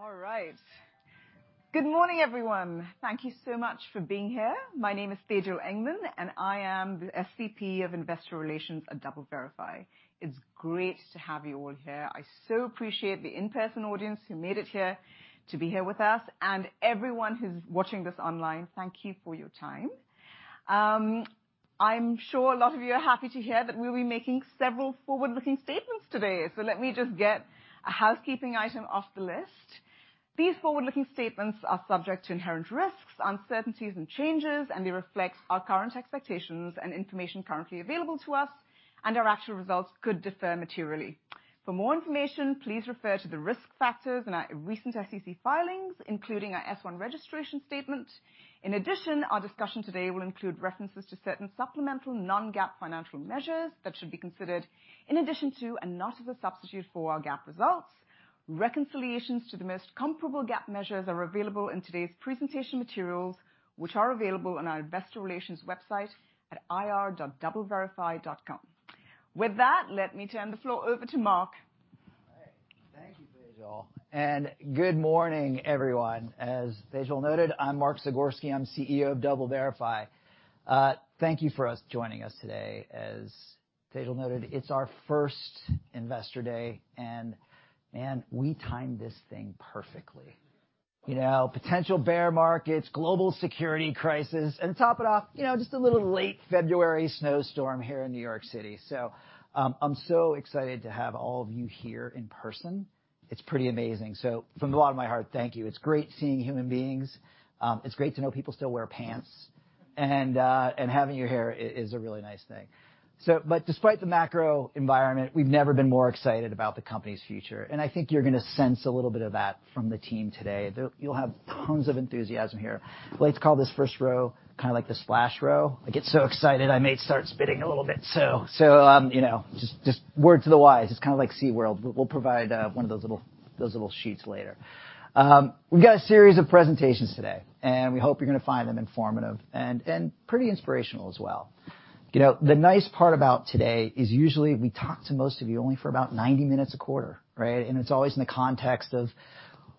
All right. Good morning, everyone. Thank you so much for being here. My name is Tejal Engman, and I am the SVP of Investor Relations at DoubleVerify. It's great to have you all here. I so appreciate the in-person audience who made it here to be here with us, and everyone who's watching this online, thank you for your time. I'm sure a lot of you are happy to hear that we'll be making several forward-looking statements today, so let me just get a housekeeping item off the list. These forward-looking statements are subject to inherent risks, uncertainties and changes, and they reflect our current expectations and information currently available to us, and our actual results could differ materially. For more information, please refer to the risk factors in our recent SEC filings, including our S-1 registration statement. In addition, our discussion today will include references to certain supplemental non-GAAP financial measures that should be considered in addition to and not as a substitute for our GAAP results. Reconciliations to the most comparable GAAP measures are available in today's presentation materials, which are available on our investor relations website at ir.doubleverify.com. With that, let me turn the floor over to Mark. All right. Thank you, Tejal. Good morning, everyone. As Tejal noted, I'm Mark Zagorski, I'm CEO of DoubleVerify. Thank you for joining us today. As Tejal noted, it's our first Investor Day, and man, we timed this thing perfectly. You know, potential bear markets, global security crisis, and to top it off, you know, just a little late February snowstorm here in New York City. I'm so excited to have all of you here in person. It's pretty amazing. From the bottom of my heart, thank you. It's great seeing human beings. It's great to know people still wear pants and having your hair is a really nice thing. But despite the macro environment, we've never been more excited about the company's future, and I think you're gonna sense a little bit of that from the team today. You'll have tons of enthusiasm here. Let's call this first row kinda like the splash row. I get so excited, I may start spitting a little bit, you know, just word to the wise. It's kinda like SeaWorld. We'll provide one of those little, those little sheets later. We've got a series of presentations today, and we hope you're gonna find them informative and pretty inspirational as well. You know, the nice part about today is usually we talk to most of you only for about 90 minutes a quarter, right? It's always in the context of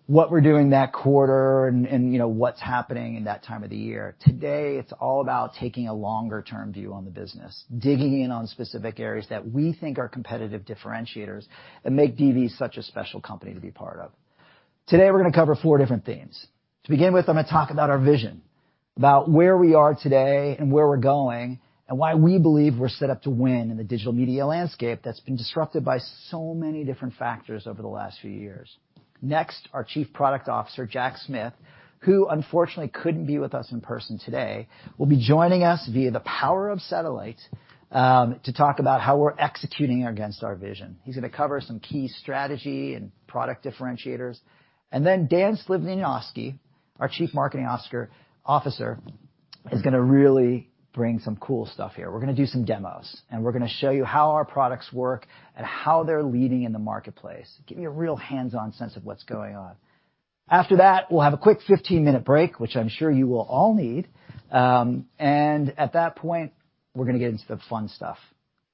what we're doing that quarter and, you know, what's happening in that time of the year. Today, it's all about taking a longer-term view on the business, digging in on specific areas that we think are competitive differentiators and make DV such a special company to be part of. Today we're gonna cover four different themes. To begin with, I'm gonna talk about our vision, about where we are today and where we're going, and why we believe we're set up to win in the digital media landscape that's been disrupted by so many different factors over the last few years. Next, our Chief Product Officer, Jack Smith, who unfortunately couldn't be with us in person today, will be joining us via the power of satellite, to talk about how we're executing against our vision. He's gonna cover some key strategy and product differentiators. Dan Slivjanovski, our Chief Marketing Officer, is gonna really bring some cool stuff here. We're gonna do some demos, and we're gonna show you how our products work and how they're leading in the marketplace, give you a real hands-on sense of what's going on. After that, we'll have a quick 15-minute break, which I'm sure you will all need. At that point, we're gonna get into the fun stuff.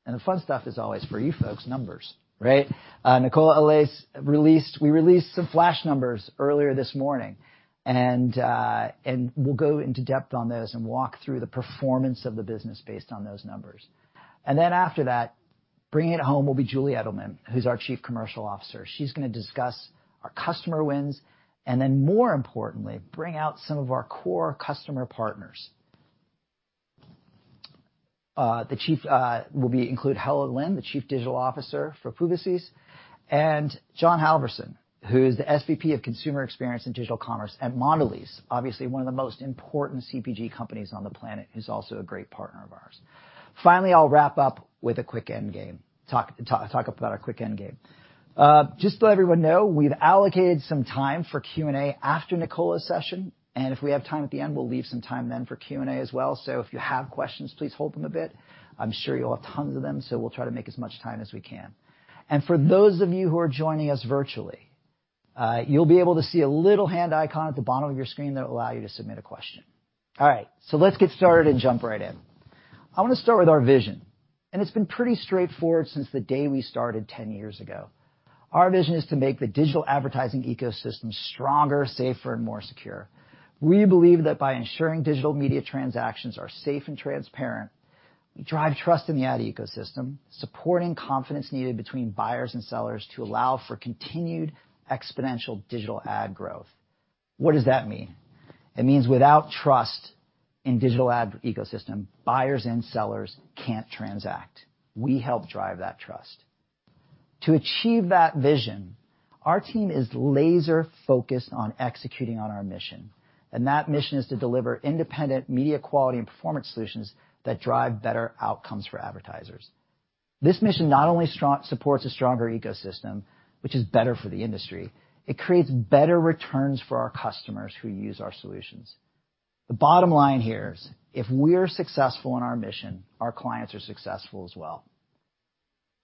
The fun stuff is always for you folks, numbers, right? Nicola Allais released some flash numbers earlier this morning, and we'll go into depth on those and walk through the performance of the business based on those numbers. Then after that, bringing it home will be Julie Eddleman, who's our Chief Commercial Officer. She's gonna discuss our customer wins, and then more importantly, bring out some of our core customer partners. The chief will include Helen Lin, the Chief Digital Officer for Publicis, and Jonathan Halvorson, who is the SVP of Consumer Experience and Digital Commerce at Mondelez, obviously one of the most important CPG companies on the planet, who's also a great partner of ours. Finally, I'll wrap up with a quick end game talk about a quick end game. Just to let everyone know, we've allocated some time for Q&A after Nicola's session, and if we have time at the end, we'll leave some time then for Q&A as well. If you have questions, please hold them a bit. I'm sure you'll have tons of them, so we'll try to make as much time as we can. For those of you who are joining us virtually, you'll be able to see a little hand icon at the bottom of your screen that will allow you to submit a question. All right, let's get started and jump right in. I wanna start with our vision, and it's been pretty straightforward since the day we started 10 years ago. Our vision is to make the digital advertising ecosystem stronger, safer, and more secure. We believe that by ensuring digital media transactions are safe and transparent, we drive trust in the ad ecosystem, supporting confidence needed between buyers and sellers to allow for continued exponential digital ad growth. What does that mean? It means without trust in digital ad ecosystem, buyers and sellers can't transact. We help drive that trust. To achieve that vision, our team is laser-focused on executing on our mission, and that mission is to deliver independent media quality and performance solutions that drive better outcomes for advertisers. This mission not only supports a stronger ecosystem, which is better for the industry, it creates better returns for our customers who use our solutions. The bottom line here is if we're successful in our mission, our clients are successful as well.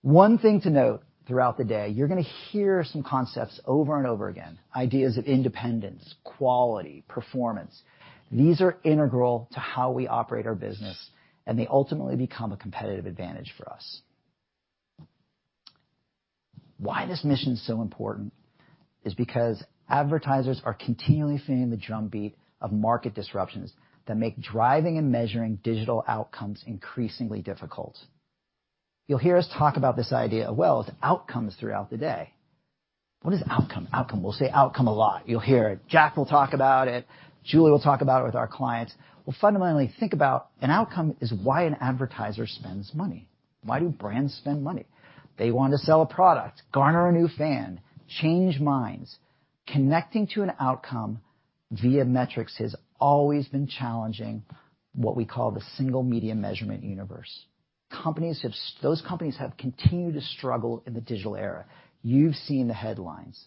One thing to note throughout the day, you're gonna hear some concepts over and over again, ideas of independence, quality, performance. These are integral to how we operate our business, and they ultimately become a competitive advantage for us. Why this mission is so important is because advertisers are continually feeling the drumbeat of market disruptions that make driving and measuring digital outcomes increasingly difficult. You'll hear us talk about this idea of, well, it's outcomes throughout the day. What is outcome? Outcome. We'll say outcome a lot. You'll hear it. Jack will talk about it. Julie will talk about it with our clients. Well, fundamentally, think about an outcome is why an advertiser spends money. Why do brands spend money? They want to sell a product, garner a new fan, change minds. Connecting to an outcome via metrics has always been challenging, what we call the single media measurement universe. Those companies have continued to struggle in the digital era. You've seen the headlines,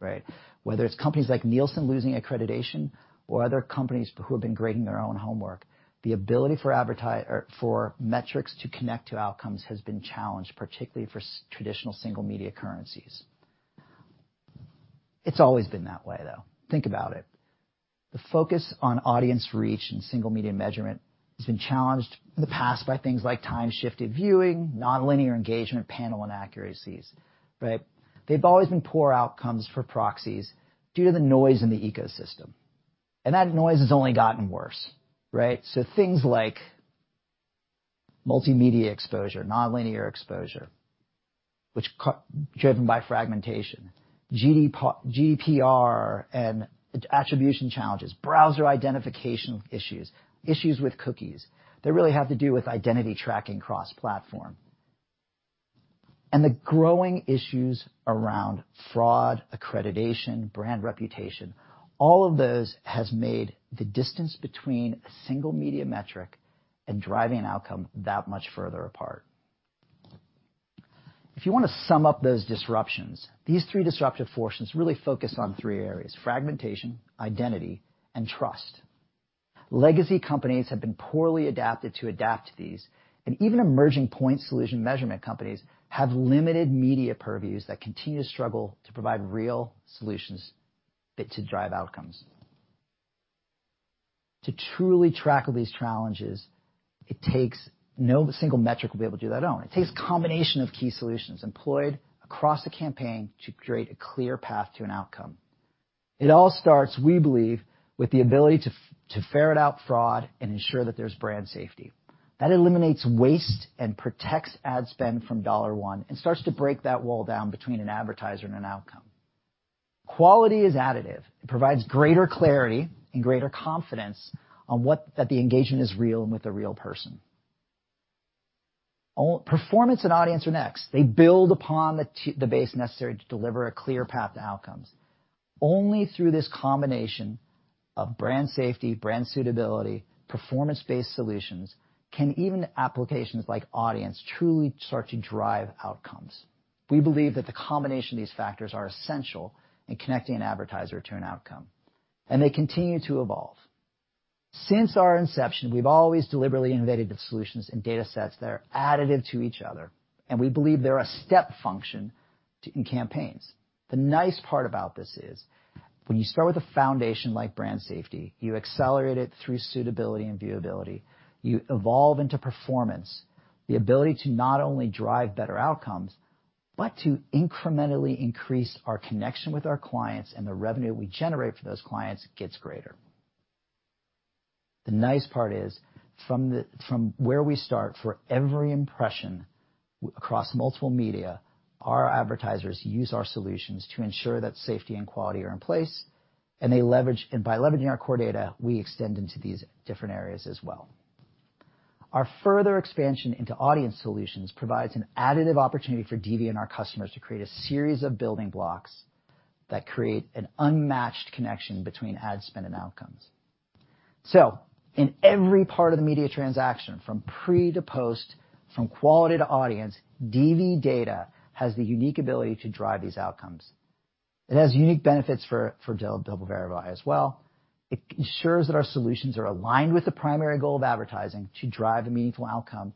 right? Whether it's companies like Nielsen losing accreditation or other companies who have been grading their own homework, the ability or for metrics to connect to outcomes has been challenged, particularly for traditional single media currencies. It's always been that way, though. Think about it. The focus on audience reach and single media measurement has been challenged in the past by things like time-shifted viewing, nonlinear engagement, panel inaccuracies, right? They've always been poor outcomes for proxies due to the noise in the ecosystem. That noise has only gotten worse, right? Things like multimedia exposure, nonlinear exposure, driven by fragmentation, GDPR and attribution challenges, browser identification issues with cookies that really have to do with identity tracking cross-platform. The growing issues around fraud, accreditation, brand reputation, all of those has made the distance between a single media metric and driving an outcome that much further apart. If you wanna sum up those disruptions, these three disruptive forces really focus on three areas, fragmentation, identity, and trust. Legacy companies have been poorly adapted to adapt to these, and even emerging point solution measurement companies have limited media purviews that continue to struggle to provide real solutions fit to drive outcomes. To truly tackle these challenges, no single metric will be able to do that on its own. It takes a combination of key solutions employed across the campaign to create a clear path to an outcome. It all starts, we believe, with the ability to ferret out fraud and ensure that there's brand safety. That eliminates waste and protects ad spend from dollar one and starts to break that wall down between an advertiser and an outcome. Quality is additive. It provides greater clarity and greater confidence that the engagement is real and with a real person. Performance and audience are next. They build upon the base necessary to deliver a clear path to outcomes. Only through this combination of brand safety, brand suitability, performance-based solutions, can even applications like Audience truly start to drive outcomes. We believe that the combination of these factors are essential in connecting an advertiser to an outcome, and they continue to evolve. Since our inception, we've always deliberately innovated the solutions and datasets that are additive to each other, and we believe they're a step function to, in campaigns. The nice part about this is when you start with a foundation like brand safety, you accelerate it through suitability and viewability, you evolve into performance, the ability to not only drive better outcomes, but to incrementally increase our connection with our clients and the revenue we generate for those clients gets greater. The nice part is from where we start, for every impression across multiple media, our advertisers use our solutions to ensure that safety and quality are in place, and they leverage and by leveraging our core data, we extend into these different areas as well. Our further expansion into audience solutions provides an additive opportunity for DV and our customers to create a series of building blocks that create an unmatched connection between ad spend and outcomes. In every part of the media transaction, from pre to post, from quality to audience, DV data has the unique ability to drive these outcomes. It has unique benefits for DoubleVerify as well. It ensures that our solutions are aligned with the primary goal of advertising to drive a meaningful outcome.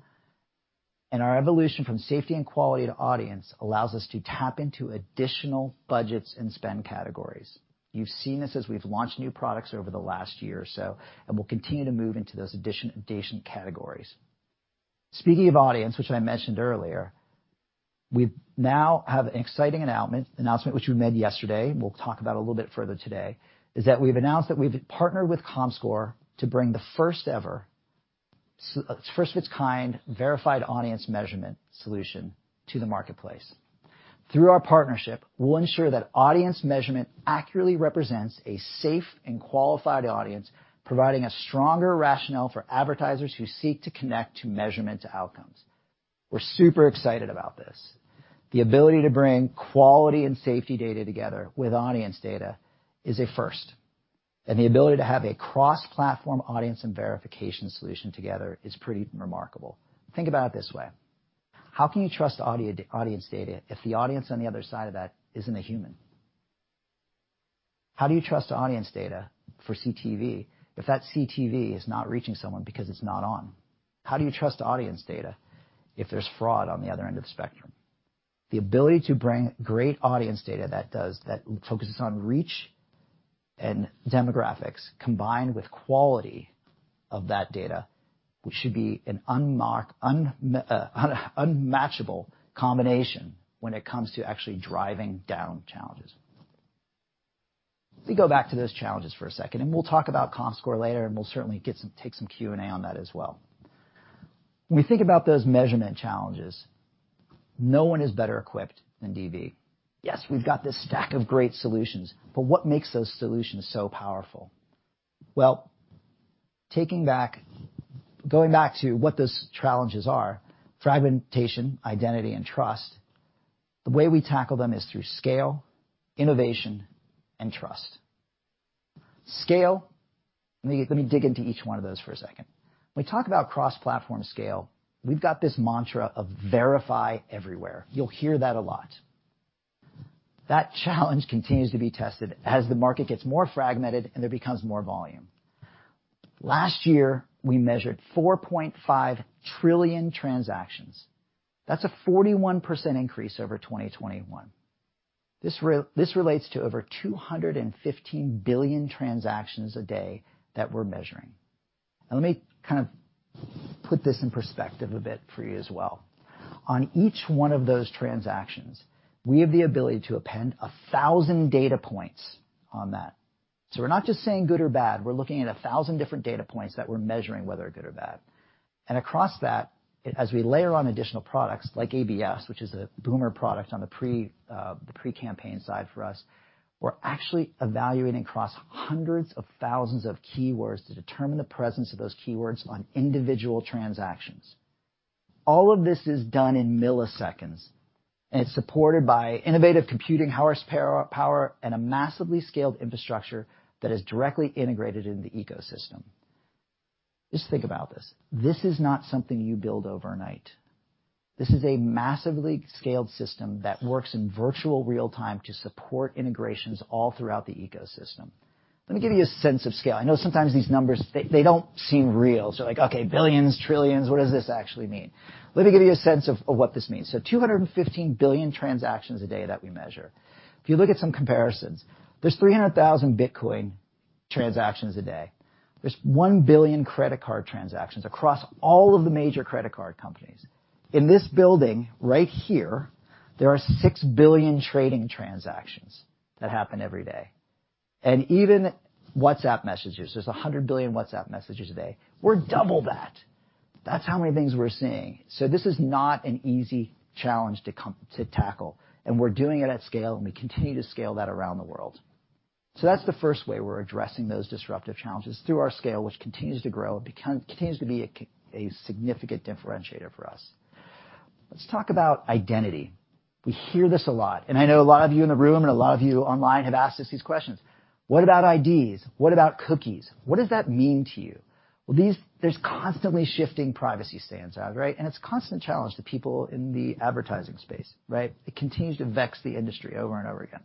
Our evolution from safety and quality to audience allows us to tap into additional budgets and spend categories. You've seen this as we've launched new products over the last year or so, and we'll continue to move into those additional categories. Speaking of audience, which I mentioned earlier, we now have an exciting announcement which we made yesterday, we'll talk about a little bit further today, is that we've announced that we've partnered with Comscore to bring the first ever first of its kind verified audience measurement solution to the marketplace. Through our partnership, we'll ensure that audience measurement accurately represents a safe and qualified audience, providing a stronger rationale for advertisers who seek to connect to measurement to outcomes. We're super excited about this. The ability to bring quality and safety data together with audience data is a first, and the ability to have a cross-platform audience and verification solution together is pretty remarkable. Think about it this way: How can you trust audience data if the audience on the other side of that isn't a human? How do you trust audience data for CTV if that CTV is not reaching someone because it's not on? How do you trust audience data if there's fraud on the other end of the spectrum? The ability to bring great audience data that focuses on reach and demographics combined with quality of that data, which should be an unmatchable combination when it comes to actually driving down challenges. Let me go back to those challenges for a second, and we'll talk about Comscore later, and we'll certainly take some Q&A on that as well. When we think about those measurement challenges, no one is better equipped than DV. Yes, we've got this stack of great solutions, but what makes those solutions so powerful? Well, going back to what those challenges are, fragmentation, identity, and trust, the way we tackle them is through scale, innovation, and trust. Scale. Let me dig into each one of those for a second. When we talk about cross-platform scale, we've got this mantra of verify everywhere. You'll hear that a lot. That challenge continues to be tested as the market gets more fragmented, and there becomes more volume. Last year, we measured 4.5 trillion transactions. That's a 41% increase over 2021. This relates to over 215 billion transactions a day that we're measuring. Now, let me kind of put this in perspective a bit for you as well. On each one of those transactions, we have the ability to append 1,000 data points on that. So we're not just saying good or bad, we're looking at 1,000 different data points that we're measuring whether good or bad. Across that, as we layer on additional products like ABS, which is a boomer product on the pre-campaign side for us, we're actually evaluating across hundreds of thousands of keywords to determine the presence of those keywords on individual transactions. All of this is done in milliseconds, and it's supported by innovative computing horsepower and a massively scaled infrastructure that is directly integrated into the ecosystem. Just think about this. This is not something you build overnight. This is a massively scaled system that works in virtually real-time to support integrations all throughout the ecosystem. Let me give you a sense of scale. I know sometimes these numbers, they don't seem real, so you're like, "Okay, billions, trillions, what does this actually mean?" Let me give you a sense of what this means. So 215 billion transactions a day that we measure. If you look at some comparisons, there's 300,000 Bitcoin transactions a day. There's 1 billion credit card transactions across all of the major credit card companies. In this building right here, there are 6 billion trading transactions that happen every day. Even WhatsApp messages, there's 100 billion WhatsApp messages a day. We're double that. That's how many things we're seeing. This is not an easy challenge to tackle, and we're doing it at scale, and we continue to scale that around the world. That's the first way we're addressing those disruptive challenges through our scale, which continues to grow and continues to be a significant differentiator for us. Let's talk about identity. We hear this a lot, and I know a lot of you in the room and a lot of you online have asked us these questions. What about IDs? What about cookies? What does that mean to you? Well, these. There's constantly shifting privacy standards, right? It's a constant challenge to people in the advertising space, right? It continues to vex the industry over and over again.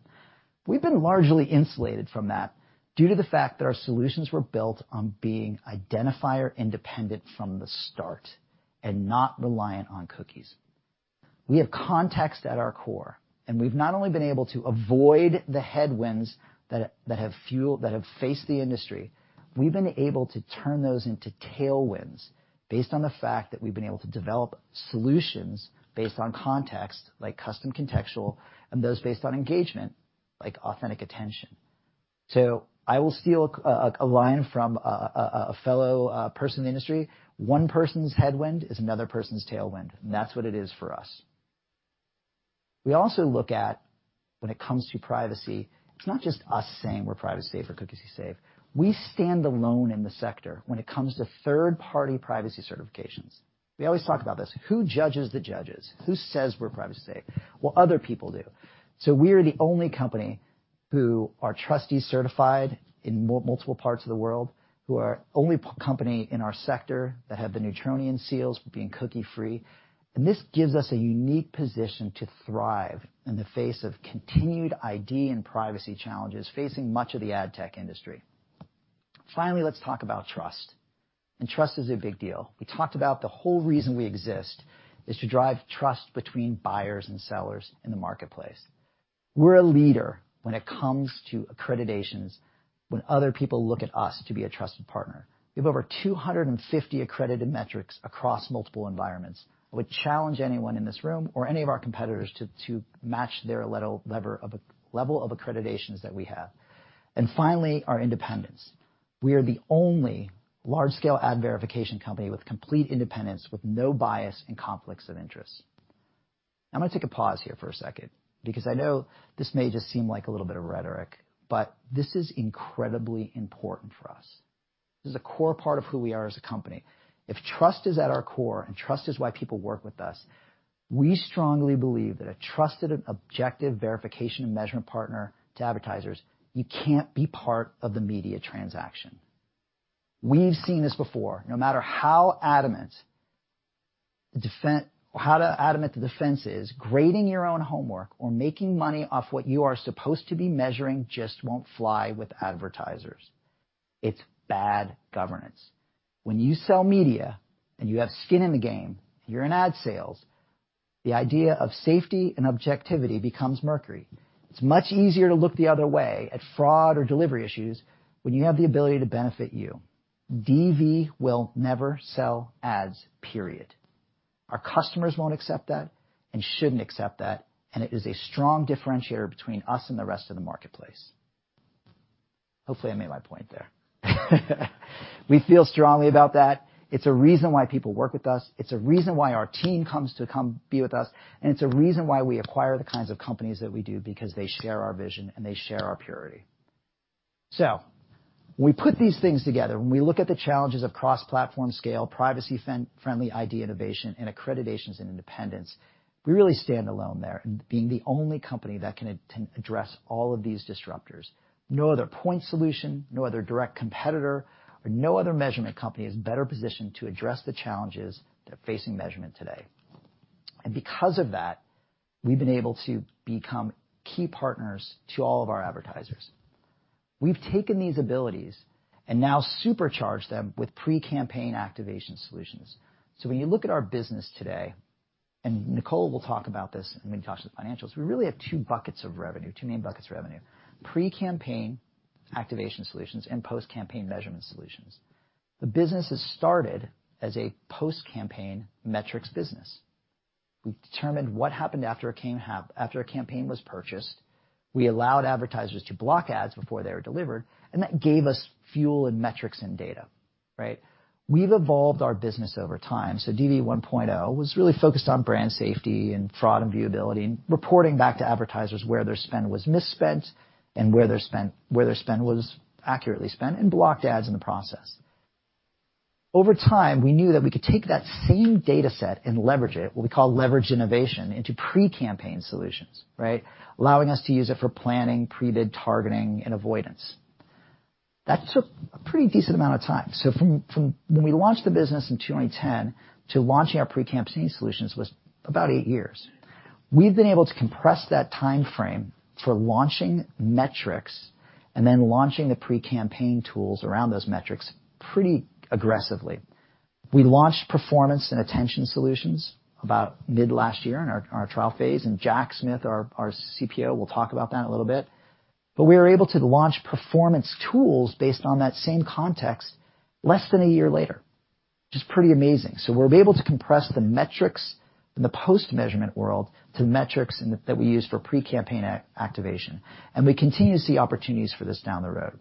We've been largely insulated from that due to the fact that our solutions were built on being identifier independent from the start and not reliant on cookies. We have context at our core, and we've not only been able to avoid the headwinds that have faced the industry, we've been able to turn those into tailwinds based on the fact that we've been able to develop solutions based on context, like Custom Contextual, and those based on engagement, like Authentic Attention. I will steal a line from a fellow person in the industry. One person's headwind is another person's tailwind, and that's what it is for us. We also look at when it comes to privacy, it's not just us saying we're privacy safe or cookie safe. We stand alone in the sector when it comes to third-party privacy certifications. We always talk about this. Who judges the judges? Who says we're privacy safe? Well, other people do. We are the only company who are TRUSTe certified in multiple parts of the world, who are the only company in our sector that have the Neutronian seals for being cookie-free. This gives us a unique position to thrive in the face of continued ID and privacy challenges facing much of the ad tech industry. Finally, let's talk about trust. Trust is a big deal. We talked about the whole reason we exist is to drive trust between buyers and sellers in the marketplace. We're a leader when it comes to accreditations when other people look at us to be a trusted partner. We have over 250 accredited metrics across multiple environments. I would challenge anyone in this room or any of our competitors to match their level of accreditations that we have. Finally, our independence. We are the only large-scale ad verification company with complete independence with no bias and conflicts of interest. I'm gonna take a pause here for a second because I know this may just seem like a little bit of rhetoric, but this is incredibly important for us. This is a core part of who we are as a company. If trust is at our core, and trust is why people work with us, we strongly believe that a trusted objective verification and measurement partner to advertisers, you can't be part of the media transaction. We've seen this before. No matter how adamant the defense is, grading your own homework or making money off what you are supposed to be measuring just won't fly with advertisers. It's bad governance. When you sell media, and you have skin in the game, you're in ad sales. The idea of safety and objectivity becomes murky. It's much easier to look the other way at fraud or delivery issues when you have the ability to benefit from it. DV will never sell ads, period. Our customers won't accept that and shouldn't accept that, and it is a strong differentiator between us and the rest of the marketplace. Hopefully, I made my point there. We feel strongly about that. It's a reason why people work with us. It's a reason why our team comes to be with us, and it's a reason why we acquire the kinds of companies that we do because they share our vision and they share our purity. We put these things together, and we look at the challenges of cross-platform scale, privacy-friendly ID innovation, and accreditations and independence. We really stand alone there in being the only company that can address all of these disruptors. No other point solution, no other direct competitor, or no other measurement company is better positioned to address the challenges that are facing measurement today. Because of that, we've been able to become key partners to all of our advertisers. We've taken these abilities and now supercharge them with pre-campaign activation solutions. When you look at our business today, and Nicola will talk about this, and when we talk to the financials, we really have two buckets of revenue, two main buckets of revenue. Pre-campaign activation solutions and post-campaign measurement solutions. The business has started as a post-campaign metrics business. We've determined what happened after a campaign was purchased, we allowed advertisers to block ads before they were delivered, and that gave us fuel and metrics and data, right? We've evolved our business over time, so DV 1.0 was really focused on brand safety and fraud and viewability and reporting back to advertisers where their spend was misspent and where their spend was accurately spent and blocked ads in the process. Over time, we knew that we could take that same dataset and leverage it, what we call leverage innovation, into pre-campaign solutions, right? Allowing us to use it for planning, pre-bid targeting, and avoidance. That took a pretty decent amount of time. From when we launched the business in 2010 to launching our pre-campaign solutions was about 8 years. We've been able to compress that timeframe for launching metrics and then launching the pre-campaign tools around those metrics pretty aggressively. We launched performance and attention solutions about mid last year in our trial phase, and Jack Smith, our CPO, will talk about that a little bit. We were able to launch performance tools based on that same context less than a year later, which is pretty amazing. We'll be able to compress the metrics in the post-measurement world to the metrics that we use for pre-campaign activation, and we continue to see opportunities for this down the road.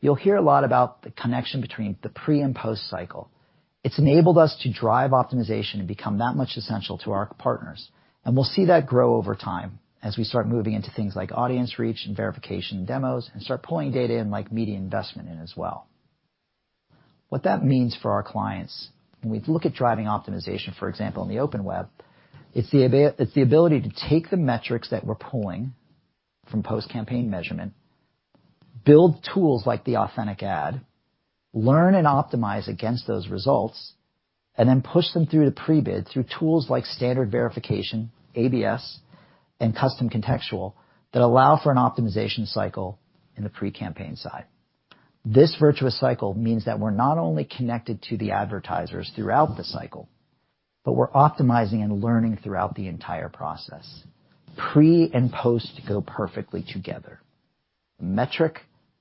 You'll hear a lot about the connection between the pre and post cycle. It's enabled us to drive optimization and become that much essential to our partners, and we'll see that grow over time as we start moving into things like audience reach and verification demos and start pulling data in like media investment in as well. What that means for our clients when we look at driving optimization, for example, in the open web, it's the ability to take the metrics that we're pulling from post-campaign measurement, build tools like the Authentic Ad, learn and optimize against those results, and then push them through to pre-bid through tools like standard verification, ABS, and Custom Contextual that allow for an optimization cycle in the pre-campaign side. This virtuous cycle means that we're not only connected to the advertisers throughout the cycle, but we're optimizing and learning throughout the entire process. Pre and post go perfectly together. Metric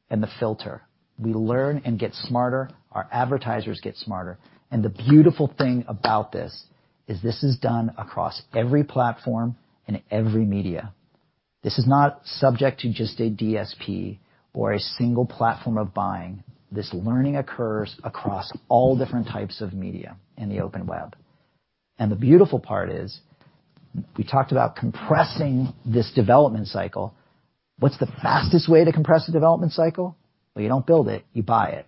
and the filter, we learn and get smarter, our advertisers get smarter, and the beautiful thing about this is this is done across every platform and every media. This is not subject to just a DSP or a single platform of buying. This learning occurs across all different types of media in the open web. The beautiful part is, we talked about compressing this development cycle. What's the fastest way to compress the development cycle? Well, you don't build it. You buy it.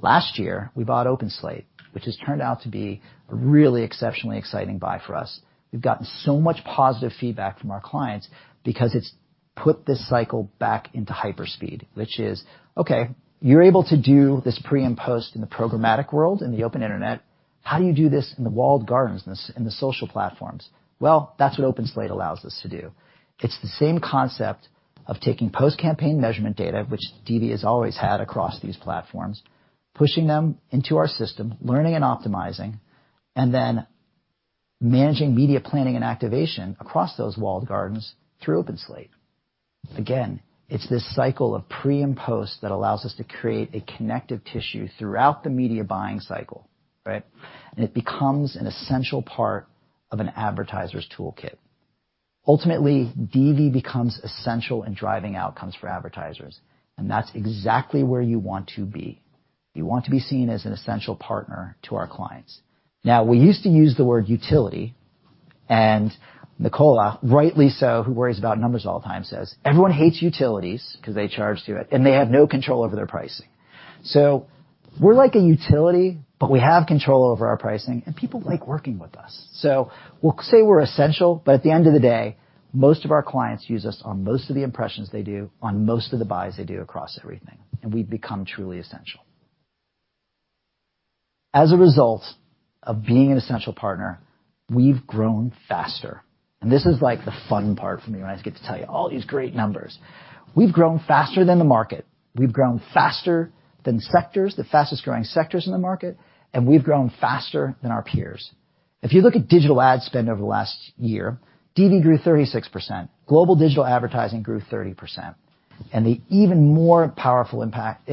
Last year, we bought OpenSlate, which has turned out to be a really exceptionally exciting buy for us. We've gotten so much positive feedback from our clients because it's put this cycle back into hyper speed, which is, okay, you're able to do this pre and post in the programmatic world, in the open Internet. How do you do this in the walled gardens in the social platforms? Well, that's what OpenSlate allows us to do. It's the same concept of taking post-campaign measurement data, which DV has always had across these platforms, pushing them into our system, learning and optimizing, and then managing media planning and activation across those walled gardens through OpenSlate. Again, it's this cycle of pre and post that allows us to create a connective tissue throughout the media buying cycle, right? It becomes an essential part of an advertiser's toolkit. Ultimately, DV becomes essential in driving outcomes for advertisers, and that's exactly where you want to be. You want to be seen as an essential partner to our clients. Now, we used to use the word utility, and Nicola, rightly so, who worries about numbers all the time, says, "Everyone hates utilities because they charge too much, and they have no control over their pricing." We're like a utility, but we have control over our pricing, and people like working with us. We'll say we're essential, but at the end of the day, most of our clients use us on most of the impressions they do, on most of the buys they do across everything, and we've become truly essential. As a result of being an essential partner, we've grown faster. This is like the fun part for me when I just get to tell you all these great numbers. We've grown faster than the market. We've grown faster than sectors, the fastest-growing sectors in the market, and we've grown faster than our peers. If you look at digital ad spend over the last year, DV grew 36%, global digital advertising grew 30%. The even more powerful impact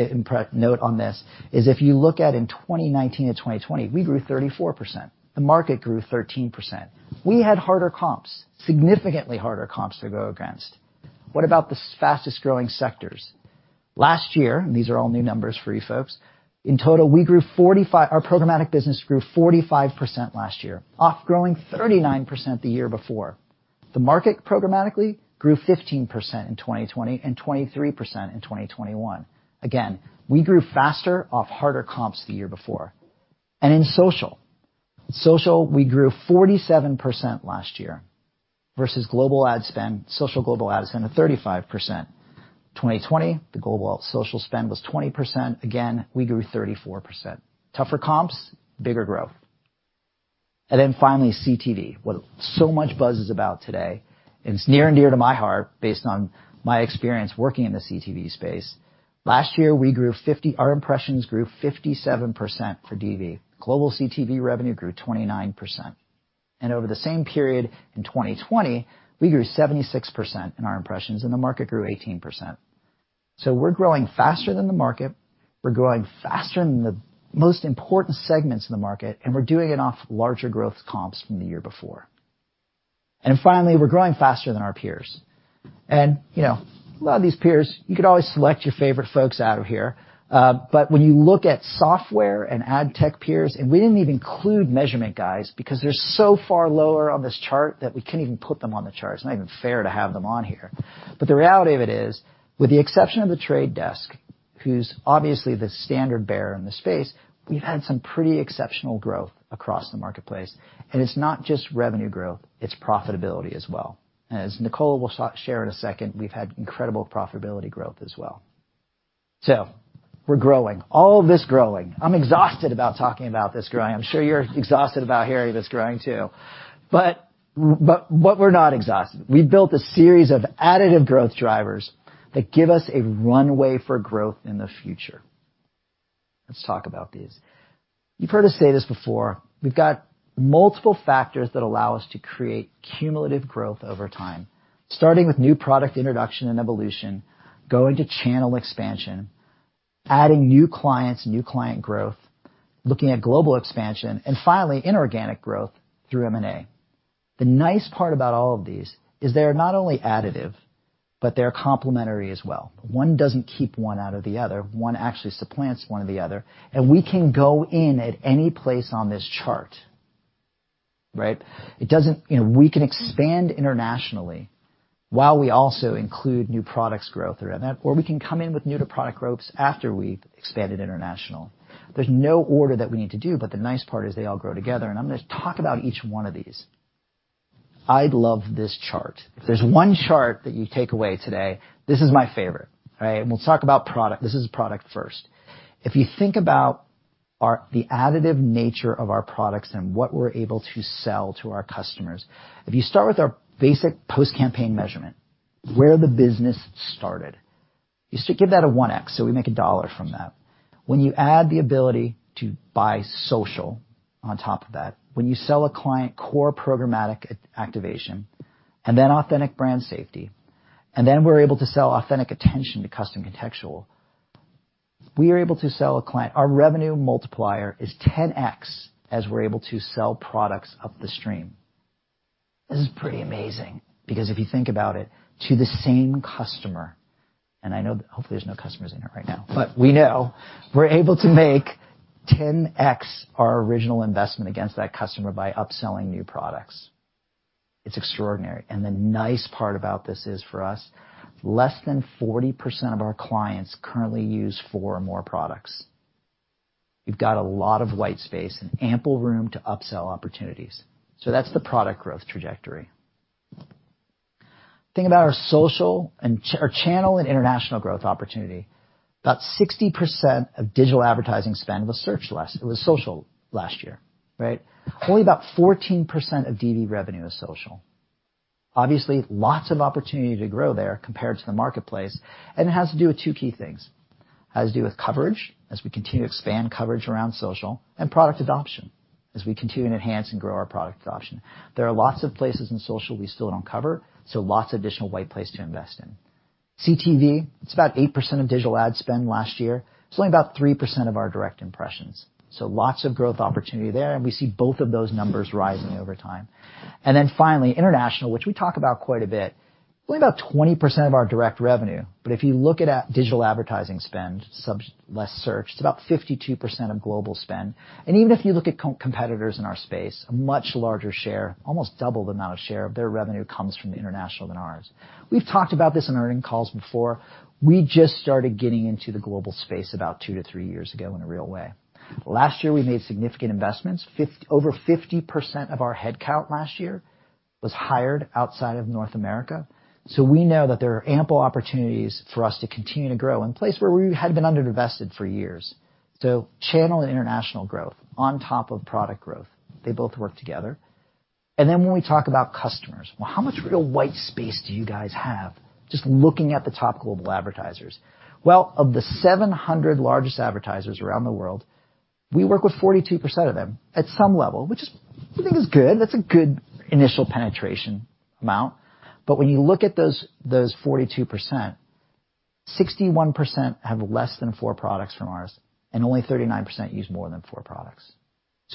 note on this is if you look at in 2019 to 2020, we grew 34%. The market grew 13%. We had harder comps, significantly harder comps to go against. What about the fastest-growing sectors? Last year, and these are all new numbers for you folks, in total, we grew 45%. Our programmatic business grew 45% last year, off growing 39% the year before. The market programmatically grew 15% in 2020 and 23% in 2021. Again, we grew faster off harder comps the year before. In social. Social, we grew 47% last year versus global ad spend. Social global ad spend of 35%. 2020, the global social spend was 20%. Again, we grew 34%. Tougher comps, bigger growth. Finally, CTV, what so much buzz is about today, and it's near and dear to my heart based on my experience working in the CTV space. Last year, our impressions grew 57% for DV. Global CTV revenue grew 29%. Over the same period in 2020, we grew 76% in our impressions, and the market grew 18%. We're growing faster than the market, we're growing faster than the most important segments in the market, and we're doing it off larger growth comps from the year before. Finally, we're growing faster than our peers. You know, a lot of these peers, you could always select your favorite folks out of here. When you look at software and ad tech peers, and we didn't even include measurement guys because they're so far lower on this chart that we can't even put them on the chart. It's not even fair to have them on here. The reality of it is, with the exception of The Trade Desk, who's obviously the standard bearer in the space, we've had some pretty exceptional growth across the marketplace. It's not just revenue growth, it's profitability as well. As Nicola will share in a second, we've had incredible profitability growth as well. We're growing. All of this growing. I'm exhausted about talking about this growing. I'm sure you're exhausted about hearing this growing too. What we're not exhausted. We've built a series of additive growth drivers that give us a runway for growth in the future. Let's talk about these. You've heard us say this before. We've got multiple factors that allow us to create cumulative growth over time, starting with new product introduction and evolution, going to channel expansion, adding new clients, new client growth, looking at global expansion, and finally, inorganic growth through M&A. The nice part about all of these is they are not only additive, but they're complementary as well. One doesn't keep one out of the other. One actually supplants one or the other. We can go in at any place on this chart, right? You know, we can expand internationally while we also include new products growth through M&A, or we can come in with new to product growths after we've expanded international. There's no order that we need to do, but the nice part is they all grow together, and I'm gonna talk about each one of these. I love this chart. If there's one chart that you take away today, this is my favorite, all right? We'll talk about product. This is product first. If you think about our additive nature of our products and what we're able to sell to our customers, if you start with our basic post-campaign measurement, where the business started, you still give that a 1x, so we make $1 from that. When you add the ability to buy social on top of that, when you sell a client core programmatic activation and then Authentic Brand Suitability, and then we're able to sell Authentic Attention to Custom Contextual, we are able to sell a client. Our revenue multiplier is 10x as we're able to sell products up the stream. This is pretty amazing because if you think about it, to the same customer, and I know. Hopefully, there's no customers in here right now, but we know we're able to make 10x our original investment against that customer by upselling new products. It's extraordinary. The nice part about this is for us, less than 40% of our clients currently use four or more products. You've got a lot of white space and ample room to upsell opportunities. That's the product growth trajectory. Think about our social and our channel and international growth opportunity. About 60% of digital advertising spend was social last year, right? Only about 14% of DV revenue is social. Obviously, lots of opportunity to grow there compared to the marketplace, and it has to do with two key things. It has to do with coverage, as we continue to expand coverage around social, and product adoption, as we continue to enhance and grow our product adoption. There are lots of places in social we still don't cover, so lots of additional white space to invest in. CTV, it's about 8% of digital ad spend last year. It's only about 3% of our direct impressions, so lots of growth opportunity there, and we see both of those numbers rising over time. Then finally, international, which we talk about quite a bit, only about 20% of our direct revenue. But if you look at it, digital advertising spend less search, it's about 52% of global spend. Even if you look at competitors in our space, a much larger share, almost double the amount of share of their revenue comes from the international than ours. We've talked about this in our earnings calls before. We just started getting into the global space about 2-3 years ago in a real way. Last year, we made significant investments. Over 50% of our headcount last year was hired outside of North America. We know that there are ample opportunities for us to continue to grow in places where we had been underinvested for years. Channel and international growth on top of product growth, they both work together. When we talk about customers, well, how much real white space do you guys have just looking at the top global advertisers? Well, of the 700 largest advertisers around the world, we work with 42% of them at some level, which is, I think, good. That's a good initial penetration amount. When you look at those 42%, 61% have less than 4 products from ours, and only 39% use more than 4 products.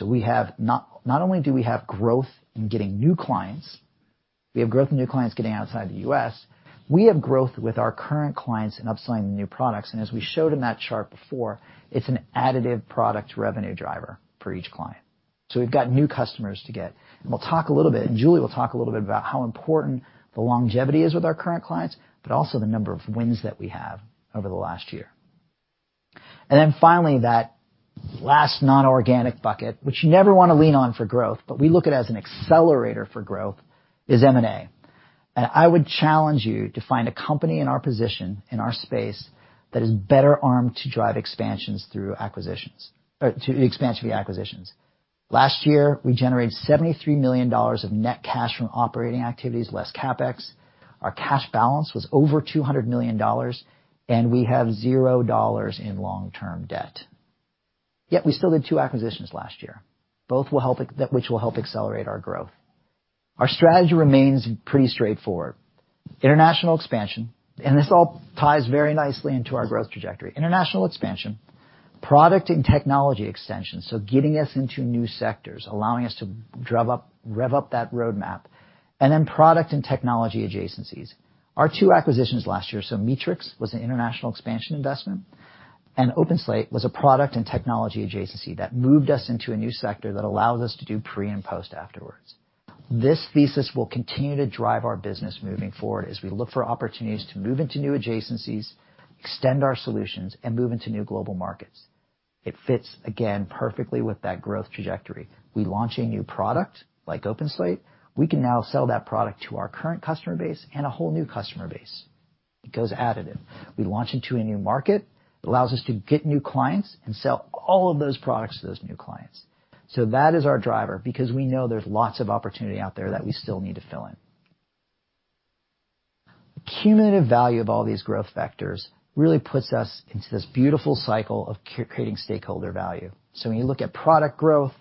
We not only have growth in getting new clients, we have growth in new clients getting outside the U.S., we have growth with our current clients in upselling the new products. As we showed in that chart before, it's an additive product revenue driver for each client. We've got new customers to get, and we'll talk a little bit, and Julie will talk a little bit about how important the longevity is with our current clients, but also the number of wins that we have over the last year. Then finally, that last non-organic bucket, which you never wanna lean on for growth, but we look at as an accelerator for growth is M&A. I would challenge you to find a company in our position, in our space that is better armed to drive expansions through acquisitions or to expansion via acquisitions. Last year, we generated $73 million of net cash from operating activities, less CapEx. Our cash balance was over $200 million, and we have $0 in long-term debt. Yet we still did two acquisitions last year. Both will help accelerate our growth. Our strategy remains pretty straightforward. International expansion, and this all ties very nicely into our growth trajectory, international expansion, product and technology extension, so getting us into new sectors, allowing us to rev up that roadmap, and then product and technology adjacencies. Our two acquisitions last year, so Meetrics was an international expansion investment, and OpenSlate was a product and technology adjacency that moved us into a new sector that allows us to do pre- and post afterwards. This thesis will continue to drive our business moving forward as we look for opportunities to move into new adjacencies, extend our solutions, and move into new global markets. It fits, again, perfectly with that growth trajectory. We launch a new product like OpenSlate, we can now sell that product to our current customer base and a whole new customer base. It goes additive. We launch into a new market. It allows us to get new clients and sell all of those products to those new clients. That is our driver because we know there's lots of opportunity out there that we still need to fill in. The cumulative value of all these growth vectors really puts us into this beautiful cycle of creating stakeholder value. When you look at product growth,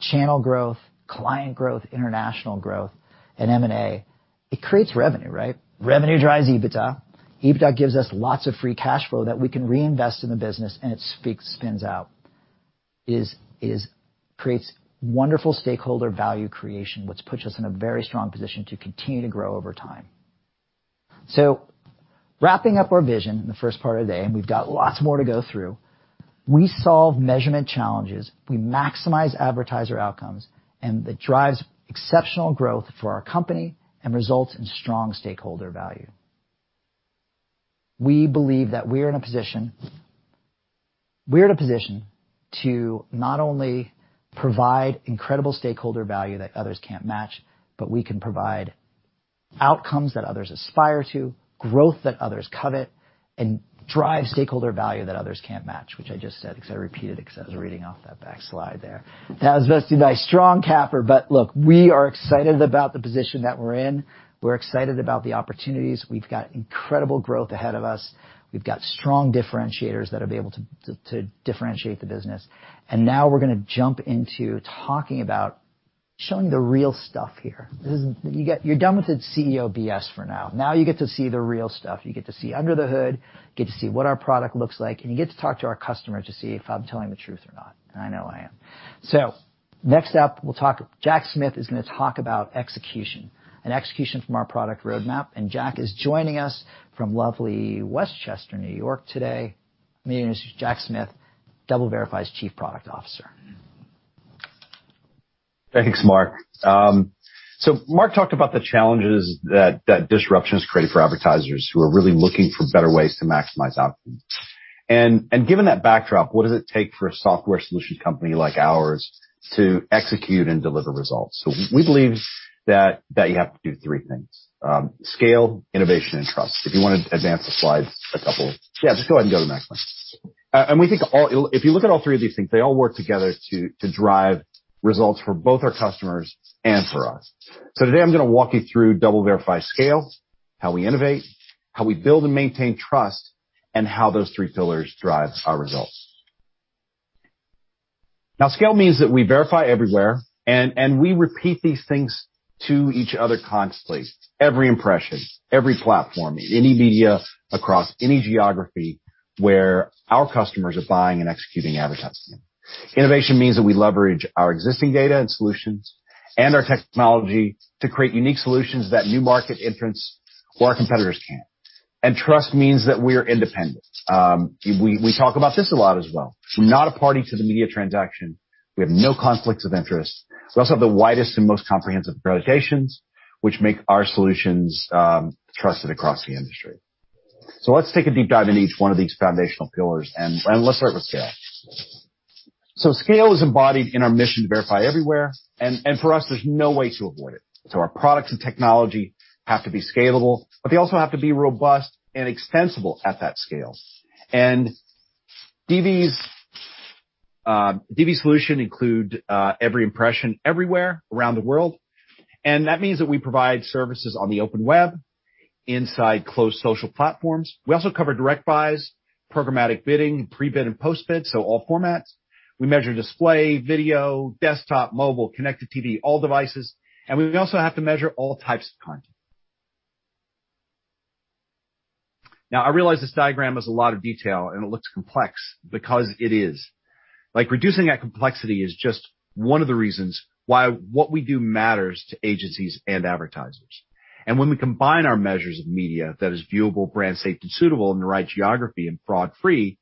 channel growth, client growth, international growth, and M&A, it creates revenue, right? Revenue drives EBITDA. EBITDA gives us lots of free cash flow that we can reinvest in the business, and it spins out. It creates wonderful stakeholder value creation, which puts us in a very strong position to continue to grow over time. Wrapping up our vision in the first part of the day, and we've got lots more to go through. We solve measurement challenges, we maximize advertiser outcomes, and that drives exceptional growth for our company and results in strong stakeholder value. We believe that we're in a position to not only provide incredible stakeholder value that others can't match, but we can provide outcomes that others aspire to, growth that others covet, and drive stakeholder value that others can't match, which I just said 'cause I repeated 'cause I was reading off that back slide there. That was vested by strong CapEx. Look, we are excited about the position that we're in. We're excited about the opportunities. We've got incredible growth ahead of us. We've got strong differentiators that'll be able to differentiate the business. Now we're gonna jump into talking about showing the real stuff here. You're done with the CEO BS for now. Now you get to see the real stuff. You get to see under the hood, you get to see what our product looks like, and you get to talk to our customers to see if I'm telling the truth or not. I know I am. Next up, we'll talk. Jack Smith is gonna talk about execution and execution from our product roadmap. Jack is joining us from lovely Westchester, New York today. Ladies and gentlemen, this is Jack Smith, DoubleVerify's Chief Product Officer. Thanks, Mark. Mark talked about the challenges that disruptions create for advertisers who are really looking for better ways to maximize outcomes. Given that backdrop, what does it take for a software solution company like ours to execute and deliver results? We believe that you have to do three things, scale, innovation, and trust. If you wanna advance the slides a couple. Yeah, just go ahead and go to the next one. If you look at all three of these things, they all work together to drive results for both our customers and for us. Today I'm gonna walk you through DoubleVerify scale, how we innovate, how we build and maintain trust, and how those three pillars drive our results. Now, scale means that we verify everywhere and we repeat these things to each other constantly. Every impression, every platform, any media across any geography where our customers are buying and executing advertising. Innovation means that we leverage our existing data and solutions and our technology to create unique solutions that new market entrants or our competitors can't. Trust means that we're independent. We talk about this a lot as well. We're not a party to the media transaction. We have no conflicts of interest. We also have the widest and most comprehensive verifications, which make our solutions trusted across the industry. Let's take a deep dive in each one of these foundational pillars and let's start with scale. Scale is embodied in our mission to verify everywhere, and for us, there's no way to avoid it. Our products and technology have to be scalable, but they also have to be robust and extensible at that scale. DV's solution include every impression everywhere around the world, and that means that we provide services on the open web, inside closed social platforms. We also cover direct buys, programmatic bidding, pre-bid and post-bid, so all formats. We measure display, video, desktop, mobile, connected TV, all devices. We also have to measure all types of content. Now, I realize this diagram is a lot of detail, and it looks complex because it is. Like, reducing that complexity is just one of the reasons why what we do matters to agencies and advertisers. When we combine our measures of media that is viewable, brand safe, and suitable in the right geography and fraud-free,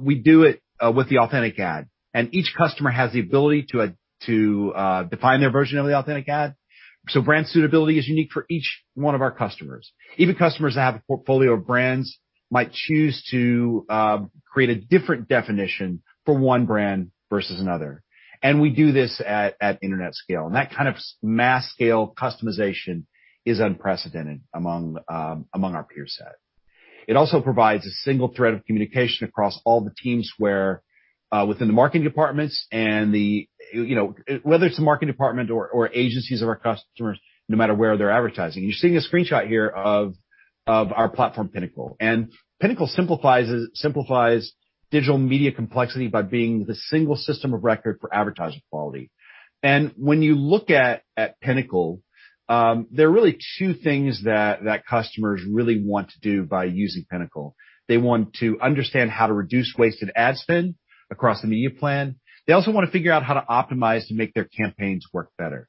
we do it with the Authentic Ad, and each customer has the ability to define their version of the Authentic Ad. Brand Suitability is unique for each one of our customers. Even customers that have a portfolio of brands might choose to create a different definition for one brand versus another. We do this at internet scale, and that kind of mass scale customization is unprecedented among our peer set. It also provides a single thread of communication across all the teams where, within the marketing departments and the, you know, whether it's the marketing department or agencies of our customers, no matter where they're advertising. You're seeing a screenshot here of our platform, Pinnacle. Pinnacle simplifies digital media complexity by being the single system of record for advertiser quality. When you look at Pinnacle, there are really two things that customers really want to do by using Pinnacle. They want to understand how to reduce wasted ad spend across the media plan. They also wanna figure out how to optimize to make their campaigns work better.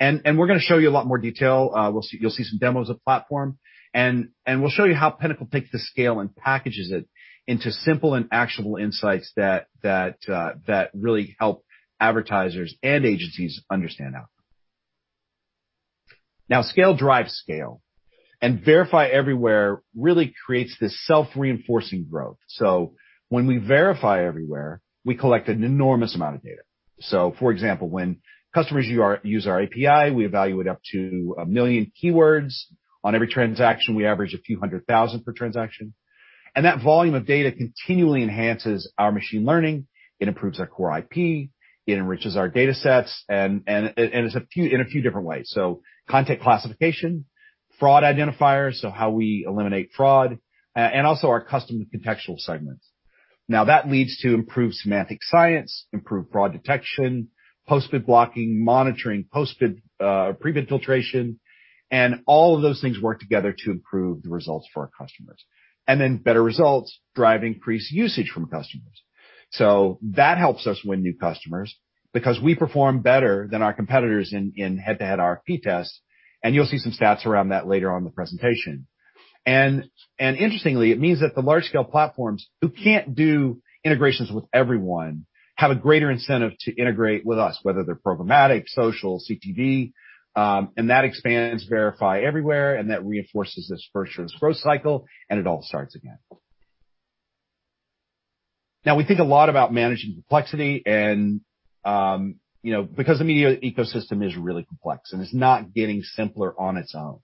We're gonna show you a lot more detail. You'll see some demos of platform, and we'll show you how Pinnacle takes the scale and packages it into simple and actionable insights that really help advertisers and agencies understand outcome. Now scale drives scale, and verify everywhere really creates this self-reinforcing growth. When we verify everywhere, we collect an enormous amount of data. For example, when customers use our API, we evaluate up to 1 million keywords. On every transaction, we average a few hundred thousand per transaction. That volume of data continually enhances our machine learning. It improves our core IP. It enriches our datasets and it is in a few different ways. Content classification, fraud identifiers, so how we eliminate fraud, and also our custom contextual segments. Now that leads to improved semantic science, improved fraud detection, post-bid blocking, monitoring, post-bid, pre-bid filtration, and all of those things work together to improve the results for our customers. Then better results drive increased usage from customers. That helps us win new customers because we perform better than our competitors in head-to-head RFP tests, and you'll see some stats around that later on in the presentation. Interestingly, it means that the large-scale platforms who can't do integrations with everyone have a greater incentive to integrate with us, whether they're programmatic, social, CTV, and that expands verify everywhere, and that reinforces this virtuous growth cycle, and it all starts again. Now we think a lot about managing complexity and, you know, because the media ecosystem is really complex, and it's not getting simpler on its own.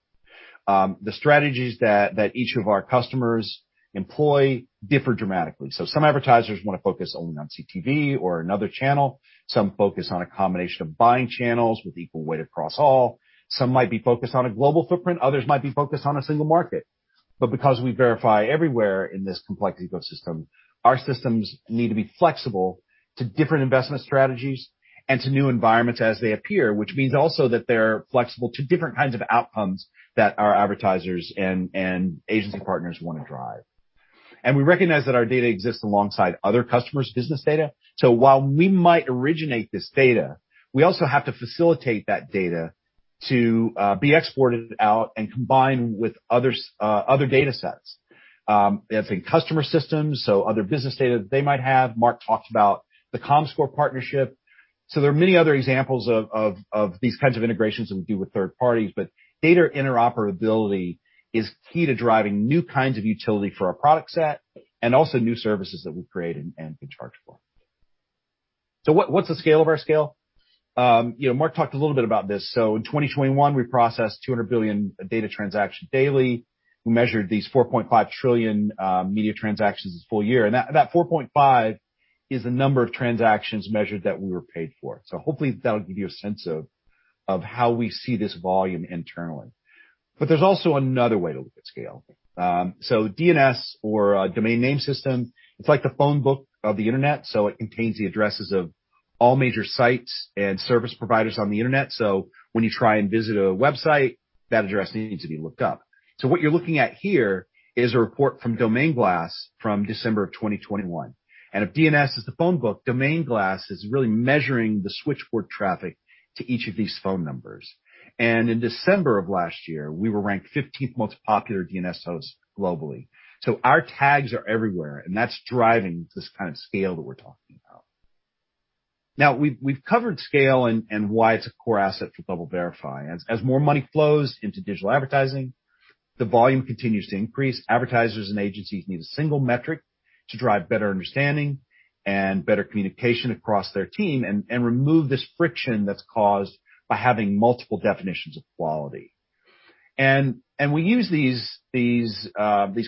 The strategies that each of our customers employ differ dramatically. Some advertisers wanna focus only on CTV or another channel. Some focus on a combination of buying channels with equal weight across all. Some might be focused on a global footprint. Others might be focused on a single market. Because we verify everywhere in this complex ecosystem, our systems need to be flexible to different investment strategies and to new environments as they appear, which means also that they're flexible to different kinds of outcomes that our advertisers and agency partners wanna drive. We recognize that our data exists alongside other customers' business data. While we might originate this data, we also have to facilitate that data to be exported out and combined with other datasets, as in customer systems, so other business data that they might have. Mark talked about the Comscore partnership. There are many other examples of these kinds of integrations that we do with third parties, but data interoperability is key to driving new kinds of utility for our product set and also new services that we create and can charge for. What's the scale of our scale? You know, Mark talked a little bit about this. In 2021, we processed 200 billion data transactions daily. We measured these 4.5 trillion media transactions this full year. That 4.5 is the number of transactions measured that we were paid for. Hopefully that'll give you a sense of how we see this volume internally. There's also another way to look at scale. DNS or domain name system, it's like the phone book of the internet, so it contains the addresses of all major sites and service providers on the internet. When you try and visit a website, that address needs to be looked up. What you're looking at here is a report from domain.glass from December 2021. If DNS is the phone book, domain.glass is really measuring the switchboard traffic to each of these phone numbers. In December of last year, we were ranked 15th most popular DNS host globally. Our tags are everywhere, and that's driving this kind of scale that we're talking about. Now we've covered scale and why it's a core asset for DoubleVerify. As more money flows into digital advertising, the volume continues to increase. Advertisers and agencies need a single metric to drive better understanding and better communication across their team and remove this friction that's caused by having multiple definitions of quality. We use these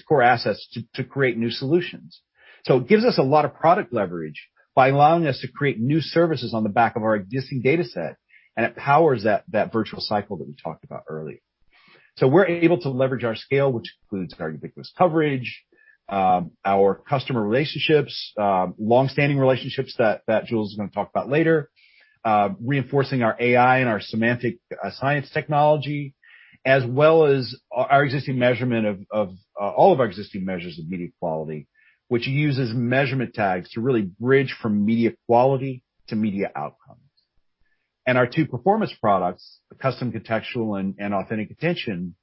core assets to create new solutions. It gives us a lot of product leverage by allowing us to create new services on the back of our existing data set, and it powers that virtuous cycle that we talked about earlier. We're able to leverage our scale, which includes our ubiquitous coverage, our customer relationships, long-standing relationships that Jules is gonna talk about later, reinforcing our AI and our semantic science technology, as well as our existing measurement of all of our existing measures of media quality, which uses measurement tags to really bridge from media quality to media outcomes. Our two performance products, Custom Contextual and Authentic Attention,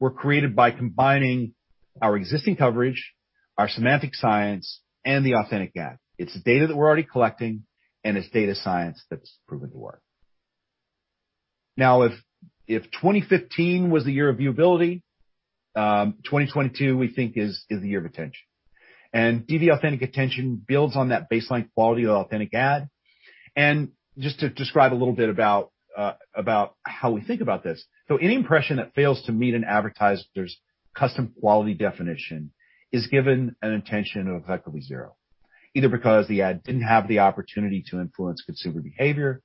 were created by combining our existing coverage, our semantic science, and the Authentic Ad. It's the data that we're already collecting, and it's data science that's proven to work. Now if 2015 was the year of viewability, 2022, we think, is the year of attention. DV Authentic Attention builds on that baseline quality of Authentic Ad. Just to describe a little bit about how we think about this. So any impression that fails to meet an advertiser's custom quality definition is given an attention of effectively zero, either because the ad didn't have the opportunity to influence consumer behavior,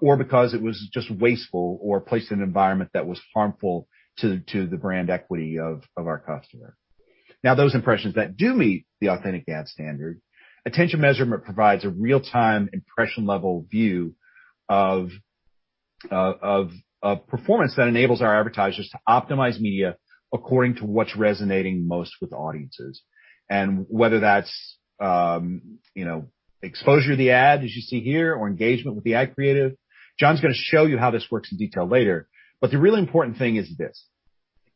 or because it was just wasteful or placed in an environment that was harmful to the brand equity of our customer. Now, those impressions that do meet the Authentic Ad standard, attention measurement provides a real-time impression-level view of performance that enables our advertisers to optimize media according to what's resonating most with audiences. Whether that's, you know, exposure to the ad, as you see here, or engagement with the ad creative, Jon's gonna show you how this works in detail later. The really important thing is this.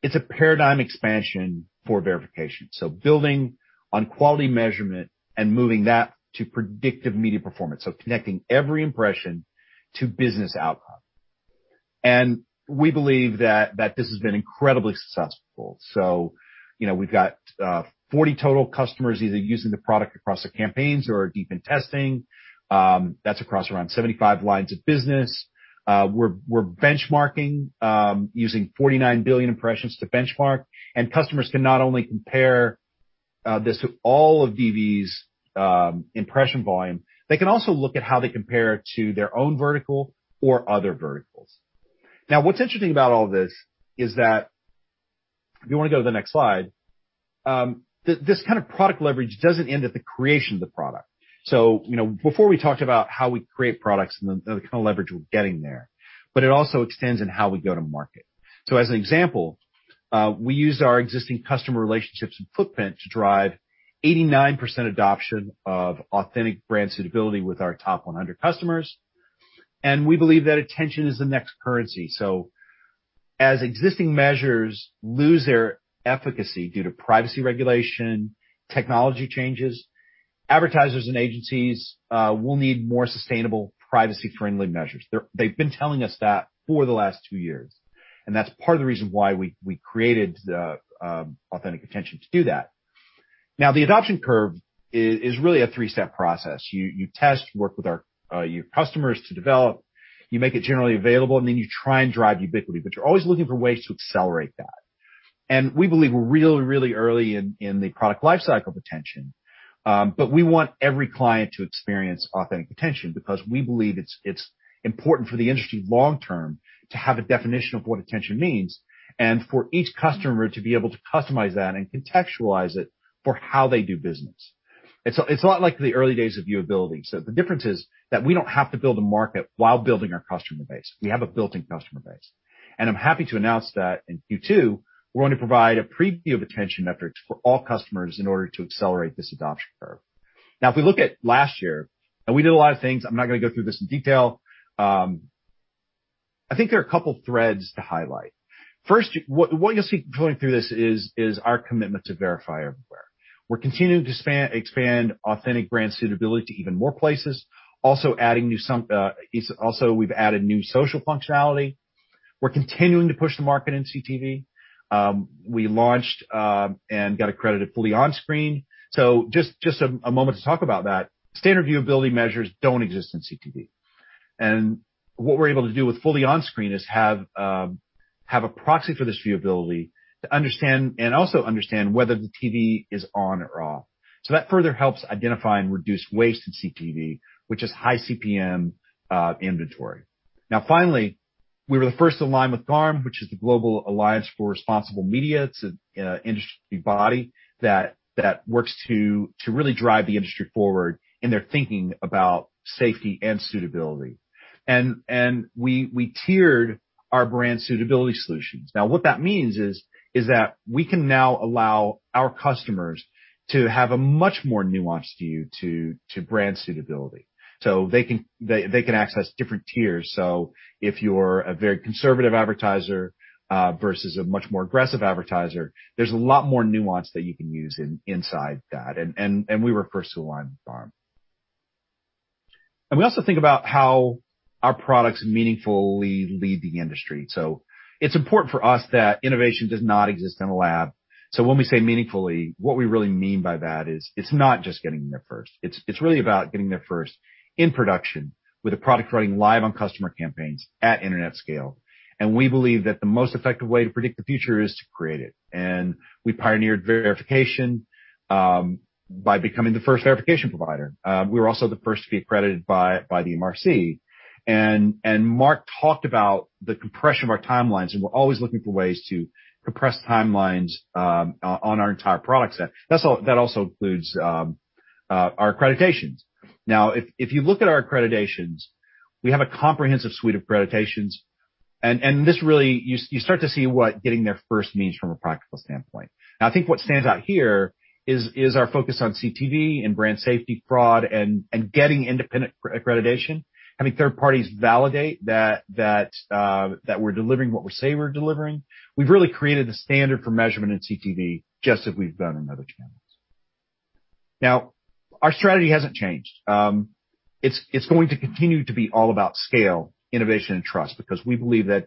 It's a paradigm expansion for verification. Building on quality measurement and moving that to predictive media performance, so connecting every impression to business outcome. We believe that this has been incredibly successful. You know, we've got 40 total customers either using the product across their campaigns or are deep in testing. That's across around 75 lines of business. We're benchmarking using 49 billion impressions to benchmark, and customers can not only compare this to all of DV's impression volume, they can also look at how they compare it to their own vertical or other verticals. Now, what's interesting about all of this is that if you wanna go to the next slide. This kind of product leverage doesn't end at the creation of the product. You know, before we talked about how we create products and the kind of leverage we're getting there, but it also extends in how we go to market. As an example, we used our existing customer relationships and footprint to drive 89% adoption of Authentic Brand Suitability with our top 100 customers, and we believe that attention is the next currency. As existing measures lose their efficacy due to privacy regulation, technology changes, advertisers and agencies will need more sustainable privacy-friendly measures. They've been telling us that for the last two years, and that's part of the reason why we created the Authentic Attention to do that. Now, the adoption curve is really a three-step process. You test, you work with your customers to develop, you make it generally available, and then you try and drive ubiquity, but you're always looking for ways to accelerate that. We believe we're really early in the product life cycle of attention, but we want every client to experience Authentic Attention because we believe it's important for the industry long term to have a definition of what attention means and for each customer to be able to customize that and contextualize it for how they do business. It's a lot like the early days of viewability. The difference is that we don't have to build a market while building our customer base. We have a built-in customer base. I'm happy to announce that in Q2, we're going to provide a preview of attention metrics for all customers in order to accelerate this adoption curve. Now if we look at last year, and we did a lot of things, I'm not gonna go through this in detail, I think there are a couple threads to highlight. First, what you'll see going through this is our commitment to Verify Everywhere. We're continuing to expand Authentic Brand Suitability to even more places, also adding new some, also we've added new social functionality. We're continuing to push the market in CTV. We launched and got accredited Fully On-Screen. Just a moment to talk about that. Standard viewability measures don't exist in CTV. What we're able to do with Fully On-Screen is have a proxy for this viewability to understand and also understand whether the TV is on or off. That further helps identify and reduce waste in CTV, which is high CPM inventory. Now finally, we were the first to align with GARM, which is the Global Alliance for Responsible Media. It's an industry body that works to really drive the industry forward in their thinking about safety and suitability. We tiered our brand suitability solutions. Now what that means is that we can now allow our customers to have a much more nuanced view to brand suitability. They can access different tiers. If you're a very conservative advertiser versus a much more aggressive advertiser, there's a lot more nuance that you can use inside that. We were first to align with GARM. We also think about how our products meaningfully lead the industry. It's important for us that innovation does not exist in a lab. When we say meaningfully, what we really mean by that is it's not just getting there first. It's really about getting there first in production with a product running live on customer campaigns at internet scale. We believe that the most effective way to predict the future is to create it. We pioneered verification by becoming the first verification provider. We were also the first to be accredited by the MRC. Mark talked about the compression of our timelines, and we're always looking for ways to compress timelines on our entire product set. That also includes our accreditations. If you look at our accreditations, we have a comprehensive suite of accreditations, and this really... You start to see what getting there first means from a practical standpoint. Now, I think what stands out here is our focus on CTV and brand safety, fraud and getting independent accreditation, having third parties validate that we're delivering what we say we're delivering. We've really created the standard for measurement in CTV, just as we've done in other channels. Now, our strategy hasn't changed. It's going to continue to be all about scale, innovation and trust, because we believe that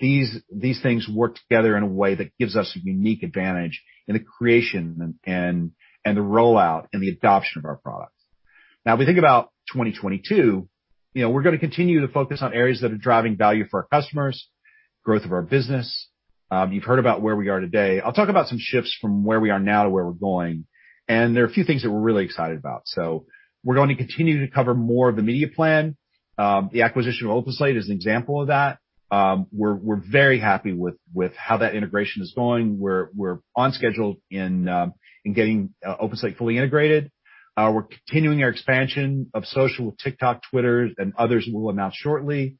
these things work together in a way that gives us a unique advantage in the creation and the rollout and the adoption of our products. Now, if we think about 2022, you know, we're gonna continue to focus on areas that are driving value for our customers, growth of our business. You've heard about where we are today. I'll talk about some shifts from where we are now to where we're going, and there are a few things that we're really excited about. We're going to continue to cover more of the media plan. The acquisition of OpenSlate is an example of that. We're very happy with how that integration is going. We're on schedule in getting OpenSlate fully integrated. We're continuing our expansion of social with TikTok, Twitter, and others we will announce shortly.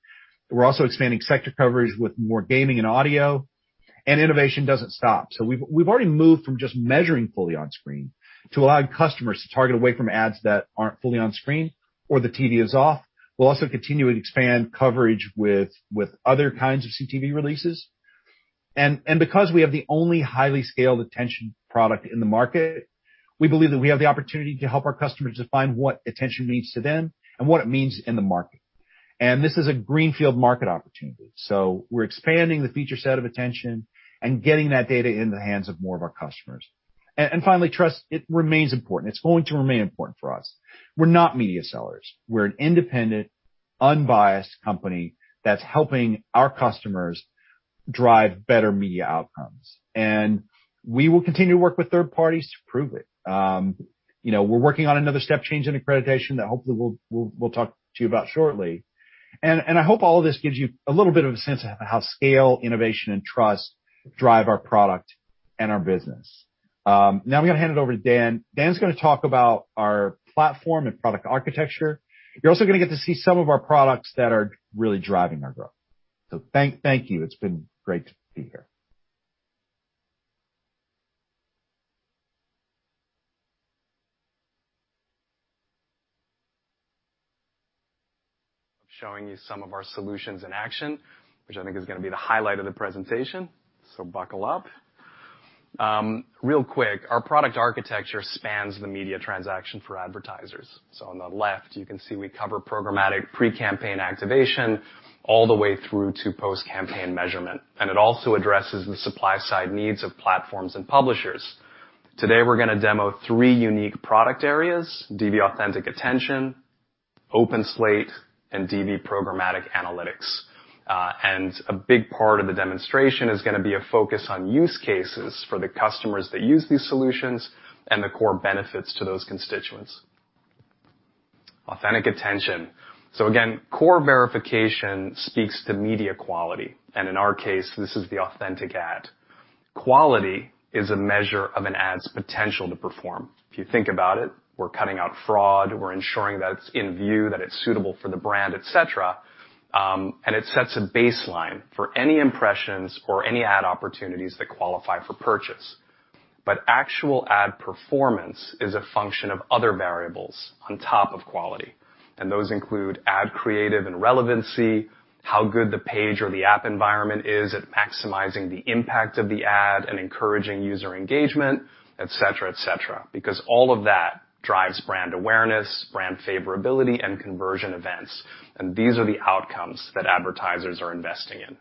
We're also expanding sector coverage with more gaming and audio. Innovation doesn't stop. We've already moved from just measuring Fully On-Screen to allowing customers to target away from ads that aren't Fully On-Screen or the TV is off. We'll also continue to expand coverage with other kinds of CTV releases. Because we have the only highly scaled attention product in the market, we believe that we have the opportunity to help our customers define what attention means to them and what it means in the market. This is a greenfield market opportunity. We're expanding the feature set of attention and getting that data in the hands of more of our customers. Finally, trust, it remains important. It's going to remain important for us. We're not media sellers. We're an independent, unbiased company that's helping our customers drive better media outcomes, and we will continue to work with third parties to prove it. You know, we're working on another step change in accreditation that hopefully we'll talk to you about shortly. I hope all of this gives you a little bit of a sense of how scale, innovation, and trust drive our product and our business. Now I'm gonna hand it over to Dan. Dan's gonna talk about our platform and product architecture. You're also gonna get to see some of our products that are really driving our growth. Thank you. It's been great to be here. Showing you some of our solutions in action, which I think is gonna be the highlight of the presentation, so buckle up. Real quick, our product architecture spans the media transaction for advertisers. On the left, you can see we cover programmatic pre-campaign activation all the way through to post-campaign measurement. It also addresses the supply-side needs of platforms and publishers. Today, we're gonna demo three unique product areas: DV Authentic Attention, OpenSlate, and DV Programmatic Analytics. A big part of the demonstration is gonna be a focus on use cases for the customers that use these solutions and the core benefits to those constituents. Authentic Attention. Again, core verification speaks to media quality, and in our case, this is the Authentic Ad. Quality is a measure of an ad's potential to perform. If you think about it, we're cutting out fraud, we're ensuring that it's in view, that it's suitable for the brand, et cetera, and it sets a baseline for any impressions or any ad opportunities that qualify for purchase. Actual ad performance is a function of other variables on top of quality, and those include ad creative and relevancy, how good the page or the app environment is at maximizing the impact of the ad and encouraging user engagement, et cetera, et cetera. Because all of that drives brand awareness, brand favorability, and conversion events. These are the outcomes that advertisers are investing in.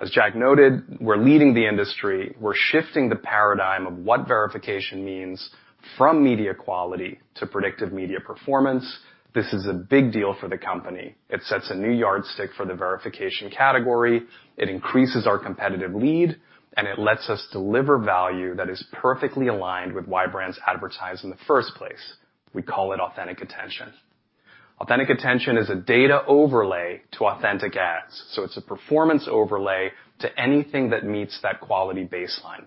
As Jack noted, we're leading the industry. We're shifting the paradigm of what verification means from media quality to predictive media performance. This is a big deal for the company. It sets a new yardstick for the verification category, it increases our competitive lead, and it lets us deliver value that is perfectly aligned with why brands advertise in the first place. We call it Authentic Attention. Authentic Attention is a data overlay to Authentic Ad, so it's a performance overlay to anything that meets that quality baseline.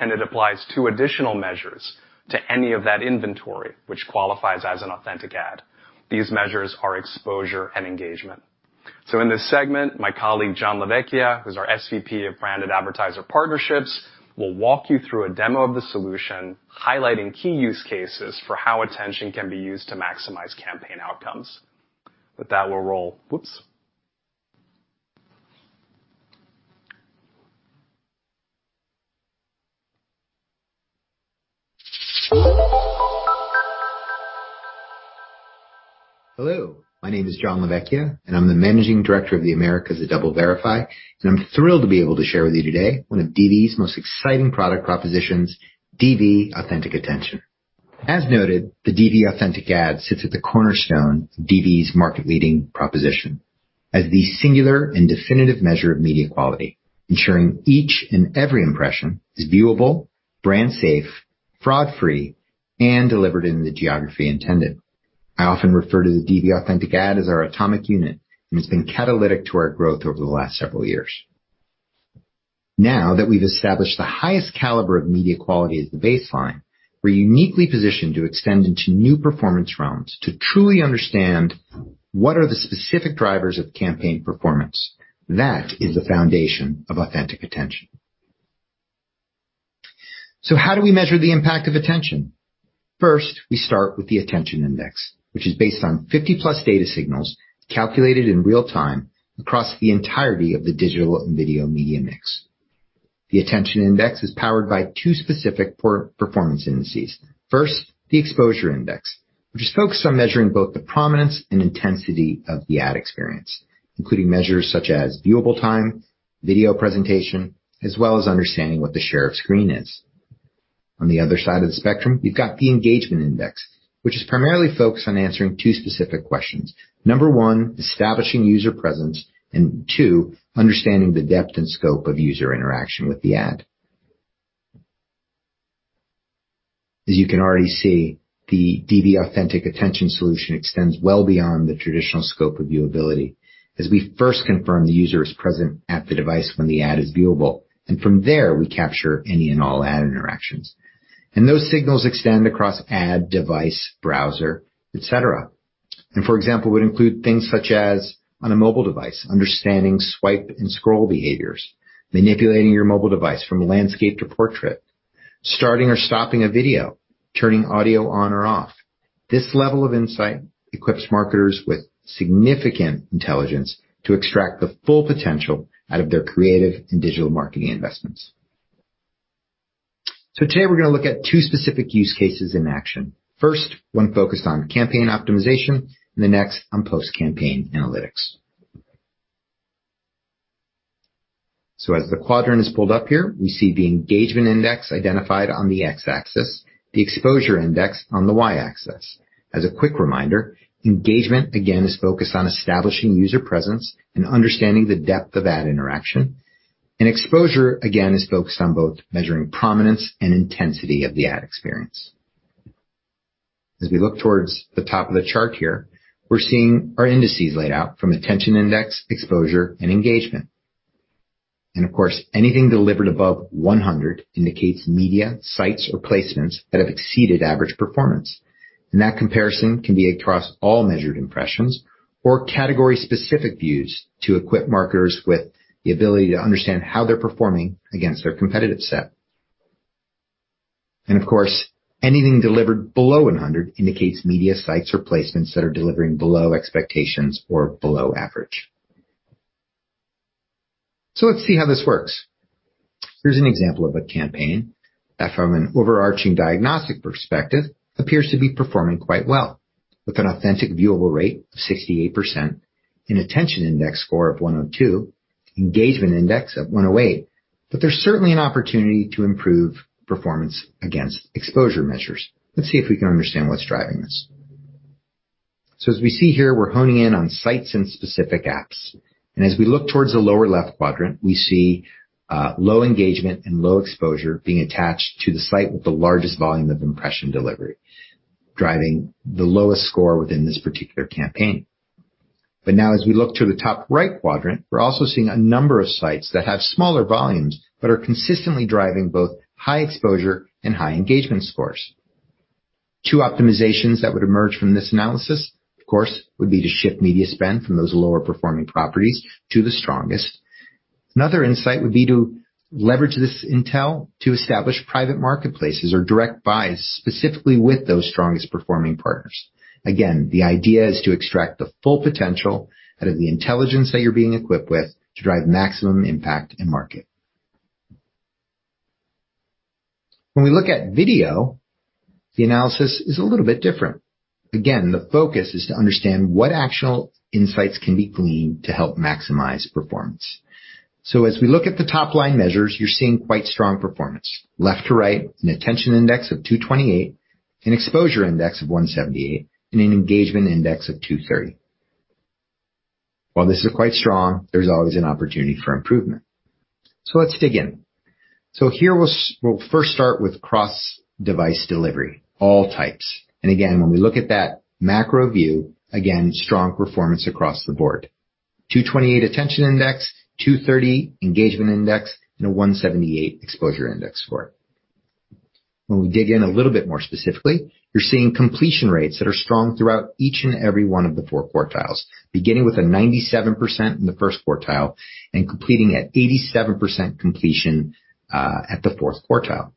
It applies two additional measures to any of that inventory which qualifies as an Authentic Ad. These measures are exposure and engagement. In this segment, my colleague, Gian LaVecchia, who's our SVP of Branded Advertiser Partnerships, will walk you through a demo of the solution, highlighting key use cases for how attention can be used to maximize campaign outcomes. With that, we'll roll. Whoops. Hello, my name is Gian LaVecchia, and I'm the Managing Director of the Americas at DoubleVerify, and I'm thrilled to be able to share with you today one of DV's most exciting product propositions, DV Authentic Attention. As noted, the DV Authentic Ad sits at the cornerstone of DV's market-leading proposition as the singular and definitive measure of media quality, ensuring each and every impression is viewable, brand safe, fraud free, and delivered in the geography intended. I often refer to the DV Authentic Ad as our atomic unit, and it's been catalytic to our growth over the last several years. Now that we've established the highest caliber of media quality as the baseline, we're uniquely positioned to extend into new performance realms to truly understand what are the specific drivers of campaign performance. That is the foundation of authentic attention. How do we measure the impact of attention? First, we start with the attention index, which is based on 50+ data signals calculated in real time across the entirety of the digital and video media mix. The attention index is powered by two specific performance indices. First, the exposure index, which is focused on measuring both the prominence and intensity of the ad experience, including measures such as viewable time, video presentation, as well as understanding what the share of screen is. On the other side of the spectrum, we've got the engagement index, which is primarily focused on answering two specific questions. Number one, establishing user presence, and two, understanding the depth and scope of user interaction with the ad. As you can already see, the DV Authentic Attention solution extends well beyond the traditional scope of viewability, as we first confirm the user is present at the device when the ad is viewable, and from there, we capture any and all ad interactions. Those signals extend across ad, device, browser, et cetera. For example, would include things such as on a mobile device, understanding swipe and scroll behaviors, manipulating your mobile device from landscape to portrait, starting or stopping a video, turning audio on or off. This level of insight equips marketers with significant intelligence to extract the full potential out of their creative and digital marketing investments. Today we're gonna look at two specific use cases in action. First, one focused on campaign optimization, and the next on post-campaign analytics. As the quadrant is pulled up here, we see the engagement index identified on the x-axis, the exposure index on the y-axis. As a quick reminder, engagement again is focused on establishing user presence and understanding the depth of ad interaction. Exposure, again, is focused on both measuring prominence and intensity of the ad experience. As we look towards the top of the chart here, we're seeing our indices laid out from attention index, exposure, and engagement. Of course, anything delivered above 100 indicates media, sites, or placements that have exceeded average performance. That comparison can be across all measured impressions or category-specific views to equip marketers with the ability to understand how they're performing against their competitive set. Of course, anything delivered below 100 indicates media, sites, or placements that are delivering below expectations or below average. Let's see how this works. Here's an example of a campaign that from an overarching diagnostic perspective appears to be performing quite well, with an authentic viewable rate of 68%, an attention index score of 102, engagement index of 108. There's certainly an opportunity to improve performance against exposure measures. Let's see if we can understand what's driving this. As we see here, we're honing in on sites and specific apps, and as we look towards the lower left quadrant, we see low engagement and low exposure being attached to the site with the largest volume of impression delivery, driving the lowest score within this particular campaign. Now as we look to the top right quadrant, we're also seeing a number of sites that have smaller volumes but are consistently driving both high exposure and high engagement scores. Two optimizations that would emerge from this analysis, of course, would be to shift media spend from those lower-performing properties to the strongest. Another insight would be to leverage this intel to establish private marketplaces or direct buys specifically with those strongest-performing partners. Again, the idea is to extract the full potential out of the intelligence that you're being equipped with to drive maximum impact in market. When we look at video, the analysis is a little bit different. Again, the focus is to understand what actionable insights can be gleaned to help maximize performance. As we look at the top-line measures, you're seeing quite strong performance. Left to right, an attention index of 228, an exposure index of 178, and an engagement index of 230. While this is quite strong, there's always an opportunity for improvement. Let's dig in. Here we'll first start with cross-device delivery, all types. Again, when we look at that macro view, again, strong performance across the board. 228 attention index, 230 engagement index, and a 178 exposure index score. When we dig in a little bit more specifically, you're seeing completion rates that are strong throughout each and every one of the 4 quartiles, beginning with a 97% in the first quartile and completing at 87% completion at the fourth quartile.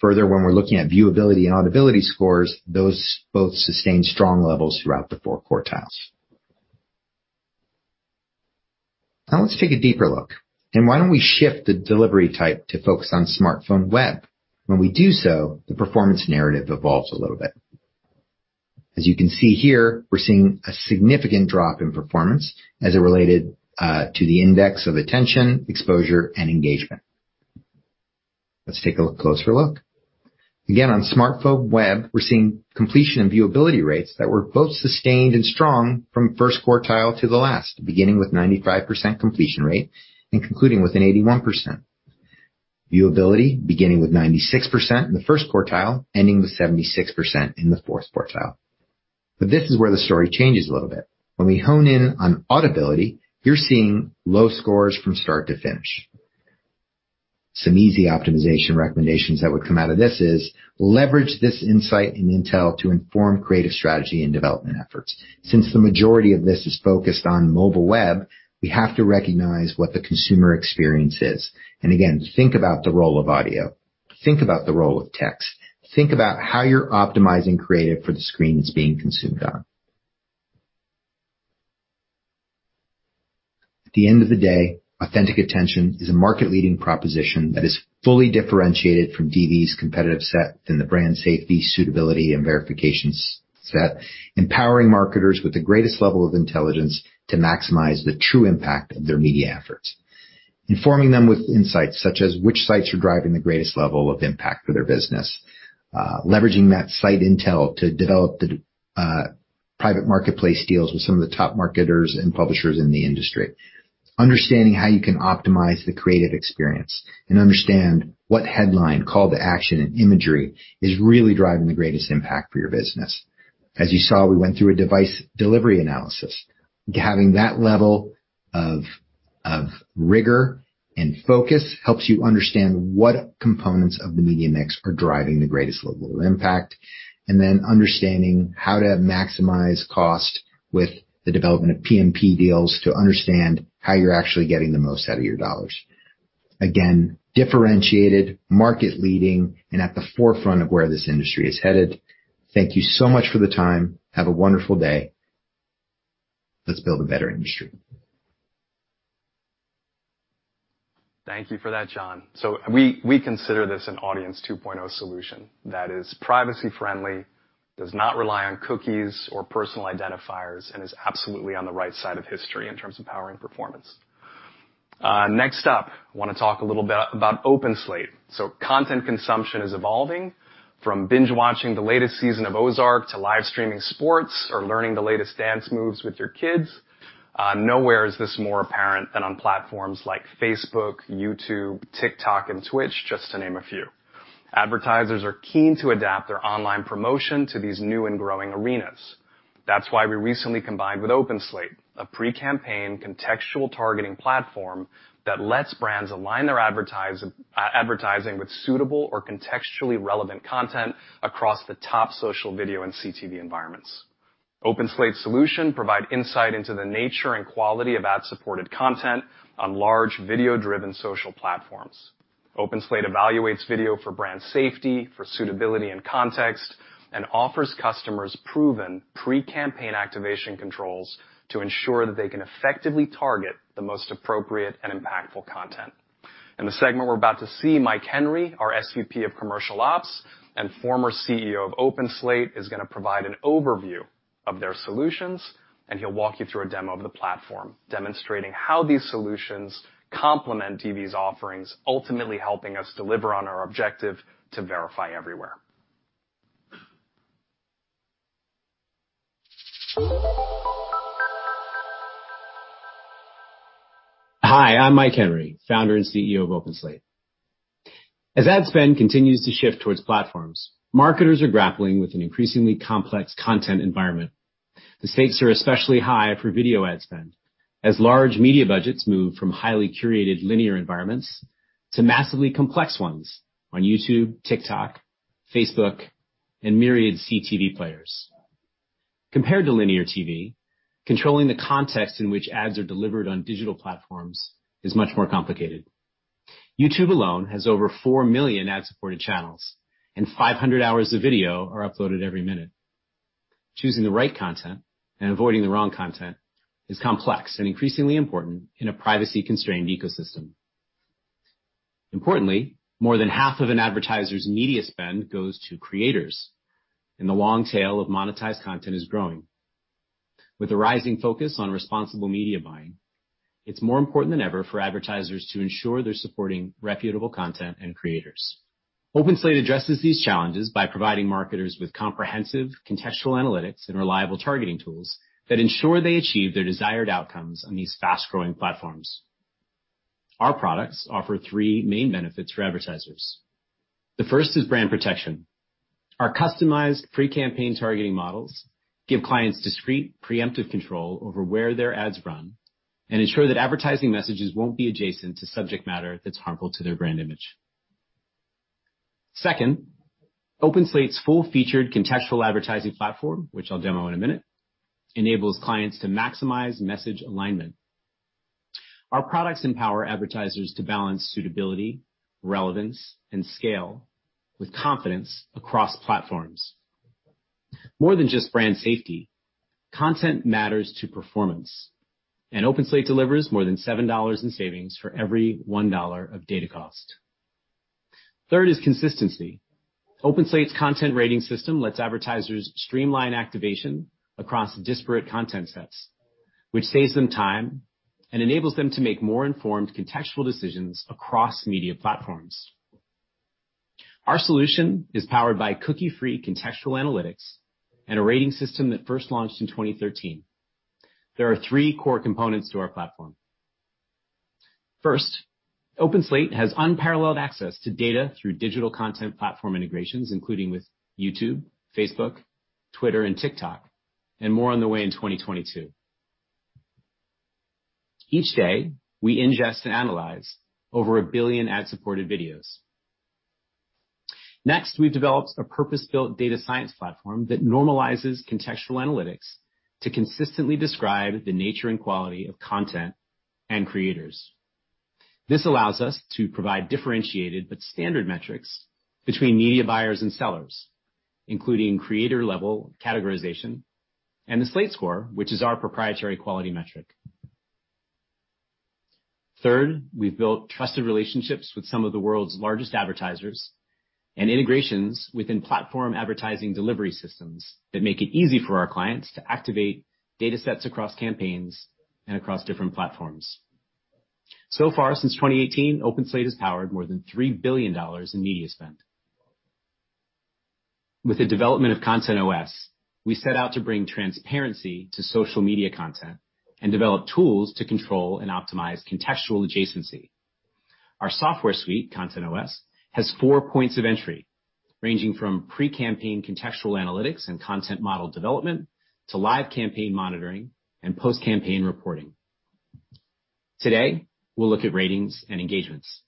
Further, when we're looking at viewability and audibility scores, those both sustain strong levels throughout the 4 quartiles. Now let's take a deeper look, and why don't we shift the delivery type to focus on smartphone web? When we do so, the performance narrative evolves a little bit. As you can see here, we're seeing a significant drop in performance as it related to the index of attention, exposure, and engagement. Let's take a closer look. Again, on smartphone web, we're seeing completion and viewability rates that were both sustained and strong from first quartile to the last, beginning with 95% completion rate and concluding with an 81%. Viewability beginning with 96% in the first quartile, ending with 76% in the fourth quartile. This is where the story changes a little bit. When we hone in on audibility, you're seeing low scores from start to finish. Some easy optimization recommendations that would come out of this is leverage this insight and intel to inform creative strategy and development efforts. Since the majority of this is focused on mobile web, we have to recognize what the consumer experience is. Again, think about the role of audio. Think about the role of text. Think about how you're optimizing creative for the screen it's being consumed on. At the end of the day, Authentic Attention is a market-leading proposition that is fully differentiated from DV's competitive set in the brand safety, suitability, and verification set, empowering marketers with the greatest level of intelligence to maximize the true impact of their media efforts. Informing them with insights such as which sites are driving the greatest level of impact for their business, leveraging that site intel to develop the private marketplace deals with some of the top marketers and publishers in the industry. Understanding how you can optimize the creative experience and understand what headline, call to action, and imagery is really driving the greatest impact for your business. As you saw, we went through a device delivery analysis. Having that level of rigor and focus helps you understand what components of the media mix are driving the greatest level of impact, and then understanding how to maximize cost with the development of PMP deals to understand how you're actually getting the most out of your dollars. Again, differentiated, market leading, and at the forefront of where this industry is headed. Thank you so much for the time. Have a wonderful day. Let's build a better industry. Thank you for that, Gian. We consider this an audience 2.0 solution that is privacy-friendly, does not rely on cookies or personal identifiers, and is absolutely on the right side of history in terms of power and performance. Next up, I wanna talk a little bit about OpenSlate. Content consumption is evolving from binge-watching the latest season of Ozark to live streaming sports or learning the latest dance moves with your kids. Nowhere is this more apparent than on platforms like Facebook, YouTube, TikTok, and Twitch, just to name a few. Advertisers are keen to adapt their online promotion to these new and growing arenas. That's why we recently combined with OpenSlate, a pre-campaign contextual targeting platform that lets brands align their advertising with suitable or contextually relevant content across the top social video and CTV environments. OpenSlate solution provide insight into the nature and quality of ad-supported content on large video-driven social platforms. OpenSlate evaluates video for brand safety, for suitability and context, and offers customers proven pre-campaign activation controls to ensure that they can effectively target the most appropriate and impactful content. In the segment we're about to see, Mike Henry, our SVP of Commercial Ops and former CEO of OpenSlate, is gonna provide an overview of their solutions, and he'll walk you through a demo of the platform, demonstrating how these solutions complement DV's offerings, ultimately helping us deliver on our objective to verify everywhere. Hi, I'm Mike Henry, Founder and CEO of OpenSlate. As ad spend continues to shift towards platforms, marketers are grappling with an increasingly complex content environment. The stakes are especially high for video ad spend, as large media budgets move from highly curated linear environments to massively complex ones on YouTube, TikTok, Facebook, and myriad CTV players. Compared to linear TV, controlling the context in which ads are delivered on digital platforms is much more complicated. YouTube alone has over 4 million ad-supported channels, and 500 hours of video are uploaded every minute. Choosing the right content and avoiding the wrong content is complex and increasingly important in a privacy-constrained ecosystem. Importantly, more than half of an advertiser's media spend goes to creators, and the long tail of monetized content is growing. With the rising focus on responsible media buying, it's more important than ever for advertisers to ensure they're supporting reputable content and creators. OpenSlate addresses these challenges by providing marketers with comprehensive contextual analytics and reliable targeting tools that ensure they achieve their desired outcomes on these fast-growing platforms. Our products offer three main benefits for advertisers. The first is brand protection. Our customized pre-campaign targeting models give clients discrete preemptive control over where their ads run and ensure that advertising messages won't be adjacent to subject matter that's harmful to their brand image. Second, OpenSlate's full-featured contextual advertising platform, which I'll demo in a minute, enables clients to maximize message alignment. Our products empower advertisers to balance suitability, relevance, and scale with confidence across platforms. More than just brand safety, content matters to performance, and OpenSlate delivers more than $7 in savings for every $1 of data cost. Third is consistency. OpenSlate's content rating system lets advertisers streamline activation across disparate content sets, which saves them time and enables them to make more informed contextual decisions across media platforms. Our solution is powered by cookie-free contextual analytics and a rating system that first launched in 2013. There are three core components to our platform. First, OpenSlate has unparalleled access to data through digital content platform integrations, including with YouTube, Facebook, Twitter, and TikTok, and more on the way in 2022. Each day, we ingest and analyze over a billion ad-supported videos. Next, we've developed a purpose-built data science platform that normalizes contextual analytics to consistently describe the nature and quality of content and creators. This allows us to provide differentiated but standard metrics between media buyers and sellers, including creator-level categorization and the Slate Score, which is our proprietary quality metric. Third, we've built trusted relationships with some of the world's largest advertisers and integrations within platform advertising delivery systems that make it easy for our clients to activate data sets across campaigns and across different platforms. So far, since 2018, OpenSlate has powered more than $3 billion in media spend. With the development of Content OS, we set out to bring transparency to social media content and develop tools to control and optimize contextual adjacency. Our software suite, Content OS, has 4 points of entry, ranging from pre-campaign contextual analytics and content model development to live campaign monitoring and post-campaign reporting. Today, we'll look at ratings and engagements.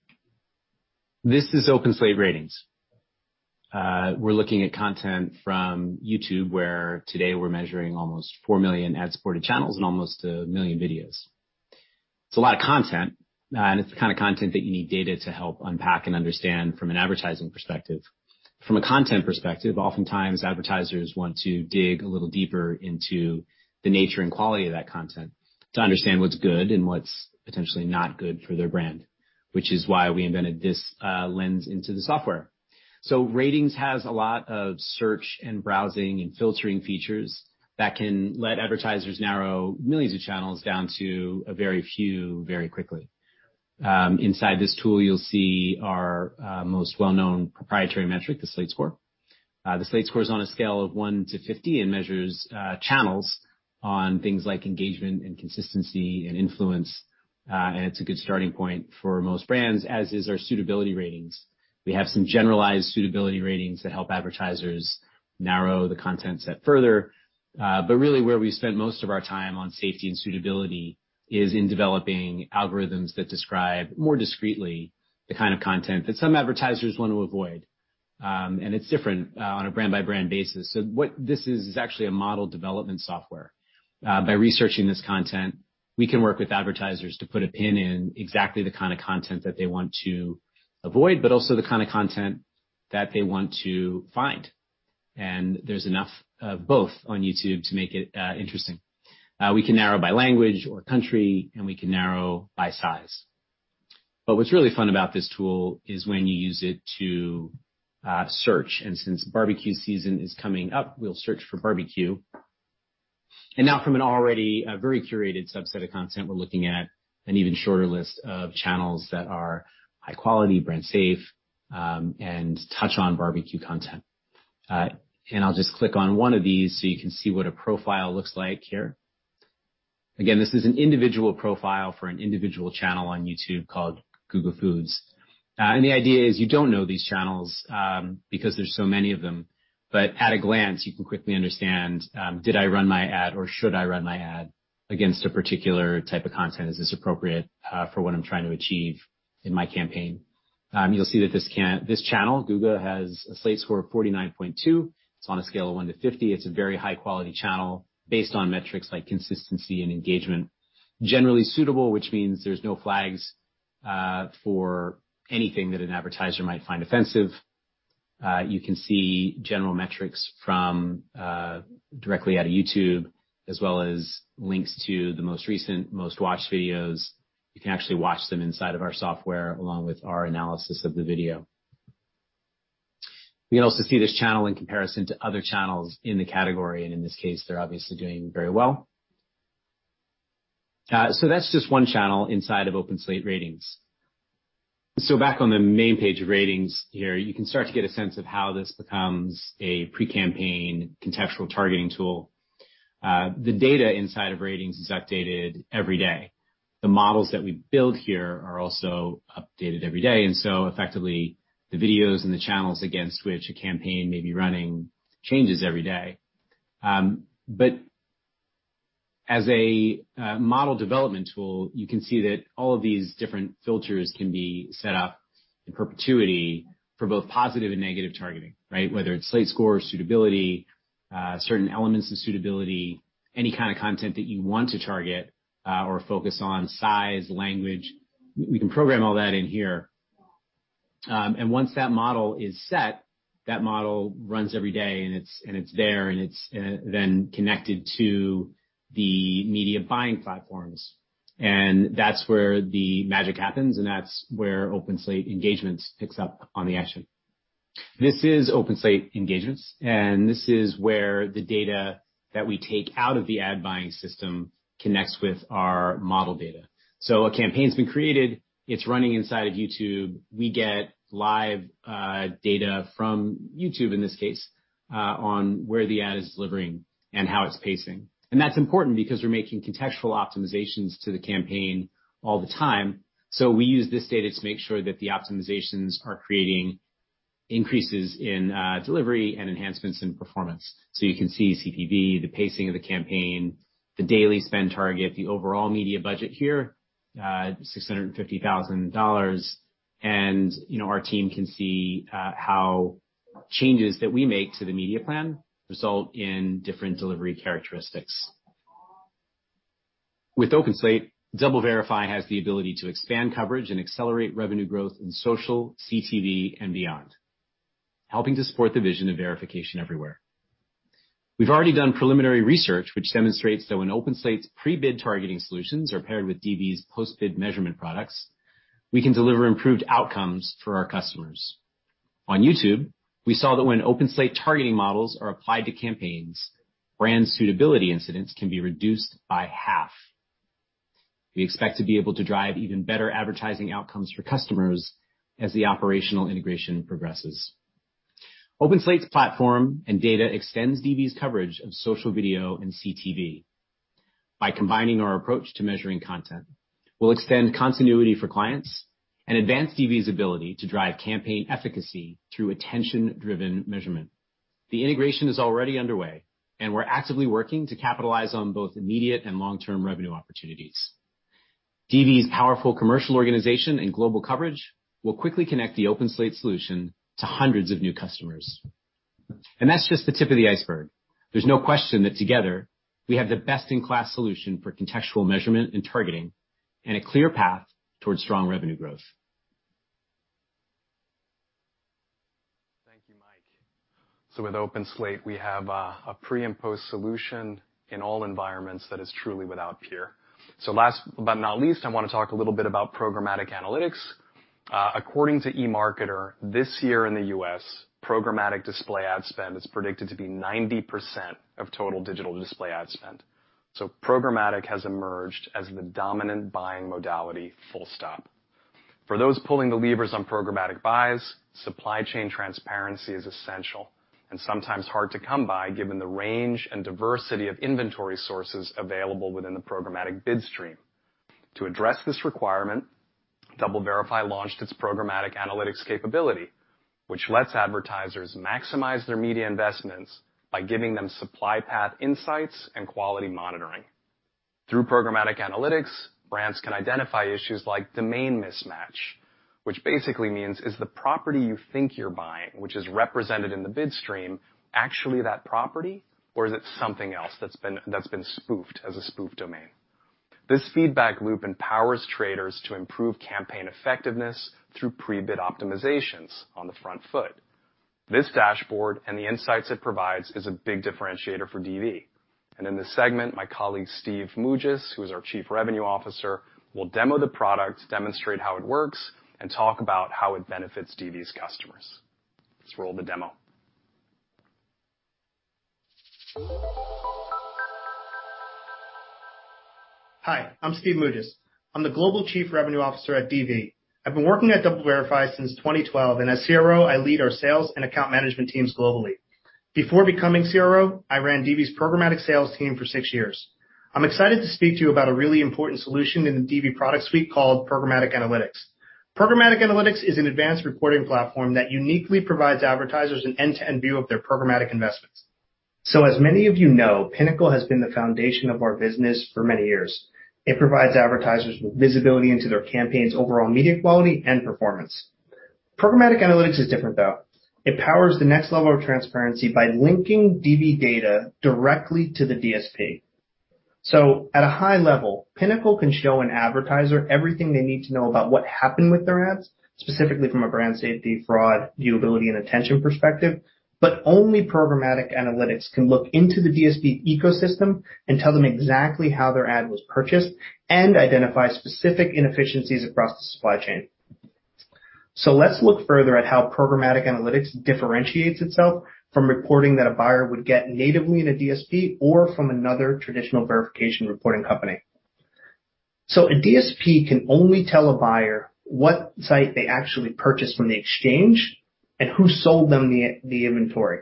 This is OpenSlate Ratings. We're looking at content from YouTube, where today we're measuring almost 4 million ad-supported channels and almost 1 million videos. It's a lot of content, and it's the kind of content that you need data to help unpack and understand from an advertising perspective. From a content perspective, oftentimes advertisers want to dig a little deeper into the nature and quality of that content to understand what's good and what's potentially not good for their brand, which is why we invented this lens into the software. Ratings has a lot of search and browsing and filtering features that can let advertisers narrow millions of channels down to a very few very quickly. Inside this tool, you'll see our most well-known proprietary metric, the Slate Score. The Slate Score is on a scale of one to 50 and measures channels on things like engagement and consistency and influence. It's a good starting point for most brands, as is our suitability ratings. We have some generalized suitability ratings that help advertisers narrow the content set further. Really where we spend most of our time on safety and suitability is in developing algorithms that describe more discreetly the kind of content that some advertisers want to avoid. It's different on a brand-by-brand basis. What this is actually a model development software. By researching this content, we can work with advertisers to put a pin in exactly the kind of content that they want to avoid, but also the kind of content that they want to find. There's enough of both on YouTube to make it interesting. We can narrow by language or country, and we can narrow by size. What's really fun about this tool is when you use it to search, and since barbecue season is coming up, we'll search for barbecue. Now from an already very curated subset of content, we're looking at an even shorter list of channels that are high quality, brand safe, and touch on barbecue content. I'll just click on one of these so you can see what a profile looks like here. Again, this is an individual profile for an individual channel on YouTube called Guga Foods. The idea is you don't know these channels because there's so many of them, but at a glance, you can quickly understand did I run my ad or should I run my ad against a particular type of content. Is this appropriate for what I'm trying to achieve in my campaign? You'll see that this channel, Guga, has a Slate Score of 49.2. It's on a scale of 1 to 50. It's a very high-quality channel based on metrics like consistency and engagement. Generally suitable, which means there's no flags for anything that an advertiser might find offensive. You can see general metrics from directly out of YouTube, as well as links to the most recent most watched videos. You can actually watch them inside of our software along with our analysis of the video. We can also see this channel in comparison to other channels in the category, and in this case, they're obviously doing very well. That's just one channel inside of OpenSlate Ratings. Back on the main page of Ratings here, you can start to get a sense of how this becomes a pre-campaign contextual targeting tool. The data inside of Ratings is updated every day. The models that we build here are also updated every day, and so effectively, the videos and the channels against which a campaign may be running changes every day. But as a model development tool, you can see that all of these different filters can be set up in perpetuity for both positive and negative targeting, right? Whether it's Slate Score, suitability, certain elements of suitability, any kind of content that you want to target, or focus on size, language, we can program all that in here. Once that model is set, that model runs every day, and it's there, then connected to the media buying platforms. That's where the magic happens, and that's where OpenSlate Engagements picks up on the action. This is OpenSlate Engagements, and this is where the data that we take out of the ad buying system connects with our model data. A campaign's been created. It's running inside of YouTube. We get live data from YouTube, in this case, on where the ad is delivering and how it's pacing. That's important because we're making contextual optimizations to the campaign all the time. We use this data to make sure that the optimizations are creating increases in delivery and enhancements in performance. You can see CTV, the pacing of the campaign, the daily spend target, the overall media budget here, $650,000. You know, our team can see how changes that we make to the media plan result in different delivery characteristics. With OpenSlate, DoubleVerify has the ability to expand coverage and accelerate revenue growth in social, CTV and beyond, helping to support the vision of verification everywhere. We've already done preliminary research which demonstrates that when OpenSlate's pre-bid targeting solutions are paired with DV's post-bid measurement products, we can deliver improved outcomes for our customers. On YouTube, we saw that when OpenSlate targeting models are applied to campaigns, brand suitability incidents can be reduced by half. We expect to be able to drive even better advertising outcomes for customers as the operational integration progresses. OpenSlate's platform and data extends DV's coverage of social video and CTV. By combining our approach to measuring content, we'll extend continuity for clients and advance DV's ability to drive campaign efficacy through attention-driven measurement. The integration is already underway, and we're actively working to capitalize on both immediate and long-term revenue opportunities. DV's powerful commercial organization and global coverage will quickly connect the OpenSlate solution to hundreds of new customers. That's just the tip of the iceberg. There's no question that together we have the best-in-class solution for contextual measurement and targeting and a clear path towards strong revenue growth. Thank you, Mike. With OpenSlate, we have a pre and post solution in all environments that is truly without peer. Last but not least, I wanna talk a little bit about Programmatic Analytics. According to eMarketer, this year in the U.S., programmatic display ad spend is predicted to be 90% of total digital display ad spend. Programmatic has emerged as the dominant buying modality, full stop. For those pulling the levers on programmatic buys, supply chain transparency is essential and sometimes hard to come by, given the range and diversity of inventory sources available within the programmatic bid stream. To address this requirement, DoubleVerify launched its Programmatic Analytics capability, which lets advertisers maximize their media investments by giving them supply path insights and quality monitoring. Through programmatic analytics, brands can identify issues like domain mismatch, which basically means is the property you think you're buying, which is represented in the bid stream, actually that property or is it something else that's been spoofed as a spoof domain? This feedback loop empowers traders to improve campaign effectiveness through pre-bid optimizations on the front foot. This dashboard and the insights it provides is a big differentiator for DV. In this segment, my colleague, Steve Mougis, who is our Chief Revenue Officer, will demo the product, demonstrate how it works, and talk about how it benefits DV's customers. Let's roll the demo. Hi, I'm Steve Mougis. I'm the Global Chief Revenue Officer at DV. I've been working at DoubleVerify since 2012, and as CRO, I lead our sales and account management teams globally. Before becoming CRO, I ran DV's programmatic sales team for 6 years. I'm excited to speak to you about a really important solution in the DV product suite called Programmatic Analytics. Programmatic Analytics is an advanced reporting platform that uniquely provides advertisers an end-to-end view of their programmatic investments. As many of you know, Pinnacle has been the foundation of our business for many years. It provides advertisers with visibility into their campaign's overall media quality and performance. Programmatic Analytics is different, though. It powers the next level of transparency by linking DV data directly to the DSP. At a high level, Pinnacle can show an advertiser everything they need to know about what happened with their ads, specifically from a brand safety, fraud, viewability, and attention perspective, but only programmatic analytics can look into the DSP ecosystem and tell them exactly how their ad was purchased and identify specific inefficiencies across the supply chain. Let's look further at how programmatic analytics differentiates itself from reporting that a buyer would get natively in a DSP or from another traditional verification reporting company. A DSP can only tell a buyer what site they actually purchased from the exchange and who sold them the inventory.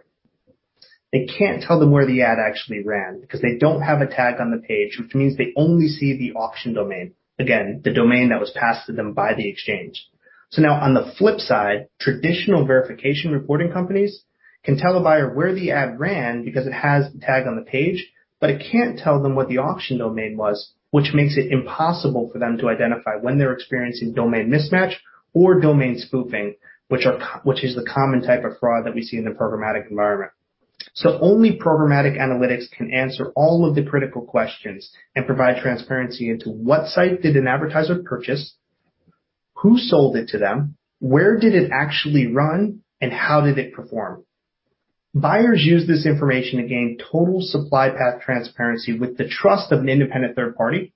They can't tell them where the ad actually ran because they don't have a tag on the page, which means they only see the auction domain. Again, the domain that was passed to them by the exchange. Now on the flip side, traditional verification reporting companies can tell a buyer where the ad ran because it has the tag on the page, but it can't tell them what the auction domain was, which makes it impossible for them to identify when they're experiencing domain mismatch or domain spoofing, which is the common type of fraud that we see in the programmatic environment. Only programmatic analytics can answer all of the critical questions and provide transparency into what site did an advertiser purchase, who sold it to them, where did it actually run, and how did it perform? Buyers use this information to gain total supply path transparency with the trust of an independent third party.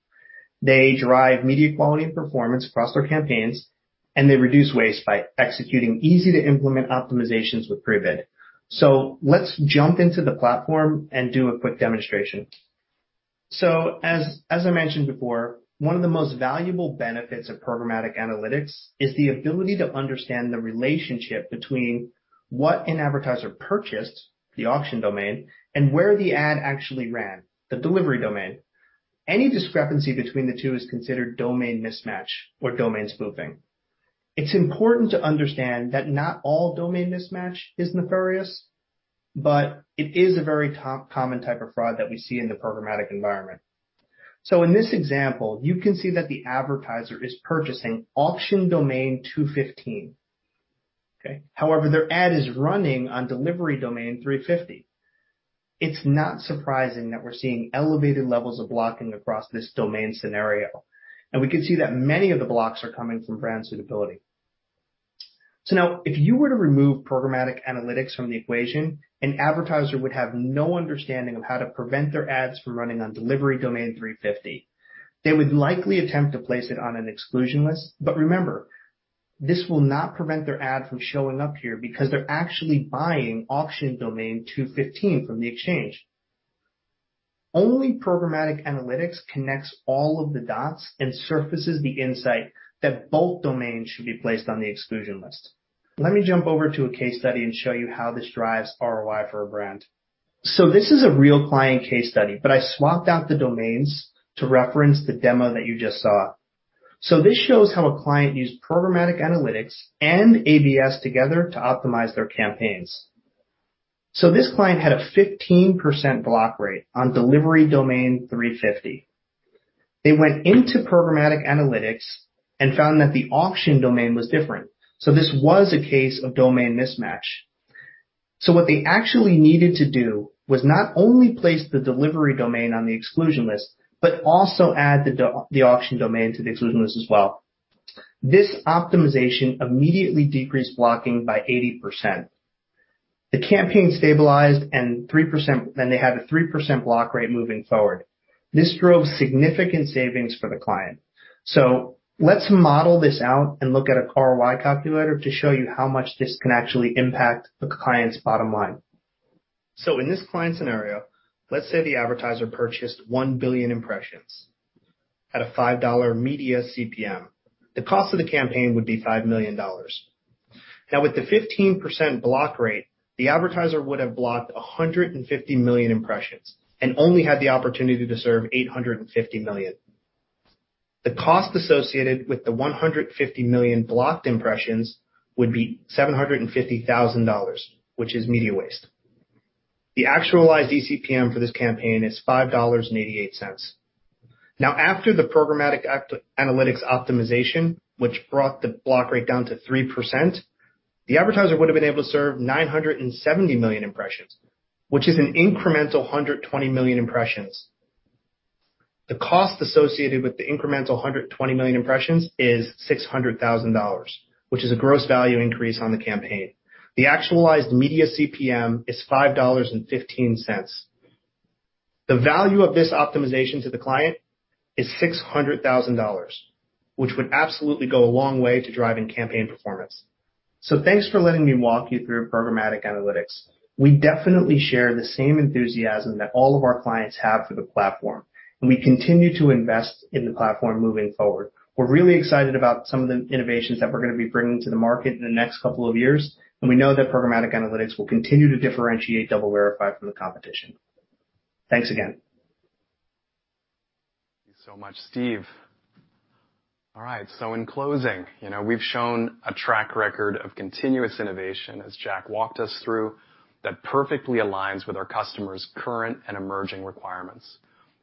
They drive media quality and performance across their campaigns, and they reduce waste by executing easy-to-implement optimizations with pre-bid. Let's jump into the platform and do a quick demonstration. As I mentioned before, one of the most valuable benefits of Programmatic Analytics is the ability to understand the relationship between what an advertiser purchased, the auction domain, and where the ad actually ran, the delivery domain. Any discrepancy between the two is considered domain mismatch or domain spoofing. It's important to understand that not all domain mismatch is nefarious, but it is a very common type of fraud that we see in the programmatic environment. In this example, you can see that the advertiser is purchasing auction domain 215, okay? However, their ad is running on delivery domain 350. It's not surprising that we're seeing elevated levels of blocking across this domain scenario, and we can see that many of the blocks are coming from brand suitability. Now if you were to remove Programmatic Analytics from the equation, an advertiser would have no understanding of how to prevent their ads from running on delivery domain 350. They would likely attempt to place it on an exclusion list. Remember, this will not prevent their ad from showing up here because they're actually buying auction domain 215 from the exchange. Only Programmatic Analytics connects all of the dots and surfaces the insight that both domains should be placed on the exclusion list. Let me jump over to a case study and show you how this drives ROI for a brand. This is a real client case study, but I swapped out the domains to reference the demo that you just saw. This shows how a client used Programmatic Analytics and ABS together to optimize their campaigns. This client had a 15% block rate on delivery domain 350. They went into Programmatic Analytics and found that the auction domain was different, so this was a case of domain mismatch. What they actually needed to do was not only place the delivery domain on the exclusion list, but also add the auction domain to the exclusion list as well. This optimization immediately decreased blocking by 80%. The campaign stabilized, and they had a 3% block rate moving forward. This drove significant savings for the client. Let's model this out and look at a ROI calculator to show you how much this can actually impact a client's bottom line. In this client scenario, let's say the advertiser purchased 1 billion impressions at a $5 media CPM. The cost of the campaign would be $5 million. Now, with the 15% block rate, the advertiser would have blocked 150 million impressions and only had the opportunity to serve 850 million. The cost associated with the 150 million blocked impressions would be $750,000, which is media waste. The actualized ECPM for this campaign is $5.88. Now, after the programmatic analytics optimization, which brought the block rate down to 3%, the advertiser would have been able to serve 970 million impressions, which is an incremental 120 million impressions. The cost associated with the incremental 120 million impressions is $600,000, which is a gross value increase on the campaign. The actualized media CPM is $5.15. The value of this optimization to the client is $600,000, which would absolutely go a long way to driving campaign performance. Thanks for letting me walk you through programmatic analytics. We definitely share the same enthusiasm that all of our clients have for the platform, and we continue to invest in the platform moving forward. We're really excited about some of the innovations that we're gonna be bringing to the market in the next couple of years, and we know that programmatic analytics will continue to differentiate DoubleVerify from the competition. Thanks again. Thank you so much, Steve. All right, in closing, you know, we've shown a track record of continuous innovation as Jack walked us through, that perfectly aligns with our customers' current and emerging requirements.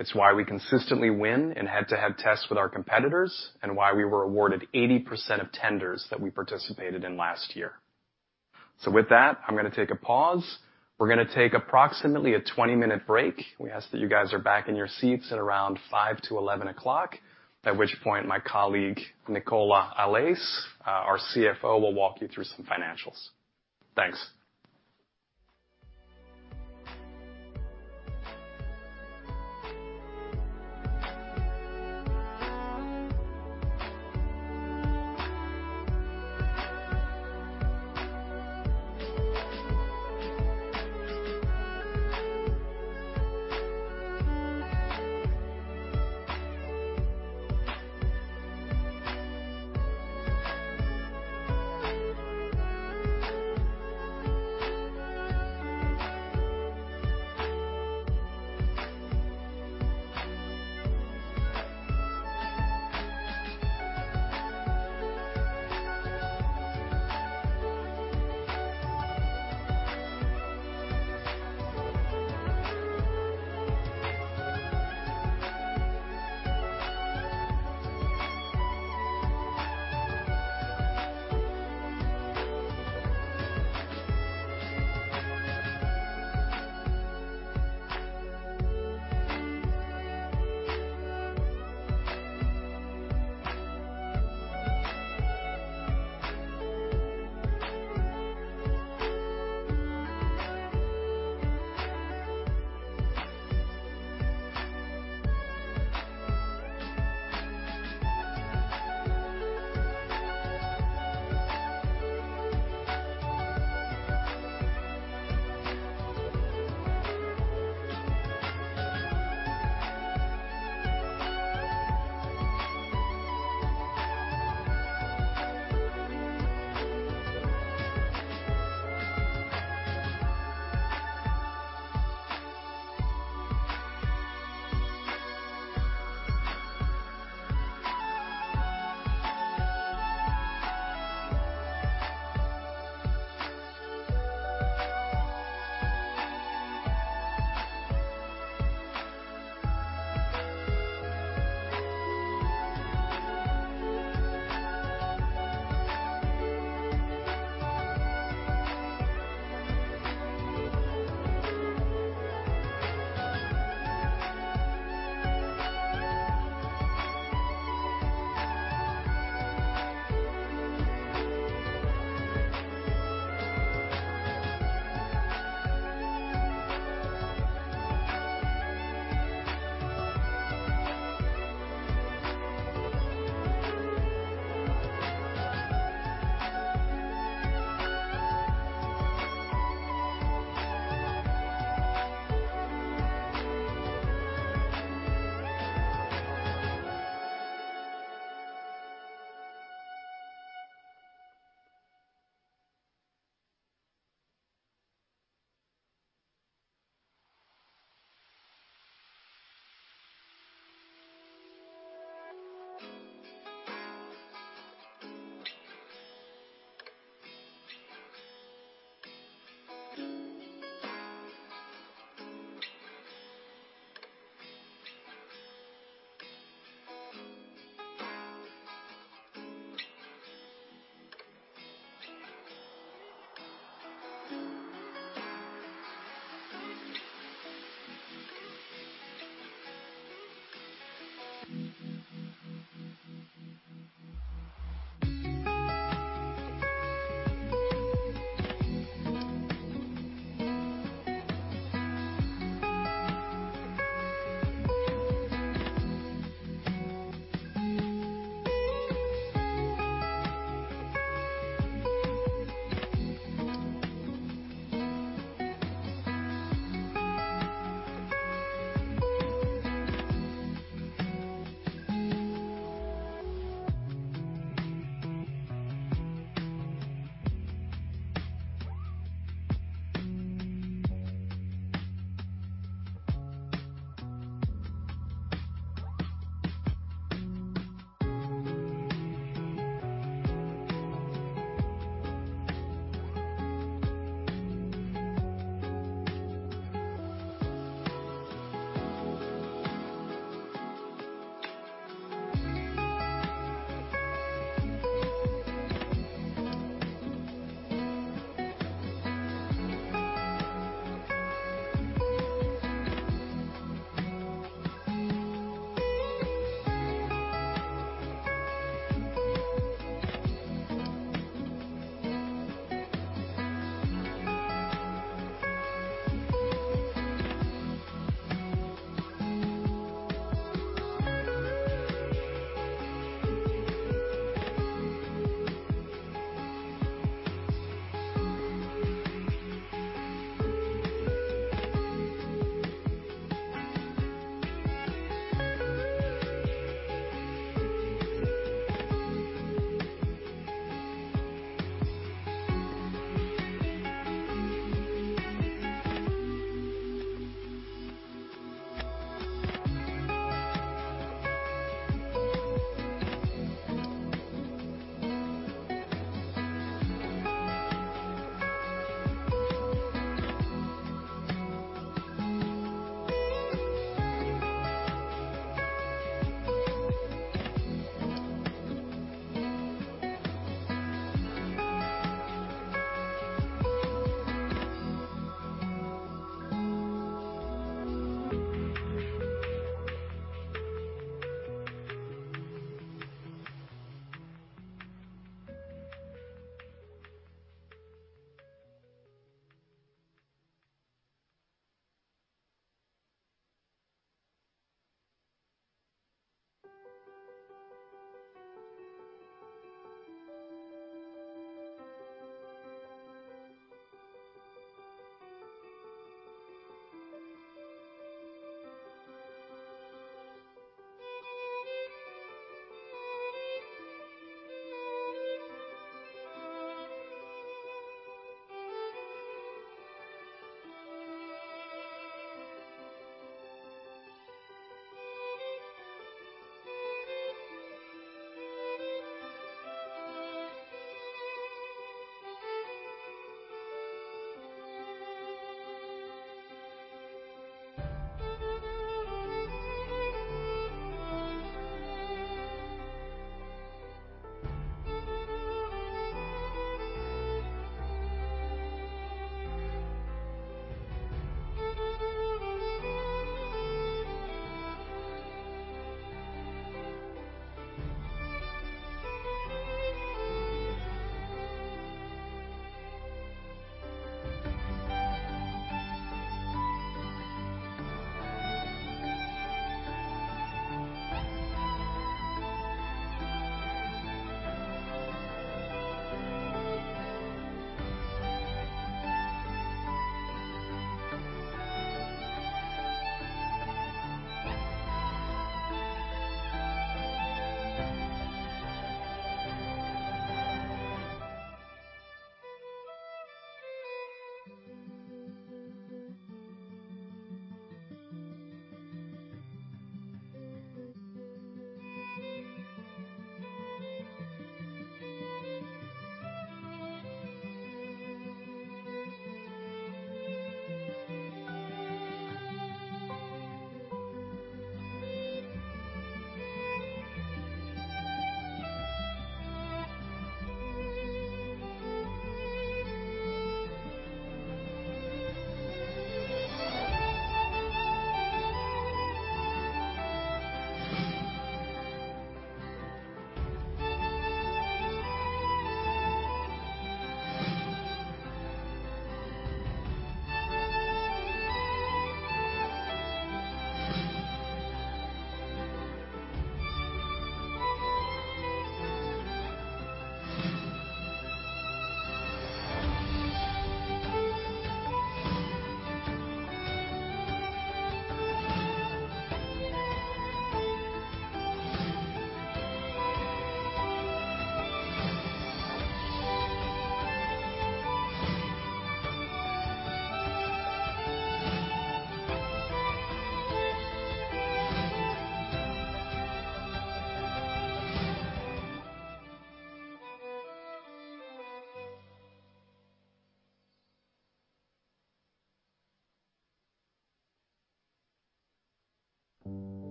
It's why we consistently win in head-to-head tests with our competitors, and why we were awarded 80% of tenders that we participated in last year. With that, I'm gonna take a pause. We're gonna take approximately a 20-minute break. We ask that you guys are back in your seats at around 10:55, at which point my colleague, Nicola Allais, our CFO, will walk you through some financials. Thanks. Thanks.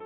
I have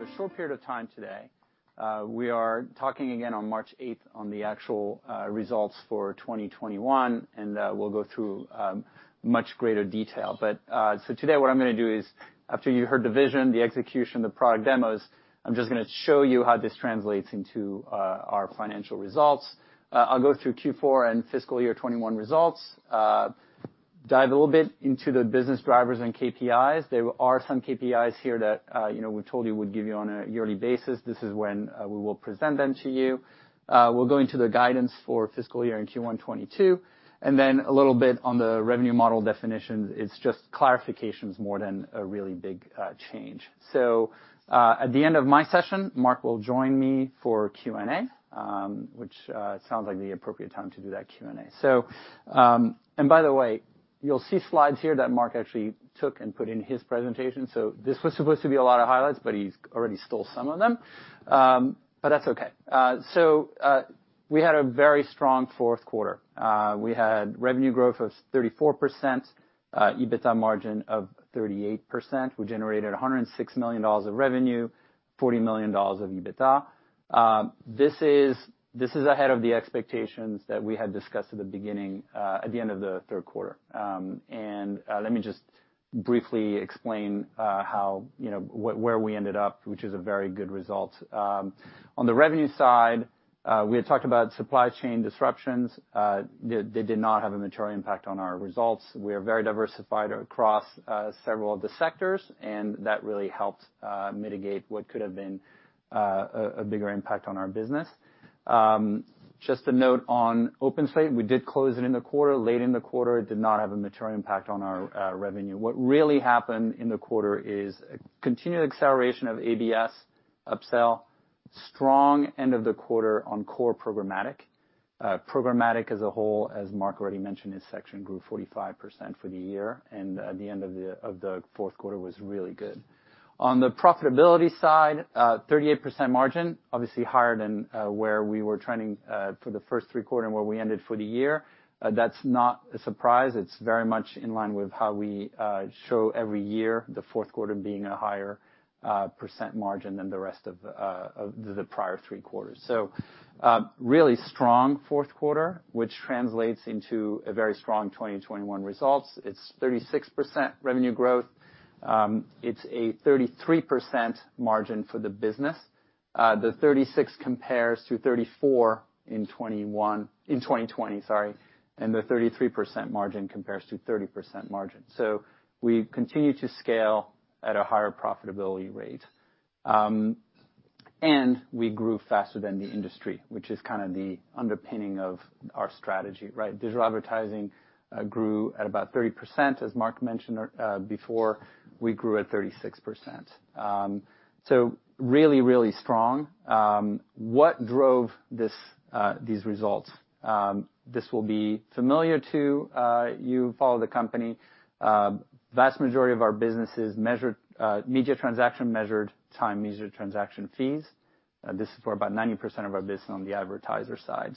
a short period of time today. We are talking again on March 8 on the actual results for 2021, and we'll go through much greater detail. Today what I'm gonna do is after you heard the vision, the execution, the product demos, I'm just gonna show you how this translates into our financial results. I'll go through Q4 and fiscal year 2021 results, dive a little bit into the business drivers and KPIs. There are some KPIs here that, you know, we told you we'd give you on a yearly basis. This is when we will present them to you. We'll go into the guidance for fiscal year and Q1 2022, and then a little bit on the revenue model definition. It's just clarifications more than a really big change. At the end of my session, Mark will join me for Q&A, which sounds like the appropriate time to do that Q&A. By the way, you'll see slides here that Mark actually took and put in his presentation. This was supposed to be a lot of highlights, but he's already stole some of them. That's okay. We had a very strong fourth quarter. We had revenue growth of 34%, EBITDA margin of 38%. We generated $106 million of revenue, $40 million of EBITDA. This is ahead of the expectations that we had discussed at the beginning at the end of the third quarter. Let me just briefly explain how, you know, where we ended up, which is a very good result. On the revenue side, we had talked about supply chain disruptions. They did not have a material impact on our results. We are very diversified across several of the sectors, and that really helped mitigate what could have been a bigger impact on our business. Just a note on OpenSlate. We did close it in the quarter, late in the quarter. It did not have a material impact on our revenue. What really happened in the quarter is a continued acceleration of ABS upsell, strong end of the quarter on core programmatic as a whole, as Mark already mentioned. This section grew 45% for the year, and at the end of the fourth quarter was really good. On the profitability side, 38% margin, obviously higher than where we were trending for the first three quarters and where we ended for the year. That's not a surprise. It's very much in line with how we show every year, the fourth quarter being a higher percent margin than the rest of the prior three quarters. Really strong fourth quarter, which translates into a very strong 2021 results. It's 36% revenue growth. It's a 33% margin for the business. The 36 compares to 34 in 2020, sorry, and the 33% margin compares to 30% margin. We continue to scale at a higher profitability rate. We grew faster than the industry, which is kind of the underpinning of our strategy, right? Digital advertising grew at about 30%, as Mark mentioned before. We grew at 36%. Really, really strong. What drove these results? This will be familiar to you who follow the company. Vast majority of our business is measured media transaction fees. This is for about 90% of our business on the advertiser side.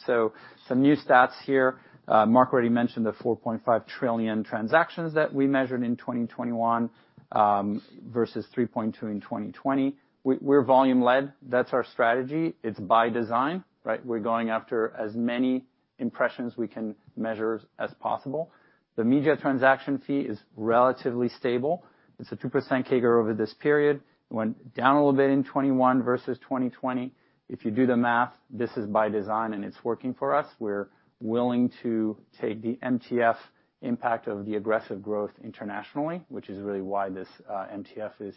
Some new stats here. Mark already mentioned the 4.5 trillion transactions that we measured in 2021, versus 3.2 in 2020. We're volume-led. That's our strategy. It's by design, right? We're going after as many impressions we can measure as possible. The media transaction fee is relatively stable. It's a 2% CAGR over this period. It went down a little bit in 2021 versus 2020. If you do the math, this is by design, and it's working for us. We're willing to take the MTF impact of the aggressive growth internationally, which is really why this MTF is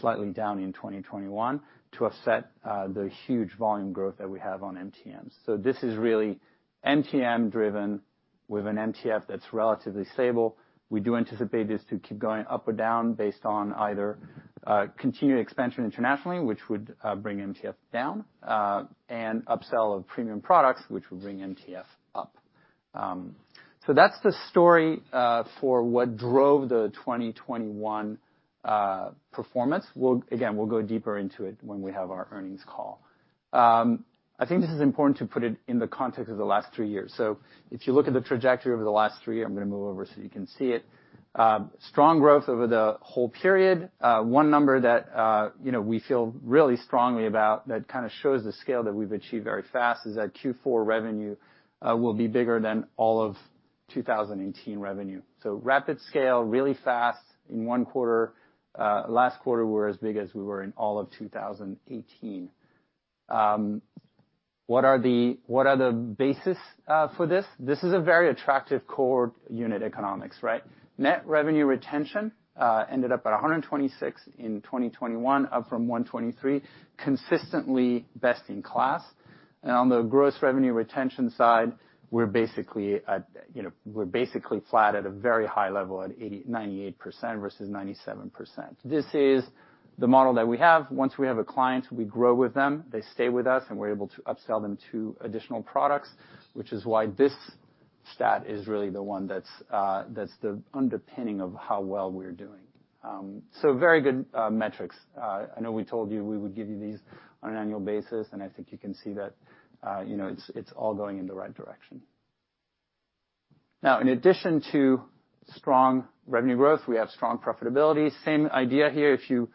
slightly down in 2021 to offset the huge volume growth that we have on MTM. This is really MTM-driven with an MTF that's relatively stable. We do anticipate this to keep going up or down based on either continued expansion internationally, which would bring MTF down, and upsell of premium products, which would bring MTF up. That's the story for what drove the 2021 performance. We'll go deeper into it again when we have our earnings call. I think this is important to put it in the context of the last three years. If you look at the trajectory over the last three years, I'm gonna move over so you can see it. Strong growth over the whole period. One number that you know we feel really strongly about that kind of shows the scale that we've achieved very fast is that Q4 revenue will be bigger than all of 2018 revenue. Rapid scale, really fast in one quarter. Last quarter, we're as big as we were in all of 2018. What are the basis for this? This is a very attractive core unit economics, right? Net revenue retention ended up at 126 in 2021, up from 123, consistently best in class. On the gross revenue retention side, we're basically flat at a very high level at 98% versus 97%. This is the model that we have. Once we have a client, we grow with them, they stay with us, and we're able to upsell them to additional products, which is why this stat is really the one that's the underpinning of how well we're doing. Very good metrics. I know we told you we would give you these on an annual basis, and I think you can see that it's all going in the right direction. Now in addition to strong revenue growth, we have strong profitability. Same idea here. If you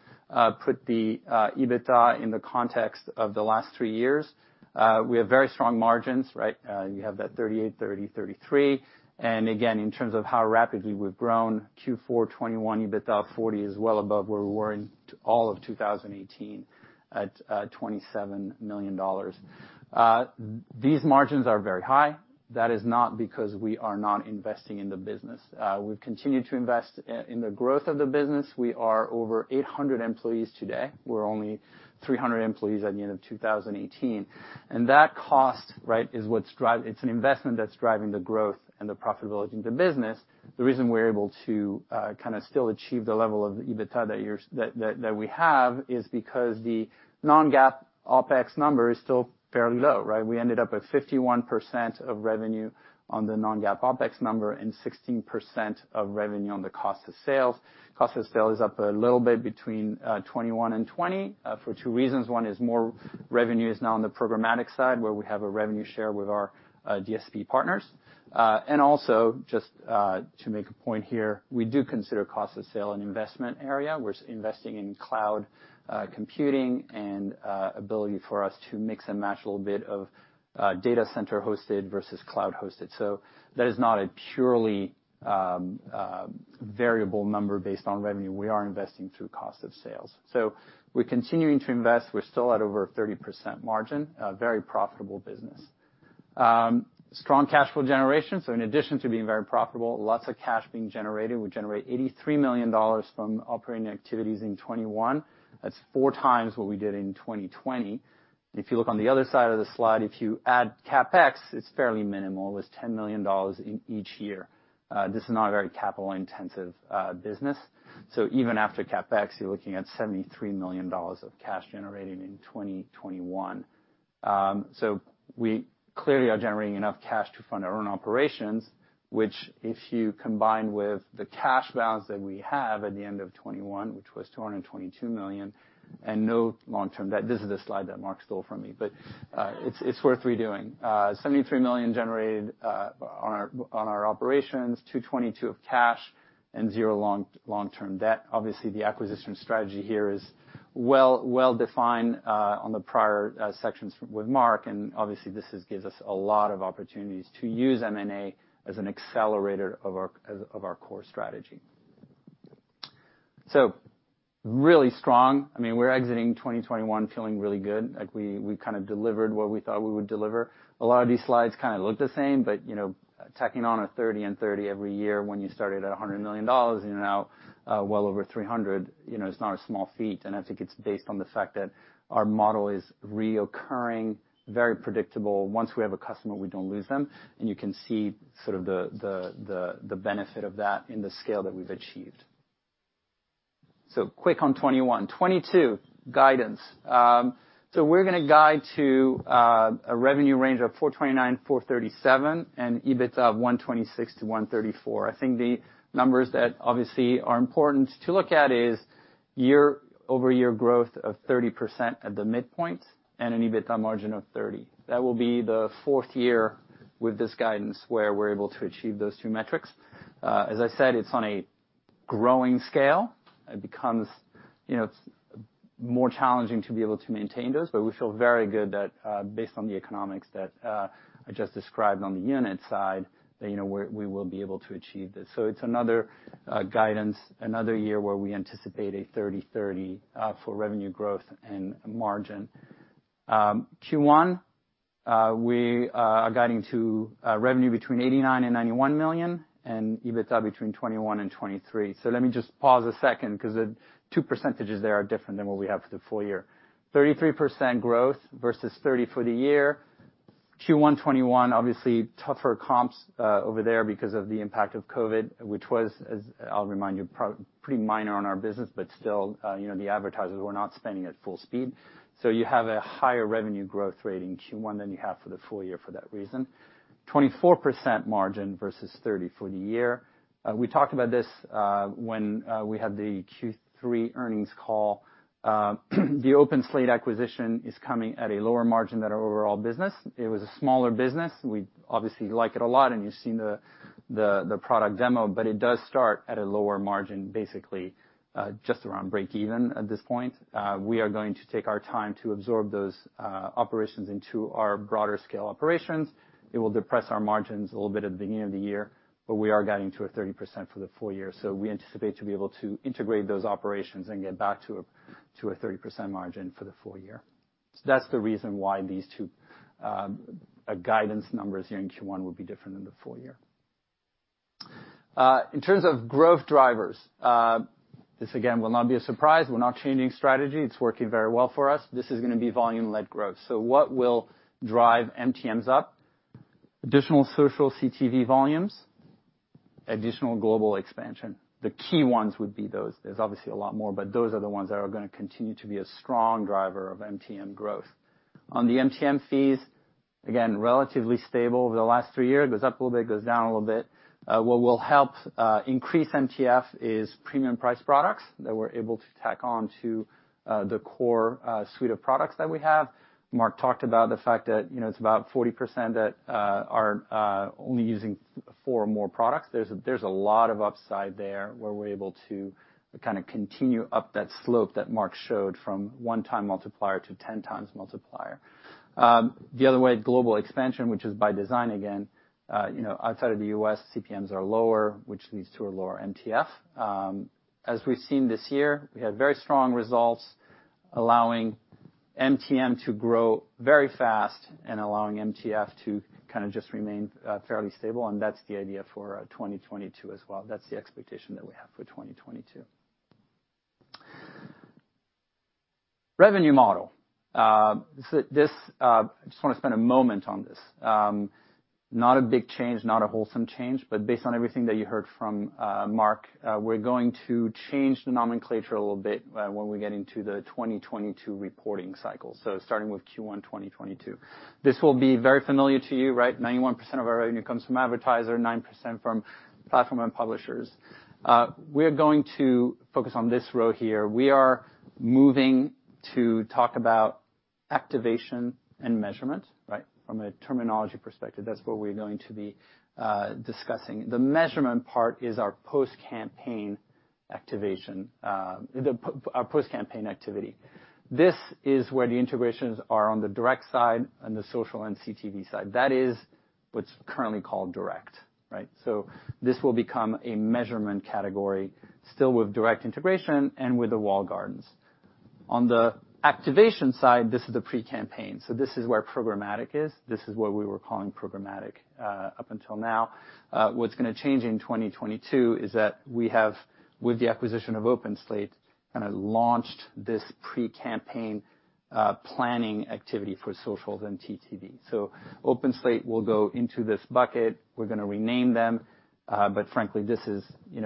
put the EBITDA in the context of the last three years, we have very strong margins, right? You have that 38%, 30%, 33%. In terms of how rapidly we've grown, Q4 2021 EBITDA of $40 million is well above where we were in all of 2018 at $27 million. These margins are very high. That is not because we are not investing in the business. We've continued to invest in the growth of the business. We are over 800 employees today. We're only 300 employees at the end of 2018. That cost, right, is what's it's an investment that's driving the growth and the profitability of the business. The reason we're able to still achieve the level of EBITDA that we have is because the non-GAAP OpEx number is still fairly low, right? We ended up at 51% of revenue on the non-GAAP OpEx number and 16% of revenue on the cost of sales. Cost of sales is up a little bit between 2021 and 2022 for two reasons. One is more revenue is now on the programmatic side where we have a revenue share with our DSP partners. Also, just to make a point here, we do consider cost of sales an investment area. We're investing in cloud computing and ability for us to mix and match a little bit of data center hosted versus cloud hosted. That is not a purely variable number based on revenue. We are investing through cost of sales. We're continuing to invest. We're still at over a 30% margin, a very profitable business. Strong cash flow generation. In addition to being very profitable, lots of cash being generated. We generate $83 million from operating activities in 2021. That's four times what we did in 2020. If you look on the other side of the slide, if you add CapEx, it's fairly minimal. It's $10 million each year. This is not a very capital-intensive business. Even after CapEx, you're looking at $73 million of cash generated in 2021. We clearly are generating enough cash to fund our own operations, which if you combine with the cash balance that we have at the end of 2021, which was $222 million, and no long-term debt. This is the slide that Mark stole from me, but it's worth redoing. $73 million generated on our operations, $222 million of cash, and zero long-term debt. Obviously, the acquisition strategy here is well-defined on the prior sections with Mark, and this gives us a lot of opportunities to use M&A as an accelerator of our core strategy. Really strong. I mean, we're exiting 2021 feeling really good, like we kind of delivered what we thought we would deliver. A lot of these slides kind of look the same, but, you know, tacking on 30% and 30% every year when you started at $100 million and you're now, well over $300 million, you know, it's not a small feat. I think it's based on the fact that our model is recurring, very predictable. Once we have a customer, we don't lose them, and you can see the benefit of that in the scale that we've achieved. Quick on 2021. 2022 guidance. We're gonna guide to a revenue range of $429-$437 million and EBITDA of $126-$134 million. I think the numbers that obviously are important to look at is year-over-year growth of 30% at the midpoint and an EBITDA margin of 30%. That will be the fourth year with this guidance where we're able to achieve those two metrics. As I said, it's on a growing scale. It becomes, you know, it's more challenging to be able to maintain those, but we feel very good that, based on the economics that, I just described on the unit side, that, you know, we will be able to achieve this. It's another guidance, another year where we anticipate a 30-30 for revenue growth and margin. Q1, we are guiding to a revenue between $89 million and $91 million and EBITDA between $21 million and $23 million. Let me just pause a second because the two percentages there are different than what we have for the full year. 33% growth versus 30% for the year. Q1 2021, obviously tougher comps over there because of the impact of COVID, which was, as I'll remind you, pretty minor on our business, but still, the advertisers were not spending at full speed. You have a higher revenue growth rate in Q1 than you have for the full year for that reason. 24% margin versus 30% for the year. We talked about this when we had the Q3 earnings call. The OpenSlate acquisition is coming at a lower margin than our overall business. It was a smaller business. We obviously like it a lot, and you've seen the product demo, but it does start at a lower margin, basically just around break even at this point. We are going to take our time to absorb those operations into our broader scale operations. It will depress our margins a little bit at the beginning of the year, but we are guiding to 30% for the full year. We anticipate to be able to integrate those operations and get back to a 30% margin for the full year. That's the reason why these two guidance numbers here in Q1 would be different than the full year. In terms of growth drivers, this again will not be a surprise. We're not changing strategy. It's working very well for us. This is gonna be volume-led growth. What will drive MTMs up? Additional social CTV volumes, additional global expansion. The key ones would be those. There's obviously a lot more, but those are the ones that are gonna continue to be a strong driver of MTM growth. On the MTM fees, again, relatively stable over the last three years. It goes up a little bit, goes down a little bit. What will help increase MTF is premium price products that we're able to tack on to the core suite of products that we have. Mark talked about the fact that, you know, it's about 40% that are only using 4 or more products. There's a lot of upside there where we're able to kind of continue up that slope that Mark showed from one-time multiplier to 10 times multiplier. The other way is global expansion, which is by design again. You know, outside of the U.S., CPMs are lower, which leads to a lower MTF. As we've seen this year, we had very strong results allowing MTM to grow very fast and allowing MTF to kind of just remain fairly stable, and that's the idea for 2022 as well. That's the expectation that we have for 2022. Revenue model. So this, I just wanna spend a moment on this. Not a big change, not a wholesale change, but based on everything that you heard from Mark, we're going to change the nomenclature a little bit when we get into the 2022 reporting cycle. So starting with Q1 2022. This will be very familiar to you, right? 91% of our revenue comes from advertiser, 9% from platform and publishers. We're going to focus on this row here. We are moving to talk about activation and measurement, right? From a terminology perspective, that's what we're going to be discussing. The measurement part is our post-campaign activation, our post-campaign activity. This is where the integrations are on the direct side and the social and CTV side. That is what's currently called direct, right? This will become a measurement category still with direct integration and with the walled gardens. On the activation side, this is the pre-campaign. This is where programmatic is. This is what we were calling programmatic up until now. What's gonna change in 2022 is that we have, with the acquisition of OpenSlate, kind of launched this pre-campaign planning activity for social and CTV. OpenSlate will go into this bucket, we're gonna rename them, but frankly this is, you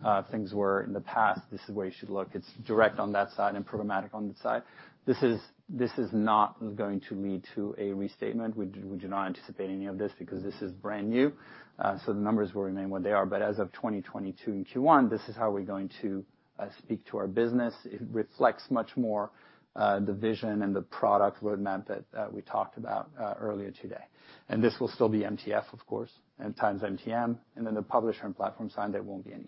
know, to keep an eye on where things were in the past, this is where you should look. It's direct on that side and programmatic on this side. This is not going to lead to a restatement. We do not anticipate any of this because this is brand new. The numbers will remain what they are. As of 2022 in Q1, this is how we're going to speak to our business. It reflects much more the vision and the product roadmap that we talked about earlier today. This will still be MTF of course, and times MTM, and then the publisher and platform side, there won't be any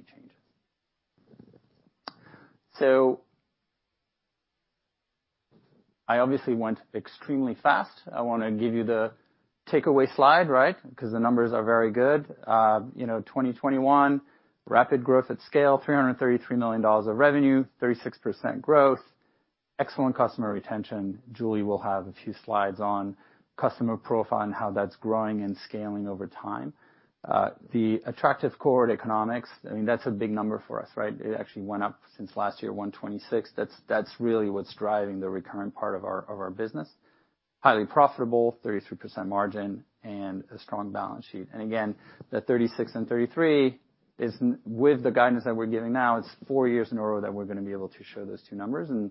changes. I obviously went extremely fast. I wanna give you the takeaway slide, right? 'Cause the numbers are very good. You know, 2021 rapid growth at scale, $333 million of revenue, 36% growth. Excellent customer retention. Julie will have a few slides on customer profile and how that's growing and scaling over time. The attractive core economics, I mean, that's a big number for us, right? It actually went up since last year, 126. That's really what's driving the recurrent part of our business. Highly profitable, 33% margin, and a strong balance sheet. Again, the 36 and 33 is in line with the guidance that we're giving now, it's 4 years in a row that we're gonna be able to show those two numbers and,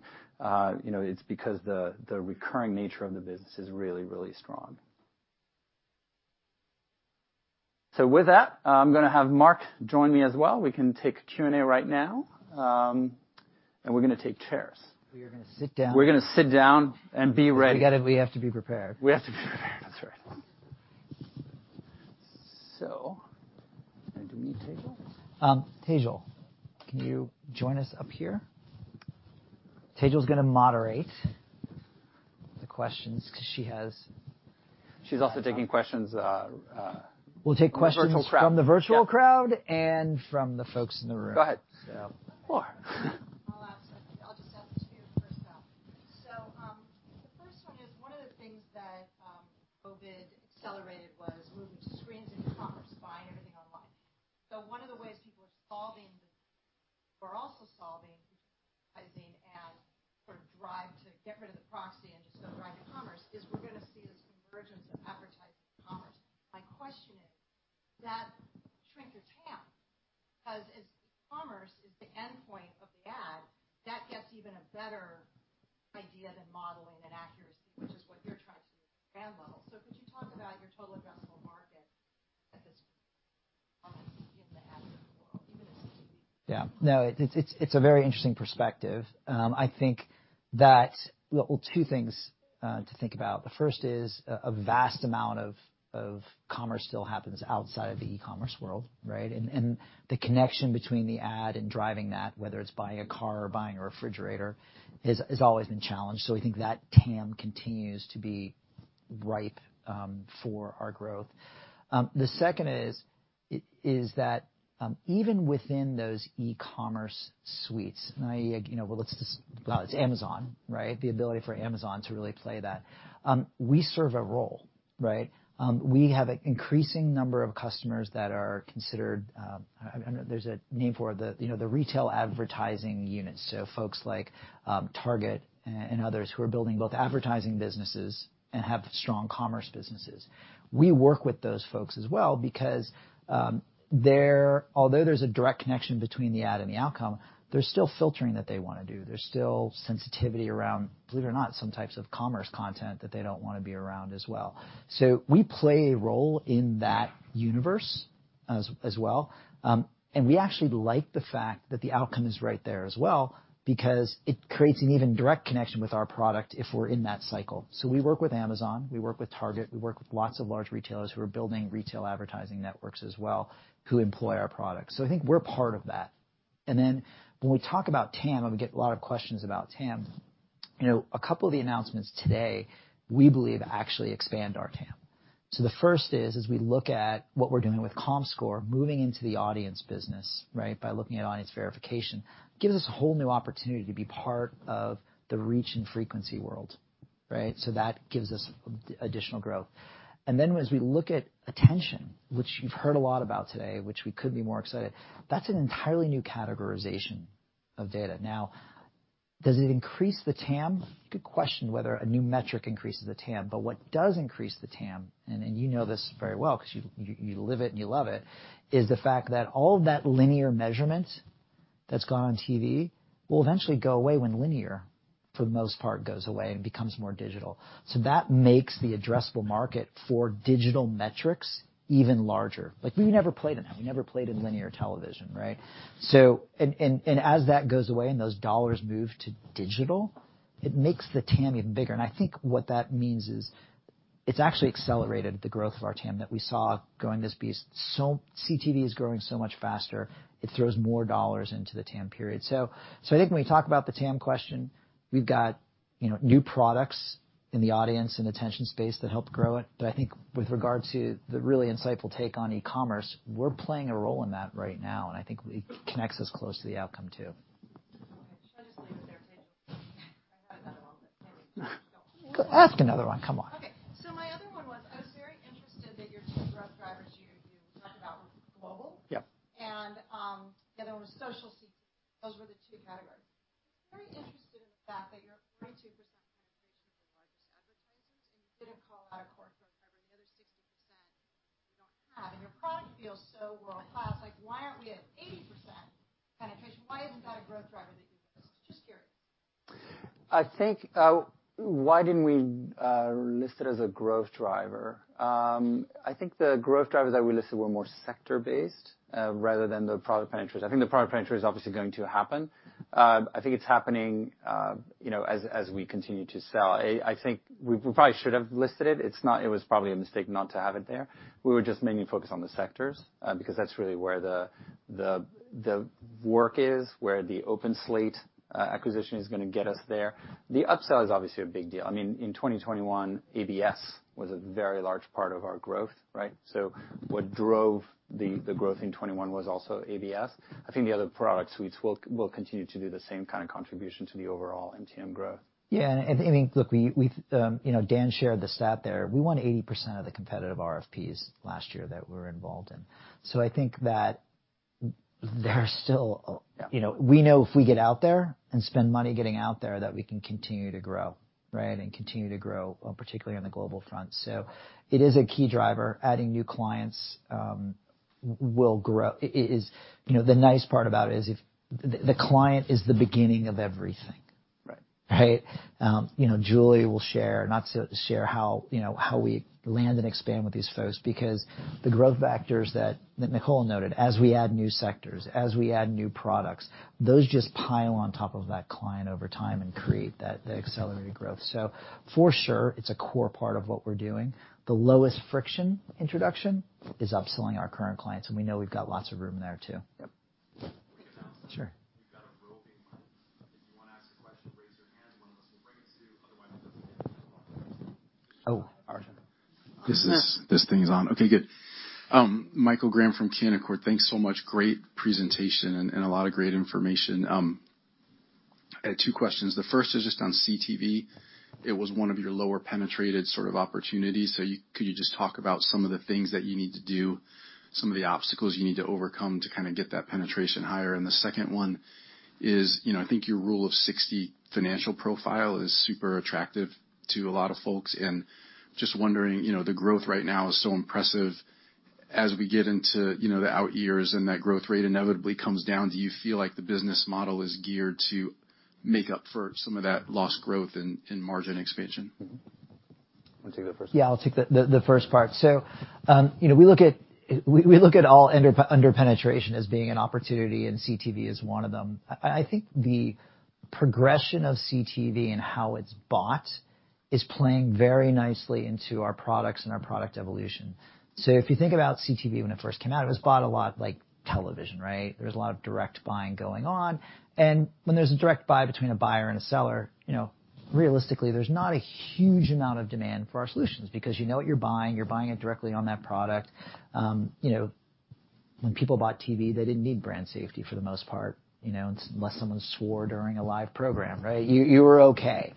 you know, it's because the recurring nature of the business is really, really strong. With that, I'm gonna have Mark join me as well. We can take Q&A right now. We're gonna take chairs. We are gonna sit down. We're gonna sit down and be ready. We have to be prepared. We have to be prepared. That's right. Do we need Tejal? Tejal, can you join us up here? Tejal's gonna moderate the questions 'cause she has- She's also taking questions. We'll take questions. From the virtual crowd. From the virtual crowd and from the folks in the room. Go ahead. So... Sure. I'll ask. I'll just ask two first up. The first one is, one of the things that, COVID accelerated was moving to screens and e-commerce, buying everything online. One of the ways people are solving or also solving, I think, as sort of drive to get rid of the proxy and just go drive to commerce, is we're gonna see this convergence of advertising commerce. My question is, does that shrink your TAM? 'Cause as e-commerce is the endpoint of the ad, that gets even a better idea than modeling and accuracy, which is what you're trying to do at the brand level. Could you talk about your total addressable market at this point in the advertising world, even if it's- Yeah. No, it's a very interesting perspective. I think that. Well, two things to think about. The first is a vast amount of commerce still happens outside of the e-commerce world, right? The connection between the ad and driving that, whether it's buying a car or buying a refrigerator, has always been challenged. We think that TAM continues to be ripe for our growth. The second is that even within those e-commerce suites, i.e., you know, it's Amazon, right? The ability for Amazon to really play that. We serve a role, right? We have an increasing number of customers that are considered, I don't know, there's a name for the, you know, the retail advertising units. Folks like Target and others who are building both advertising businesses and have strong commerce businesses. We work with those folks as well because although there's a direct connection between the ad and the outcome, there's still filtering that they wanna do. There's still sensitivity around, believe it or not, some types of commerce content that they don't wanna be around as well. We play a role in that universe as well. We actually like the fact that the outcome is right there as well because it creates an even direct connection with our product if we're in that cycle. We work with Amazon, we work with Target, we work with lots of large retailers who are building retail advertising networks as well who employ our products. I think we're part of that. When we talk about TAM, and we get a lot of questions about TAM, you know, a couple of the announcements today we believe actually expand our TAM. The first is, as we look at what we're doing with Comscore, moving into the audience business, right? By looking at audience verification, gives us a whole new opportunity to be part of the reach and frequency world, right? That gives us an additional growth. As we look at attention, which you've heard a lot about today, which we couldn't be more excited, that's an entirely new categorization of data. Now, does it increase the TAM? Good question, whether a new metric increases the TAM. What does increase the TAM, and you know this very well 'cause you live it and you love it, is the fact that all of that linear measurement that's gone on TV will eventually go away when linear, for the most part, goes away and becomes more digital. That makes the addressable market for digital metrics even larger. Like, we never played in that. We never played in linear television, right? And as that goes away and those dollars move to digital, it makes the TAM even bigger. I think what that means is, it's actually accelerated the growth of our TAM that we saw growing this beast. CTV is growing so much faster, it throws more dollars into the TAM period. I think when we talk about the TAM question, we've got, you know, new products in the audience and attention space that help grow it. I think with regard to the really insightful take on e-commerce, we're playing a role in that right now, and I think it connects us close to the outcome too. Okay. Should I just leave it there, Tejal? I had another one, but maybe not. Ask another one. Come on. The other one was social, CTV. Those were the two categories. Very interested in the fact that you're 42% penetration of the largest advertisers, and you didn't call out a core growth driver, the other 60% you don't have, and your product feels so world-class. Like, why aren't we at 80% penetration? Why isn't that a growth driver that you listed? Just curious. I think why didn't we list it as a growth driver? I think the growth drivers that we listed were more sector-based rather than the product penetrations. I think the product penetration is obviously going to happen. I think it's happening you know as we continue to sell. I think we probably should have listed it. It was probably a mistake not to have it there. We were just mainly focused on the sectors because that's really where the work is where the OpenSlate acquisition is gonna get us there. The upsell is obviously a big deal. I mean in 2021 ABS was a very large part of our growth right? So what drove the growth in 2021 was also ABS. I think the other product suites will continue to do the same kind of contribution to the overall MTM growth. Yeah. I mean, look, we've you know, Dan shared the stat there. We won 80% of the competitive RFPs last year that we're involved in. I think that there are still you know. We know if we get out there and spend money getting out there, that we can continue to grow, right? Continue to grow particularly on the global front. It is a key driver. Adding new clients will grow. It is you know, the nice part about it is if the client is the beginning of everything. Right. Right? You know, Julie will share, you know, how we land and expand with these folks, because the growth factors that Nicola noted, as we add new sectors, as we add new products, those just pile on top of that client over time and create the accelerated growth. For sure, it's a core part of what we're doing. The lowest friction introduction is upselling our current clients, and we know we've got lots of room there too. Yep. We've got a roving mic. If you wanna ask a question, raise your hand, one of us will bring it to you. Otherwise. Oh, all right. Michael Graham from Canaccord Genuity. Thanks so much. Great presentation and a lot of great information. I had two questions. The first is just on CTV. It was one of your lower penetrated sort of opportunities. Could you just talk about some of the things that you need to do, some of the obstacles you need to overcome to kinda get that penetration higher? The second one is, you know, I think your rule of sixty financial profile is super attractive to a lot of folks. Just wondering, you know, the growth right now is so impressive as we get into, you know, the out years, and that growth rate inevitably comes down. Do you feel like the business model is geared to make up for some of that lost growth in margin expansion? Mm-hmm. Wanna take that first? Yeah, I'll take the first part. So, you know, we look at all under penetration as being an opportunity, and CTV is one of them. I think the progression of CTV and how it's bought is playing very nicely into our products and our product evolution. So if you think about CTV when it first came out, it was bought a lot like television, right? There was a lot of direct buying going on. When there's a direct buy between a buyer and a seller, you know, realistically, there's not a huge amount of demand for our solutions because you know what you're buying, you're buying it directly on that product. You know, when people bought TV, they didn't need brand safety for the most part, you know, unless someone swore during a live program, right? You were okay.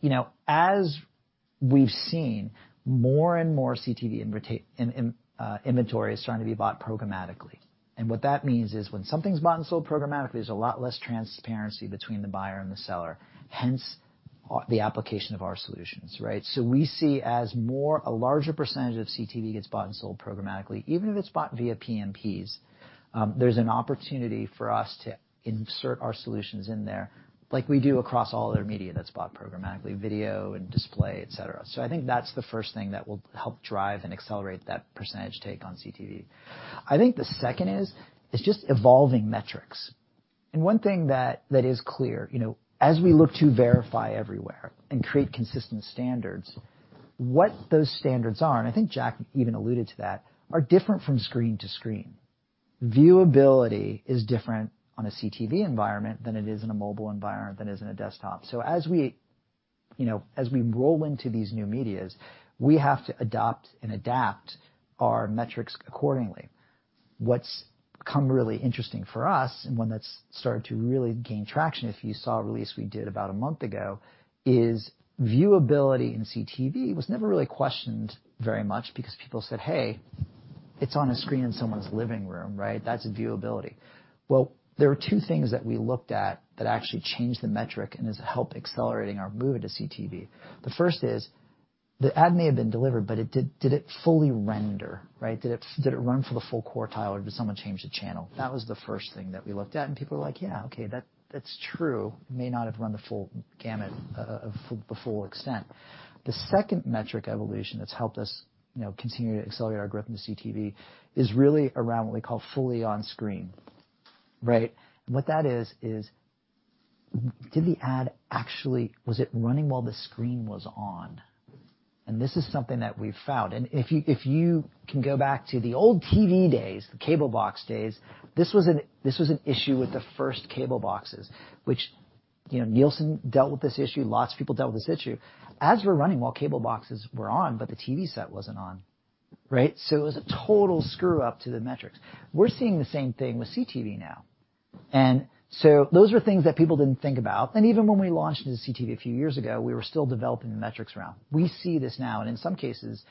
You know, as we've seen, more and more CTV inventory is starting to be bought programmatically. What that means is when something's bought and sold programmatically, there's a lot less transparency between the buyer and the seller, hence the application of our solutions, right? We see as more, a larger percentage of CTV gets bought and sold programmatically, even if it's bought via PMPs, there's an opportunity for us to insert our solutions in there like we do across all other media that's bought programmatically, video and display, et cetera. I think that's the first thing that will help drive and accelerate that percentage take on CTV. I think the second is just evolving metrics. One thing that is clear, you know, as we look to verify everywhere and create consistent standards, what those standards are, and I think Jack even alluded to that, are different from screen to screen. Viewability is different on a CTV environment than it is in a mobile environment, than it is in a desktop. As we, you know, as we roll into these new media, we have to adopt and adapt our metrics accordingly. What's become really interesting for us and one that's started to really gain traction, if you saw a release we did about a month ago, is viewability in CTV was never really questioned very much because people said, "Hey, it's on a screen in someone's living room, right? That's viewability." Well, there were two things that we looked at that actually changed the metric and has helped accelerating our move into CTV. The first is, the ad may have been delivered, but did it fully render, right? Did it run for the full quartile, or did someone change the channel? That was the first thing that we looked at, and people were like, "Yeah, okay, that's true. It may not have run the full gamut of the full extent." The second metric evolution that's helped us, you know, continue to accelerate our growth into CTV is really around what we call Fully On-Screen, right? What that is is was it running while the screen was on? This is something that we've found. If you can go back to the old TV days, the cable box days, this was an issue with the first cable boxes, which you know, Nielsen dealt with this issue, lots of people dealt with this issue. Ads were running while cable boxes were on, but the TV set wasn't on, right? So it was a total screw up to the metrics. We're seeing the same thing with CTV now. Those are things that people didn't think about. Even when we launched into CTV a few years ago, we were still developing the metrics around. We see this now, and in some cases,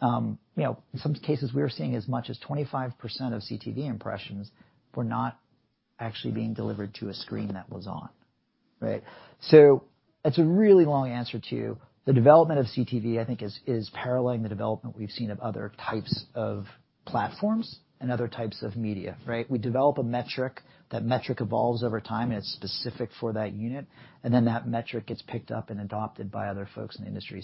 you know, we were seeing as much as 25% of CTV impressions were not actually being delivered to a screen that was on, right? It's a really long answer to the development of CTV. I think it is paralleling the development we've seen of other types of platforms and other types of media, right? We develop a metric, that metric evolves over time, and it's specific for that unit, and then that metric gets picked up and adopted by other folks in the industry.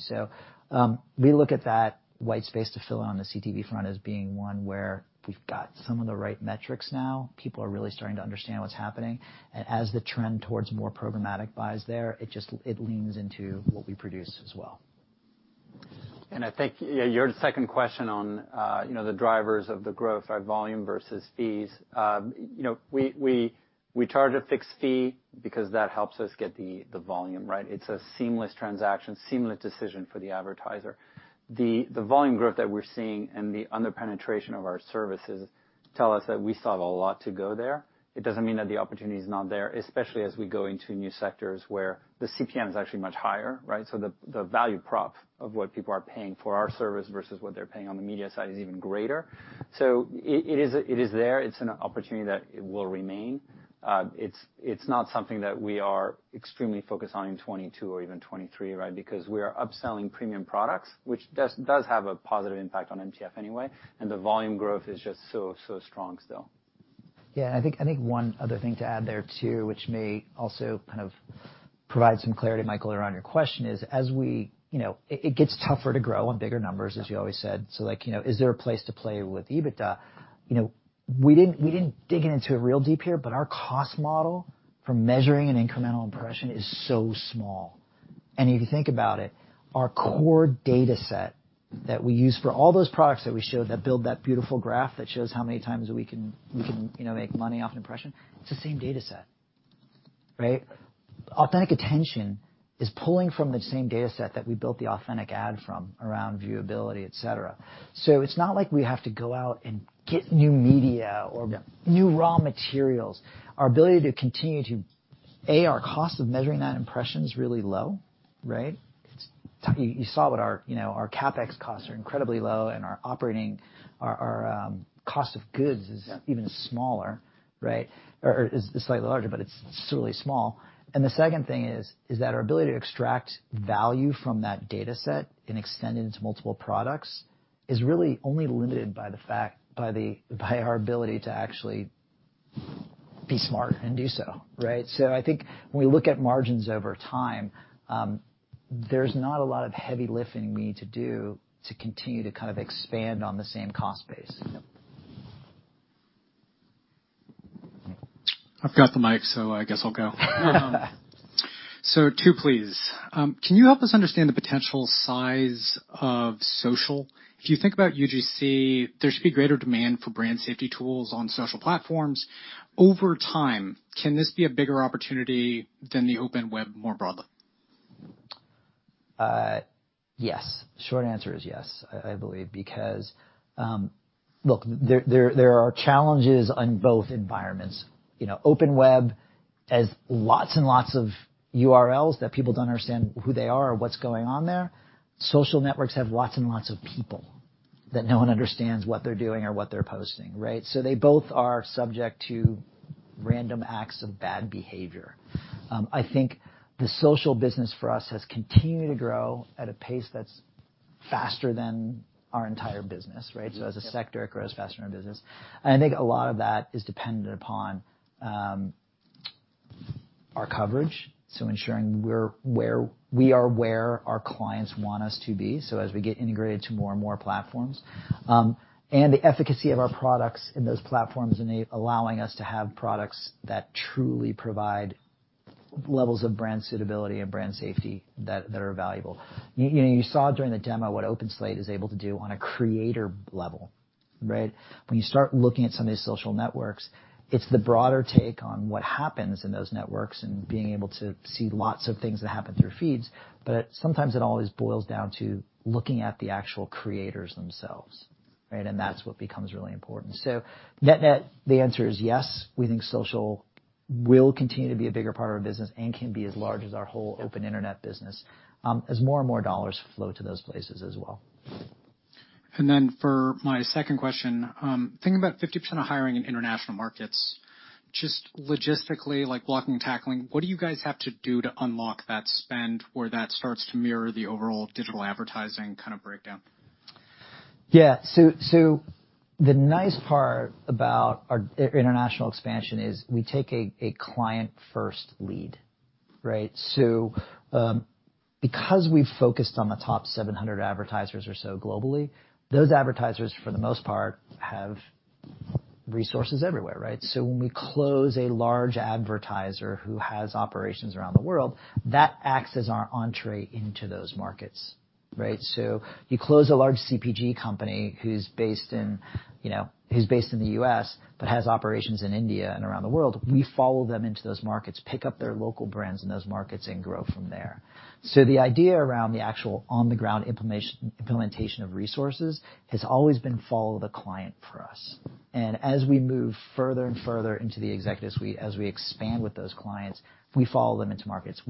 We look at that white space to fill on the CTV front as being one where we've got some of the right metrics now. People are really starting to understand what's happening. As the trend towards more programmatic buys there, it just leans into what we produce as well. I think your second question on, you know, the drivers of the growth by volume versus fees, you know, we charge a fixed fee because that helps us get the volume, right? It's a seamless transaction, seamless decision for the advertiser. The volume growth that we're seeing and the under-penetration of our services tell us that we still have a lot to go there. It doesn't mean that the opportunity is not there, especially as we go into new sectors where the CPM is actually much higher, right? So the value prop of what people are paying for our service versus what they're paying on the media side is even greater. So it is there. It's an opportunity that it will remain. It's not something that we are extremely focused on in 2022 or even 2023, right? Because we are upselling premium products, which does have a positive impact on MTF anyway, and the volume growth is just so strong still. Yeah. I think one other thing to add there, too, which may also kind of provide some clarity, Michael, around your question is, you know, it gets tougher to grow on bigger numbers, as you always said. Like, you know, is there a place to play with EBITDA? You know, we didn't dig into it real deep here, but our cost model for measuring an incremental impression is so small. If you think about it, our core dataset that we use for all those products that we showed that build that beautiful graph that shows how many times we can make money off an impression, it's the same dataset, right? Authentic Attention is pulling from the same dataset that we built the Authentic Ad from around viewability, et cetera. It's not like we have to go out and get new media or new raw materials. Our ability to continue to a, our cost of measuring that impression is really low, right? You saw what our, you know, our CapEx costs are incredibly low and our cost of goods is even smaller, right? Or is slightly larger, but it's certainly small. The second thing is that our ability to extract value from that dataset and extend it into multiple products is really only limited by our ability to actually be smart and do so, right? I think when we look at margins over time, there's not a lot of heavy lifting we need to do to continue to kind of expand on the same cost base. Yep. I've got the mic, so I guess I'll go. Two, please. Can you help us understand the potential size of social? If you think about UGC, there should be greater demand for brand safety tools on social platforms. Over time, can this be a bigger opportunity than the open web more broadly? Yes. Short answer is yes, I believe, because... Look, there are challenges on both environments. You know, open web has lots and lots of URLs that people don't understand who they are or what's going on there. Social networks have lots and lots of people that no one understands what they're doing or what they're posting, right? They both are subject to random acts of bad behavior. I think the social business for us has continued to grow at a pace that's faster than our entire business, right? As a sector, it grows faster than our business. I think a lot of that is dependent upon our coverage, so ensuring we're where our clients want us to be, so as we get integrated to more and more platforms. The efficacy of our products in those platforms and allowing us to have products that truly provide levels of brand suitability and brand safety that are valuable. You know, you saw during the demo what OpenSlate is able to do on a creator level, right? When you start looking at some of these social networks, it's the broader take on what happens in those networks and being able to see lots of things that happen through feeds. But sometimes it always boils down to looking at the actual creators themselves, right? That's what becomes really important. Net net, the answer is yes, we think social will continue to be a bigger part of our business and can be as large as our whole open internet business, as more and more dollars flow to those places as well. For my second question, thinking about 50% of hiring in international markets, just logistically, like blocking and tackling, what do you guys have to do to unlock that spend where that starts to mirror the overall digital advertising kind of breakdown? The nice part about our international expansion is we take a client-first lead, right? Because we've focused on the top 700 advertisers or so globally, those advertisers, for the most part, have resources everywhere, right? When we close a large advertiser who has operations around the world, that acts as our entree into those markets, right? You close a large CPG company who's based in the U.S., but has operations in India and around the world, we follow them into those markets, pick up their local brands in those markets, and grow from there. The idea around the actual on-the-ground implementation of resources has always been follow the client for us. As we move further and further into the executive suite, as we expand with those clients, we follow them into markets.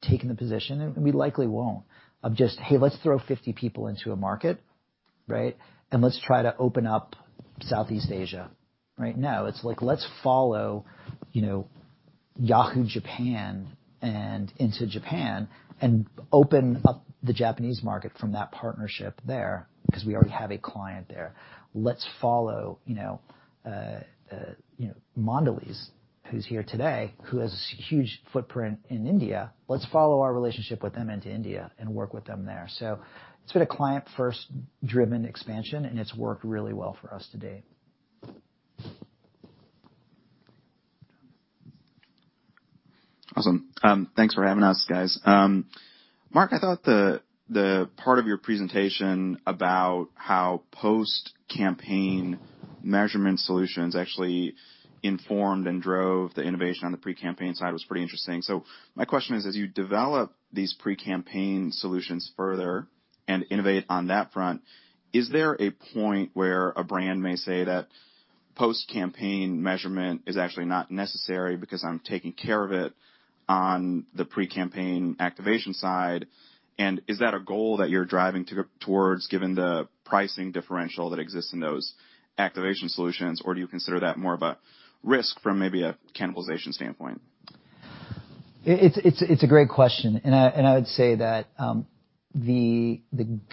Taking the position, and we likely won't, of just, "Hey, let's throw 50 people into a market, right? And let's try to open up Southeast Asia." Right? No. It's like, "Let's follow, you know, Yahoo! Japan and into Japan and open up the Japanese market from that partnership there, because we already have a client there. Let's follow, you know, Mondelez, who's here today, who has this huge footprint in India. Let's follow our relationship with them into India and work with them there." It's been a client-first driven expansion, and it's worked really well for us to date. Awesome. Thanks for having us, guys. Mark, I thought the part of your presentation about how post-campaign measurement solutions actually informed and drove the innovation on the pre-campaign side was pretty interesting. My question is, as you develop these pre-campaign solutions further and innovate on that front, is there a point where a brand may say that post-campaign measurement is actually not necessary because I'm taking care of it on the pre-campaign activation side? Is that a goal that you're driving towards given the pricing differential that exists in those activation solutions, or do you consider that more of a risk from maybe a cannibalization standpoint? It's a great question, and I would say that the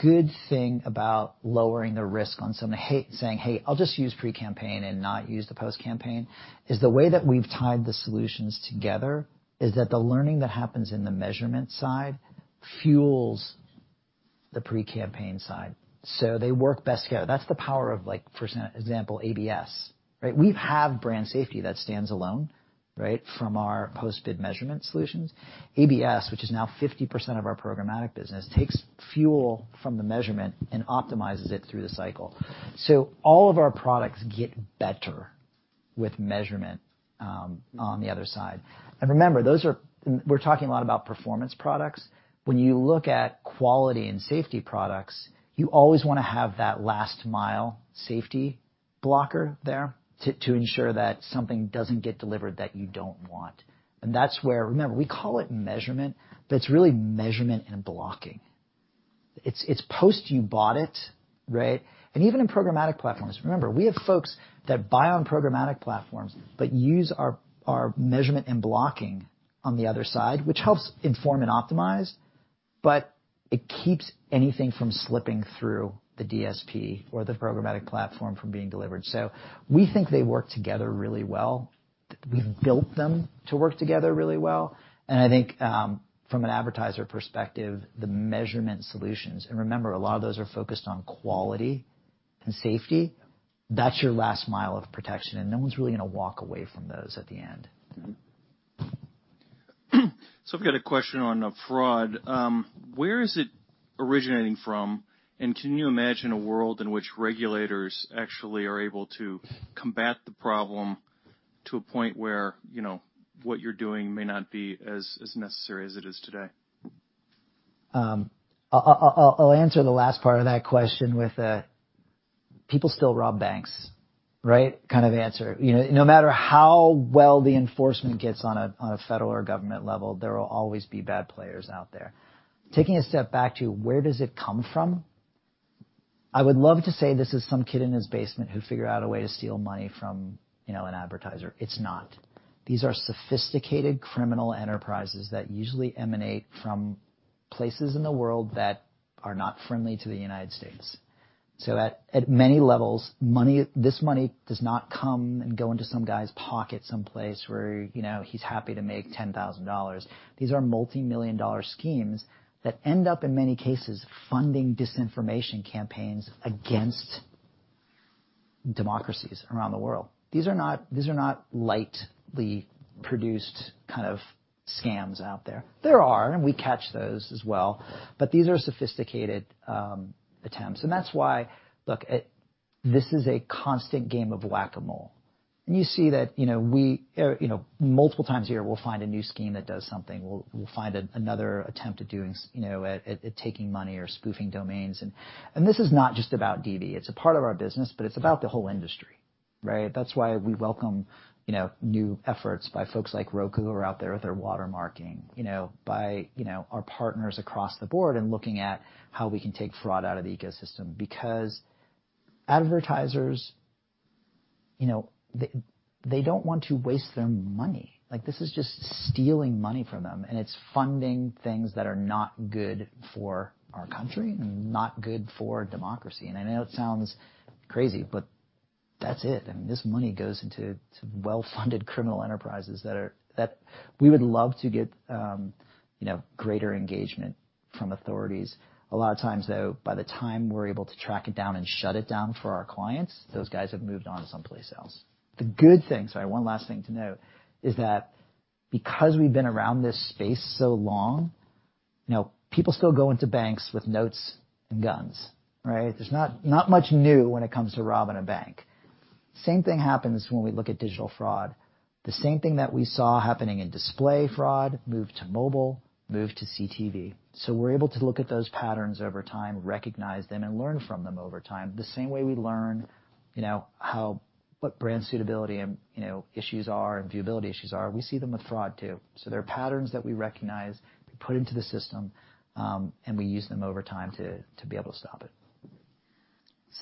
good thing about saying, "Hey, I'll just use pre-campaign and not use the post-campaign," is the way that we've tied the solutions together is that the learning that happens in the measurement side fuels the pre-campaign side. They work best together. That's the power of, like, for example, ABS, right? We have brand safety that stands alone, right? From our post-bid measurement solutions. ABS, which is now 50% of our programmatic business, takes fuel from the measurement and optimizes it through the cycle. All of our products get better with measurement on the other side. Remember, those are performance products we're talking a lot about. When you look at quality and safety products, you always wanna have that last-mile safety blocker there to ensure that something doesn't get delivered that you don't want. That's where. Remember, we call it measurement, but it's really measurement and blocking. It's post you bought it, right? Even in programmatic platforms, remember, we have folks that buy on programmatic platforms but use our measurement and blocking on the other side, which helps inform and optimize, but it keeps anything from slipping through the DSP or the programmatic platform from being delivered. We think they work together really well. We've built them to work together really well, and I think, from an advertiser perspective, the measurement solutions, and remember, a lot of those are focused on quality and safety. That's your last mile of protection, and no one's really gonna walk away from those at the end. Mm-hmm. I've got a question on fraud. Where is it originating from? Can you imagine a world in which regulators actually are able to combat the problem to a point where, you know, what you're doing may not be as necessary as it is today? I'll answer the last part of that question with a "people still rob banks," right? Kind of answer. You know, no matter how well the enforcement gets on a federal or government level, there will always be bad players out there. Taking a step back to where does it come from? I would love to say this is some kid in his basement who figured out a way to steal money from, you know, an advertiser. It's not. These are sophisticated criminal enterprises that usually emanate from places in the world that are not friendly to the United States. At many levels, this money does not come and go into some guy's pocket someplace where, you know, he's happy to make $10,000. These are multimillion-dollar schemes that end up, in many cases, funding disinformation campaigns against democracies around the world. These are not lightly produced kind of scams out there. There are, and we catch those as well, but these are sophisticated attempts, and that's why. Look, this is a constant game of Whac-A-Mole, and you see that, you know, multiple times a year, we'll find a new scheme that does something. We'll find another attempt at taking money or spoofing domains. This is not just about DV. It's a part of our business, but it's about the whole industry, right? That's why we welcome, you know, new efforts by folks like Roku, who are out there with their watermarking, you know, by our partners across the board and looking at how we can take fraud out of the ecosystem. Because advertisers, you know, they don't want to waste their money. Like, this is just stealing money from them, and it's funding things that are not good for our country and not good for democracy. I know it sounds crazy, but that's it. I mean, this money goes into well-funded criminal enterprises that we would love to get greater engagement from authorities. A lot of times, though, by the time we're able to track it down and shut it down for our clients, those guys have moved on to someplace else. One last thing to note is that because we've been around this space so long, you know, people still go into banks with notes and guns, right? There's not much new when it comes to robbing a bank. Same thing happens when we look at digital fraud. The same thing that we saw happening in display fraud moved to mobile, moved to CTV. We're able to look at those patterns over time, recognize them, and learn from them over time, the same way we learn. You know, how what brand suitability and, you know, issues are and viewability issues are, we see them with fraud too. There are patterns that we recognize, we put into the system, and we use them over time to be able to stop it.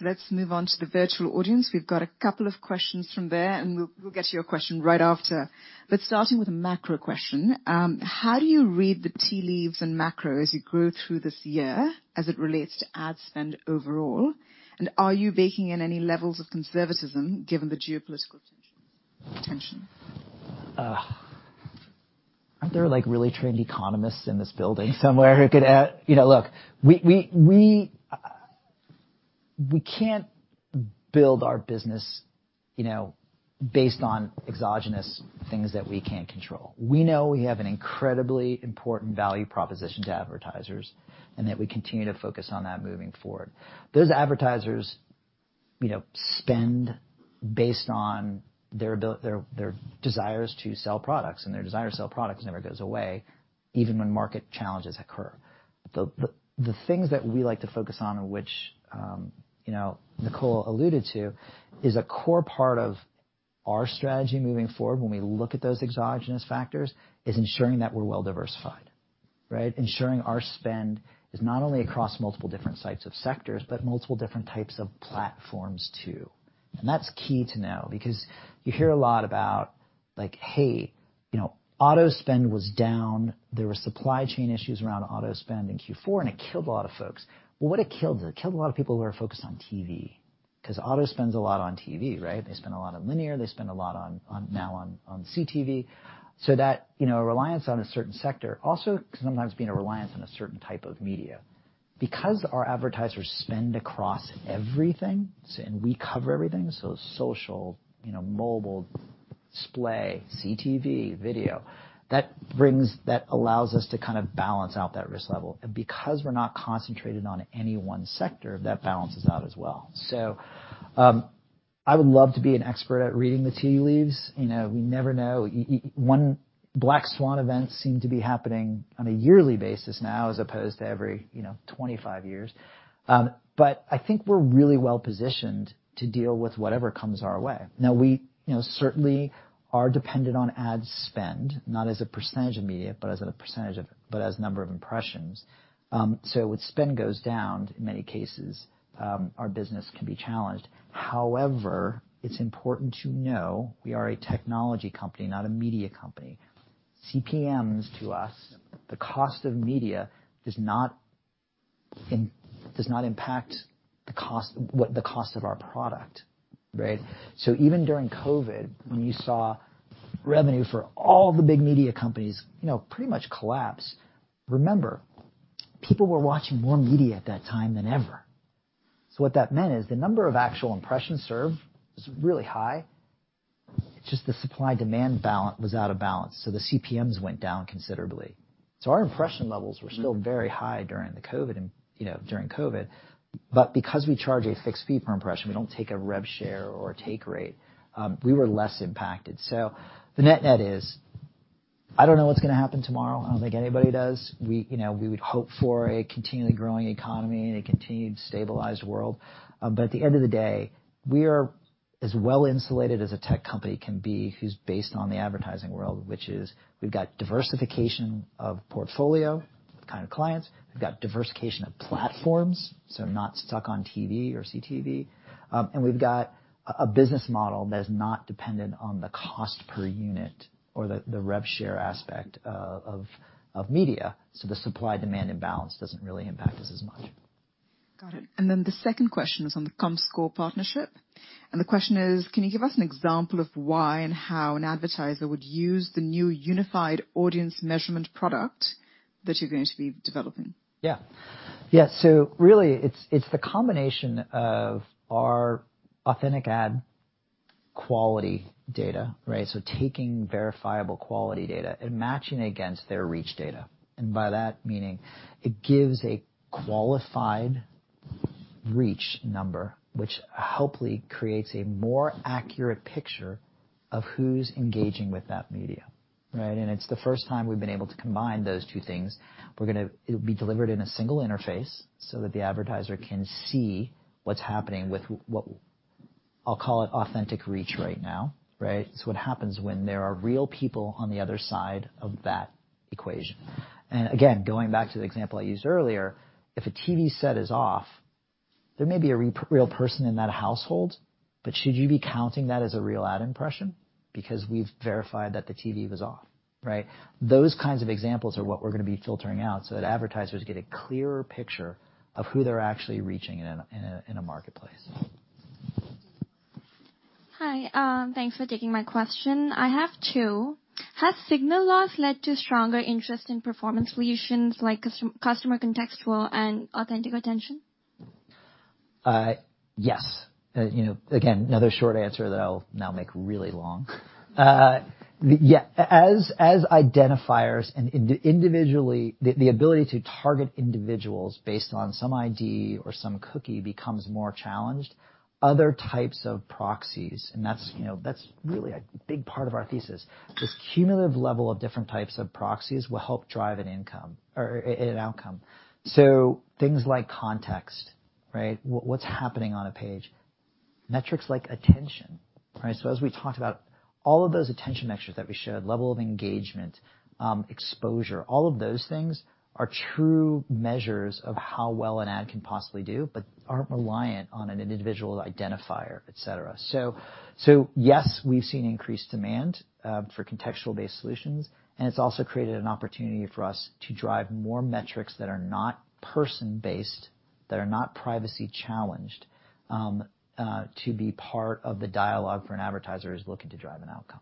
Let's move on to the virtual audience. We've got a couple of questions from there, and we'll get to your question right after. Starting with a macro question, how do you read the tea leaves in macro as you go through this year as it relates to ad spend overall, and are you baking in any levels of conservatism given the geopolitical tensions? Aren't there like really trained economists in this building somewhere who could? You know, look, we can't build our business, you know, based on exogenous things that we can't control. We know we have an incredibly important value proposition to advertisers, and that we continue to focus on that moving forward. Those advertisers, you know, spend based on their desires to sell products, and their desire to sell products never goes away, even when market challenges occur. The things that we like to focus on, and which, you know, Nicola alluded to, is a core part of our strategy moving forward when we look at those exogenous factors, is ensuring that we're well-diversified, right? Ensuring our spend is not only across multiple different sectors, but multiple different types of platforms too. That's key to know because you hear a lot about, like, hey, you know, auto spend was down, there were supply chain issues around auto spend in Q4, and it killed a lot of folks. What it killed is it killed a lot of people who are focused on TV 'cause auto spends a lot on TV, right? They spend a lot on linear, they spend a lot on CTV. That, you know, a reliance on a certain sector also can sometimes be a reliance on a certain type of media. Because our advertisers spend across everything, so and we cover everything, so social, you know, mobile, display, CTV, video, that brings that allows us to kind of balance out that risk level. Because we're not concentrated on any one sector, that balances out as well. I would love to be an expert at reading the tea leaves. You know, we never know. One black swan event seems to be happening on a yearly basis now as opposed to every, you know, 25 years. But I think we're really well-positioned to deal with whatever comes our way. Now we, you know, certainly are dependent on ad spend, not as a percentage of media, but as a number of impressions. So when spend goes down, in many cases, our business can be challenged. However, it's important to know we are a technology company, not a media company. CPMs to us, the cost of media does not impact the cost, what the cost of our product, right? Even during COVID, when you saw revenue for all the big media companies, you know, pretty much collapse, remember, people were watching more media at that time than ever. What that meant is the number of actual impressions served was really high, just the supply-demand balance was out of balance, so the CPMs went down considerably. Our impression levels were still very high during COVID, you know, but because we charge a fixed fee per impression, we don't take a rev share or take rate, we were less impacted. The net-net is, I don't know what's gonna happen tomorrow. I don't think anybody does. We, you know, we would hope for a continually growing economy and a continued stabilized world, but at the end of the day, we are as well-insulated as a tech company can be who's based on the advertising world, which is we've got diversification of portfolio kind of clients, we've got diversification of platforms, so not stuck on TV or CTV, and we've got a business model that is not dependent on the cost per unit or the rev share aspect of media. So the supply-demand imbalance doesn't really impact us as much. Got it. The second question is on the Comscore partnership. The question is, can you give us an example of why and how an advertiser would use the new unified audience measurement product that you're going to be developing? Yeah. Yeah, really it's the combination of our authentic ad quality data, right? Taking verifiable quality data and matching against their reach data, and by that meaning it gives a qualified reach number, which hopefully creates a more accurate picture of who's engaging with that media, right? It's the first time we've been able to combine those two things. It'll be delivered in a single interface so that the advertiser can see what's happening with what I'll call authentic reach right now, right? It's what happens when there are real people on the other side of that equation. Again, going back to the example I used earlier, if a TV set is off, there may be a real person in that household, but should you be counting that as a real ad impression? Because we've verified that the TV was off, right? Those kinds of examples are what we're gonna be filtering out so that advertisers get a clearer picture of who they're actually reaching in a marketplace. Hi. Thanks for taking my question. I have two. Has signal loss led to stronger interest in performance solutions like Custom Contextual and Authentic Attention? Yes. You know, again, another short answer that I'll now make really long. Yeah. As identifiers and individually, the ability to target individuals based on some ID or some cookie becomes more challenged. Other types of proxies, and that's, you know, that's really a big part of our thesis. This cumulative level of different types of proxies will help drive an outcome. Things like context, right? What's happening on a page? Metrics like attention, right? As we talked about all of those attention metrics that we showed, level of engagement, exposure, all of those things are true measures of how well an ad can possibly do but aren't reliant on an individual identifier, et cetera. Yes, we've seen increased demand for contextual-based solutions, and it's also created an opportunity for us to drive more metrics that are not person-based, that are not privacy challenged, to be part of the dialogue for an advertiser who's looking to drive an outcome.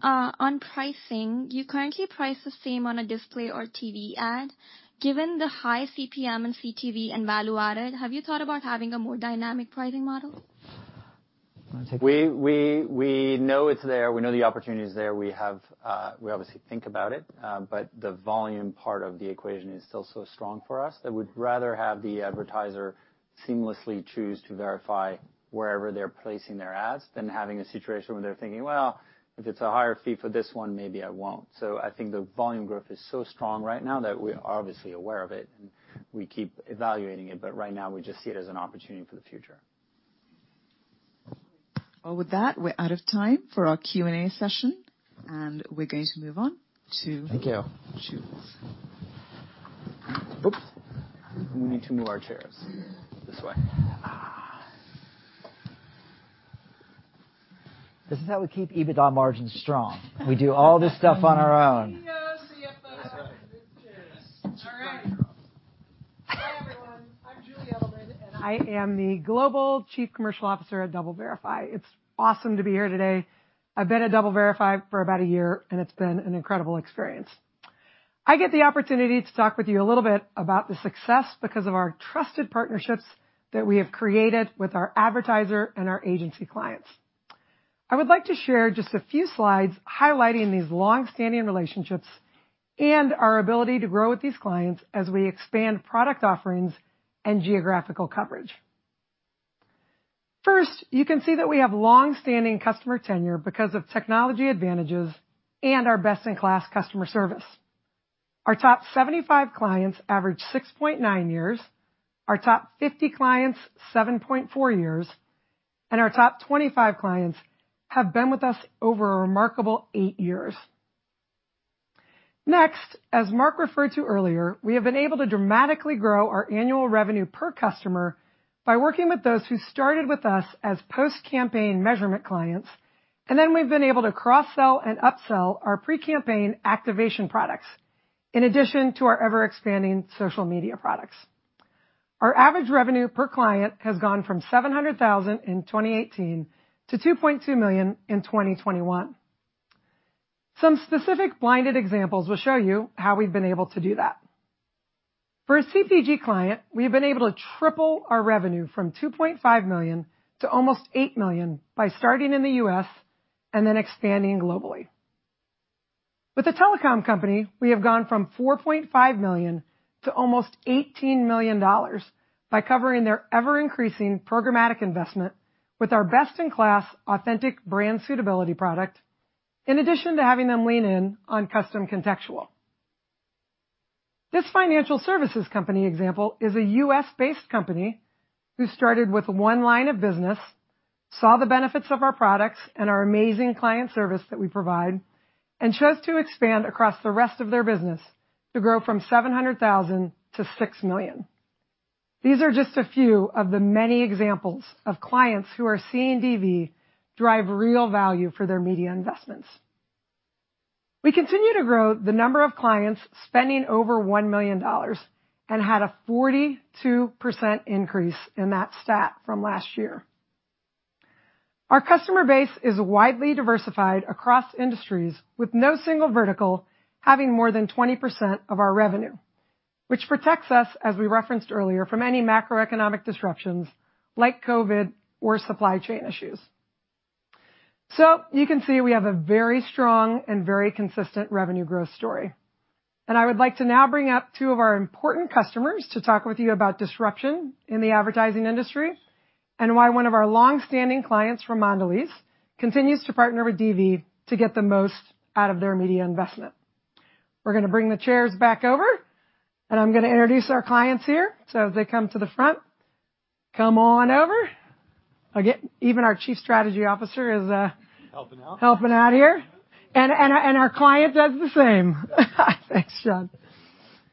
On pricing, you currently price the same on a display or TV ad. Given the high CPM and CTV and value added, have you thought about having a more dynamic pricing model? Wanna take that? We know it's there. We know the opportunity is there. We obviously think about it, but the volume part of the equation is still so strong for us that we'd rather have the advertiser seamlessly choose to verify wherever they're placing their ads than having a situation where they're thinking, "Well, if it's a higher fee for this one, maybe I won't." I think the volume growth is so strong right now that we're obviously aware of it and we keep evaluating it, but right now we just see it as an opportunity for the future. Well, with that, we're out of time for our Q&A session, and we're going to move on to. Thank you. Oops. We need to move our chairs. This way. This is how we keep EBITDA margins strong. We do all this stuff on our own. CEO, CFO. That's right. Move chairs. All right. Hi, everyone. I'm Julie Eddleman, and I am the Global Chief Commercial Officer at DoubleVerify. It's awesome to be here today. I've been at DoubleVerify for about a year, and it's been an incredible experience. I get the opportunity to talk with you a little bit about the success because of our trusted partnerships that we have created with our advertiser and our agency clients. I would like to share just a few slides highlighting these long-standing relationships and our ability to grow with these clients as we expand product offerings and geographical coverage. First, you can see that we have long-standing customer tenure because of technology advantages and our best-in-class customer service. Our top 75 clients average 6.9 years, our top 50 clients 7.4 years, and our top 25 clients have been with us over a remarkable 8 years. Next, as Mark referred to earlier, we have been able to dramatically grow our annual revenue per customer by working with those who started with us as post-campaign measurement clients, and then we've been able to cross-sell and upsell our pre-campaign activation products, in addition to our ever-expanding social media products. Our average revenue per client has gone from $700,000 in 2018 to $2.2 million in 2021. Some specific blinded examples will show you how we've been able to do that. For a CPG client, we have been able to triple our revenue from $2.5 million to almost $8 million by starting in the U.S. and then expanding globally. With the telecom company, we have gone from $4.5 million to almost $18 million by covering their ever-increasing programmatic investment with our best-in-class Authentic Brand Suitability product, in addition to having them lean in on Custom Contextual. This financial services company example is a U.S.-based company who started with one line of business, saw the benefits of our products and our amazing client service that we provide, and chose to expand across the rest of their business to grow from $700,000 to $6 million. These are just a few of the many examples of clients who are seeing DV drive real value for their media investments. We continue to grow the number of clients spending over $1 million and had a 42% increase in that stat from last year. Our customer base is widely diversified across industries with no single vertical, having more than 20% of our revenue, which protects us, as we referenced earlier, from any macroeconomic disruptions like COVID or supply chain issues. You can see we have a very strong and very consistent revenue growth story. I would like to now bring up two of our important customers to talk with you about disruption in the advertising industry and why one of our long-standing clients from Mondelez continues to partner with DV to get the most out of their media investment. We're gonna bring the chairs back over, and I'm gonna introduce our clients here. If they come to the front. Come on over. Again, even our chief strategy officer is, Helping out. Helping out here. Our client does the same. Thanks, Jon.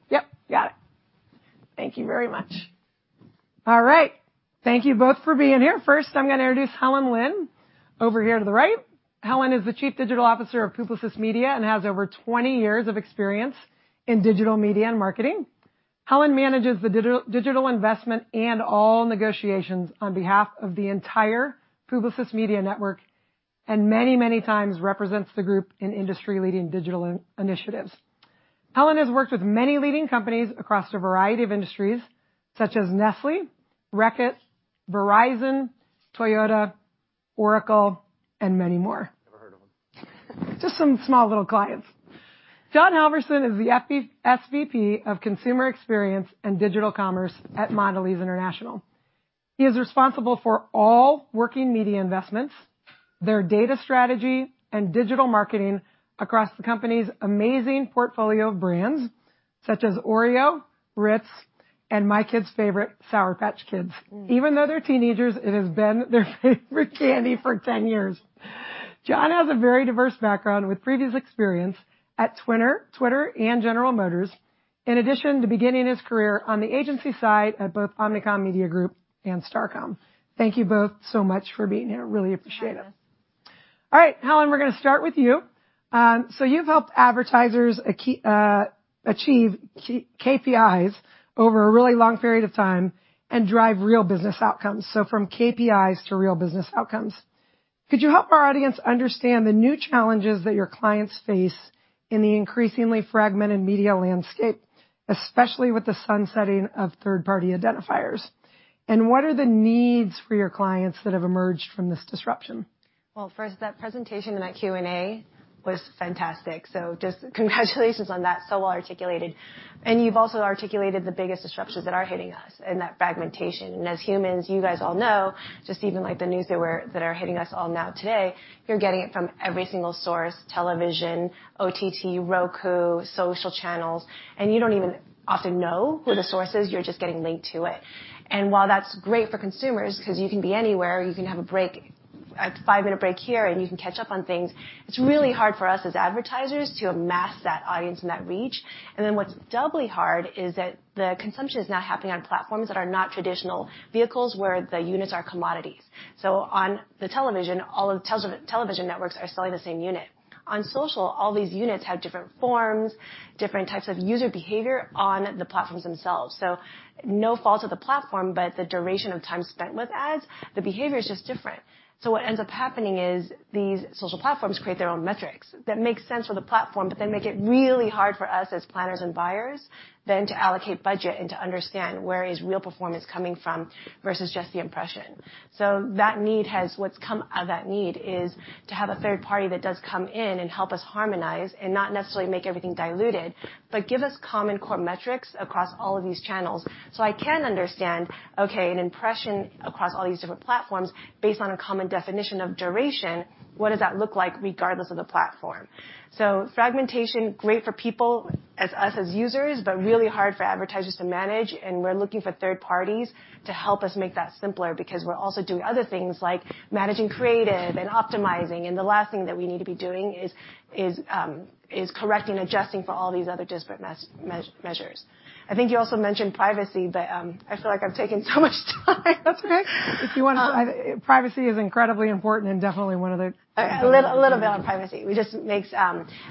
Yep, got it. Thank you very much. All right. Thank you both for being here. First, I'm gonna introduce Helen Lin over here to the right. Helen is the Chief Digital Officer of Publicis Media and has over 20 years of experience in digital media and marketing. Helen manages the digital investment and all negotiations on behalf of the entire Publicis Media network, and many times represents the group in industry-leading digital initiatives. Helen has worked with many leading companies across a variety of industries, such as Nestlé, Reckitt, Verizon, Toyota, Oracle, and many more. Never heard of them. Just some small little clients. Jonathan Halvorson is the SVP of Consumer Experience and Digital Commerce at Mondelez International. He is responsible for all working media investments. Their data strategy and digital marketing across the company's amazing portfolio of brands, such as Oreo, Ritz, and my kids' favorite, Sour Patch Kids. Mm. Even though they're teenagers, it has been their favorite candy for 10 years. Jonathan Halvorson has a very diverse background, with previous experience at Twitter and General Motors, in addition to beginning his career on the agency side at both Omnicom Media Group and Starcom. Thank you both so much for being here. Really appreciate it. Thanks. All right. Helen, we're gonna start with you. You've helped advertisers achieve KPIs over a really long period of time and drive real business outcomes. From KPIs to real business outcomes. Could you help our audience understand the new challenges that your clients face in the increasingly fragmented media landscape, especially with the sunsetting of third-party identifiers? And what are the needs for your clients that have emerged from this disruption? Well, first, that presentation and that Q&A was fantastic, so just congratulations on that. Well-articulated. You've also articulated the biggest disruptions that are hitting us in that fragmentation. As humans, you guys all know, just even, like, the news that are hitting us all now today, you're getting it from every single source, television, OTT, Roku, social channels, and you don't even often know who the source is, you're just getting linked to it. While that's great for consumers, 'cause you can be anywhere, you can have a break, a five-minute break here, and you can catch up on things, it's really hard for us as advertisers to amass that audience and that reach. Then what's doubly hard is that the consumption is now happening on platforms that are not traditional vehicles where the units are commodities. On the television, all of the television networks are selling the same unit. On social, all these units have different forms, different types of user behavior on the platforms themselves. No fault of the platform, but the duration of time spent with ads, the behavior is just different. What ends up happening is these social platforms create their own metrics that make sense for the platform, but they make it really hard for us as planners and buyers then to allocate budget and to understand where is real performance coming from, versus just the impression. That need what's come of that need is to have a third party that does come in and help us harmonize, and not necessarily make everything diluted, but give us common core metrics across all of these channels. I can understand, okay, an impression across all these different platforms based on a common definition of duration, what does that look like regardless of the platform? Fragmentation, great for people as us as users, but really hard for advertisers to manage, and we're looking for third parties to help us make that simpler, because we're also doing other things like managing creative and optimizing, and the last thing that we need to be doing is correcting, adjusting for all these other disparate measures. I think you also mentioned privacy, but I feel like I've taken so much time. That's okay. Privacy is incredibly important, and definitely one of the A little bit on privacy. It makes,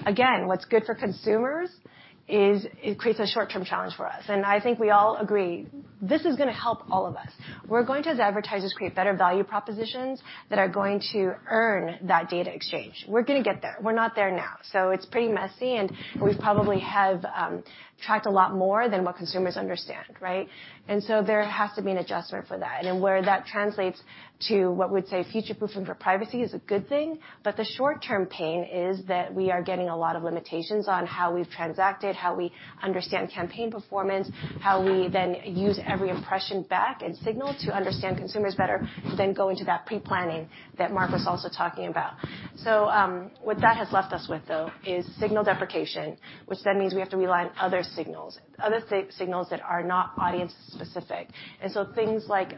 again, what's good for consumers is it creates a short-term challenge for us. I think we all agree, this is gonna help all of us. We're going to, as advertisers, create better value propositions that are going to earn that data exchange. We're gonna get there. We're not there now. It's pretty messy, and we probably have tracked a lot more than what consumers understand, right? There has to be an adjustment for that. Where that translates to what we'd say future-proofing for privacy is a good thing, but the short-term pain is that we are getting a lot of limitations on how we've transacted, how we understand campaign performance, how we then use every impression, feedback and signal to understand consumers better, then go into that pre-planning that Mark was also talking about. What that has left us with, though, is signal deprecation, which then means we have to rely on other signals, other signals that are not audience-specific. Things like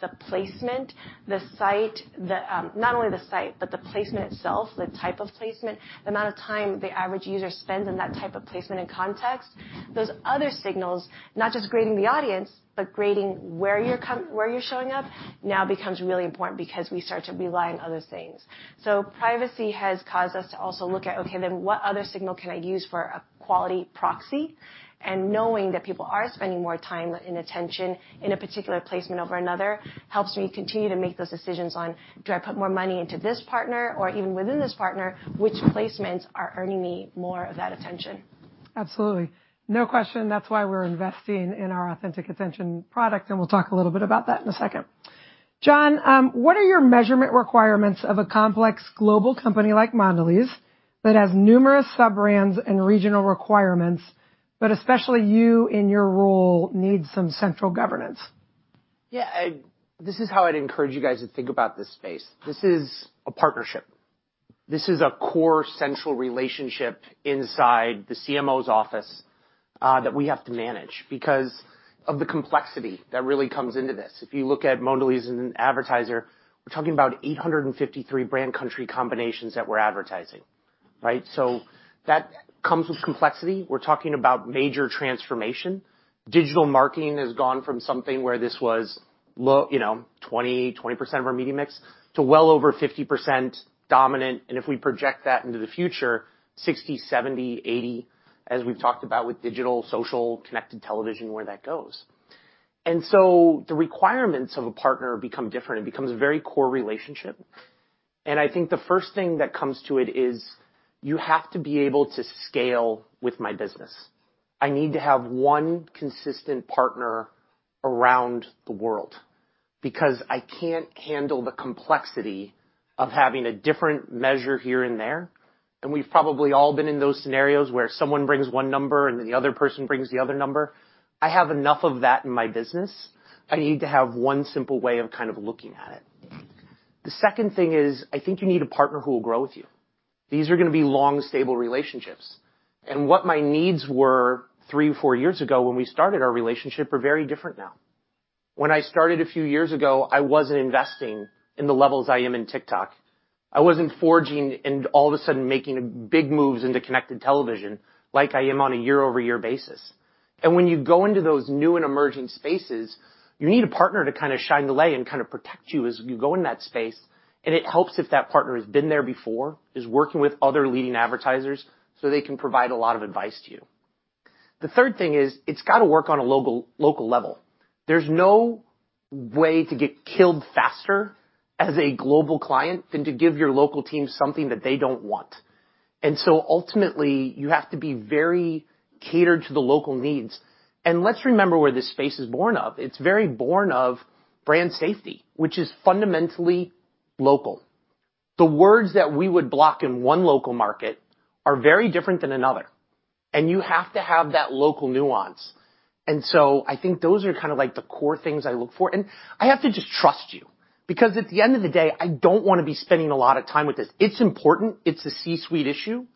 the placement, the site, not only the site, but the placement itself, the type of placement, the amount of time the average user spends in that type of placement and context. Those other signals, not just grading the audience, but grading where you're showing up, now becomes really important because we start to rely on other things. Privacy has caused us to also look at, okay, then what other signal can I use for a quality proxy? Knowing that people are spending more time and attention in a particular placement over another helps me continue to make those decisions on, do I put more money into this partner? Even within this partner, which placements are earning me more of that attention? Absolutely. No question, that's why we're investing in our Authentic Attention product, and we'll talk a little bit about that in a second. Jon, what are your measurement requirements of a complex global company like Mondelez that has numerous sub-brands and regional requirements, but especially you, in your role, need some central governance? Yeah. This is how I'd encourage you guys to think about this space. This is a partnership. This is a core central relationship inside the CMO's office that we have to manage because of the complexity that really comes into this. If you look at Mondelez as an advertiser, we're talking about 853 brand country combinations that we're advertising, right? So that comes with complexity. We're talking about major transformation. Digital marketing has gone from something where this was low 20-20% of our media mix to well over 50% dominant, and if we project that into the future, 60%, 70%, 80%, as we've talked about with digital, social, connected television, where that goes. The requirements of a partner become different. It becomes a very core relationship. I think the first thing that comes to it is you have to be able to scale with my business. I need to have one consistent partner around the world, because I can't handle the complexity of having a different measure here and there. We've probably all been in those scenarios where someone brings one number, and then the other person brings the other number. I have enough of that in my business. I need to have one simple way of kind of looking at it. The second thing is, I think you need a partner who will grow with you. These are gonna be long, stable relationships. What my needs were three, four years ago when we started our relationship are very different now. When I started a few years ago, I wasn't investing in the levels I am in TikTok. I wasn't forging ahead and all of a sudden making big moves into connected television like I am on a year-over-year basis. When you go into those new and emerging spaces, you need a partner to kinda shine the light and kinda protect you as you go in that space. It helps if that partner has been there before, is working with other leading advertisers so they can provide a lot of advice to you. The third thing is, it's gotta work on a local level. There's no way to get killed faster as a global client than to give your local team something that they don't want. Ultimately, you have to be very catered to the local needs. Let's remember where this space is born of. It's very born of brand safety, which is fundamentally local. The words that we would block in one local market are very different than another, and you have to have that local nuance. I think those are kinda like the core things I look for. I have to just trust you because at the end of the day, I don't wanna be spending a lot of time with this. It's important. It's a C-suite issue.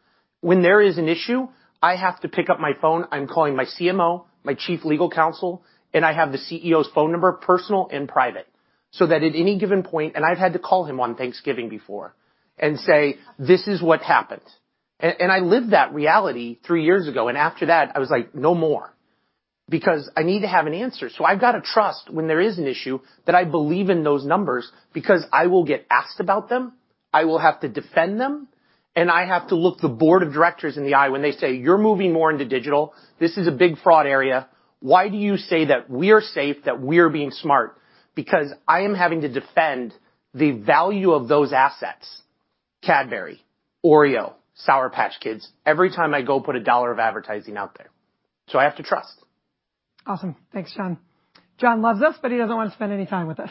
When there is an issue, I have to pick up my phone, I'm calling my CMO, my chief legal counsel, and I have the CEO's phone number, personal and private, so that at any given point, and I've had to call him on Thanksgiving before and say, "This is what happened." And I lived that reality three years ago, and after that, I was like, "No more," because I need to have an answer. I've gotta trust when there is an issue that I believe in those numbers because I will get asked about them, I will have to defend them, and I have to look the board of directors in the eye when they say, "You're moving more into digital. This is a big fraud area. Why do you say that we're safe, that we're being smart?" Because I am having to defend the value of those assets, Cadbury, Oreo, Sour Patch Kids, every time I go put a dollar of advertising out there. I have to trust. Awesome. Thanks, Jon. Jon Loves us, but he doesn't wanna spend any time with us.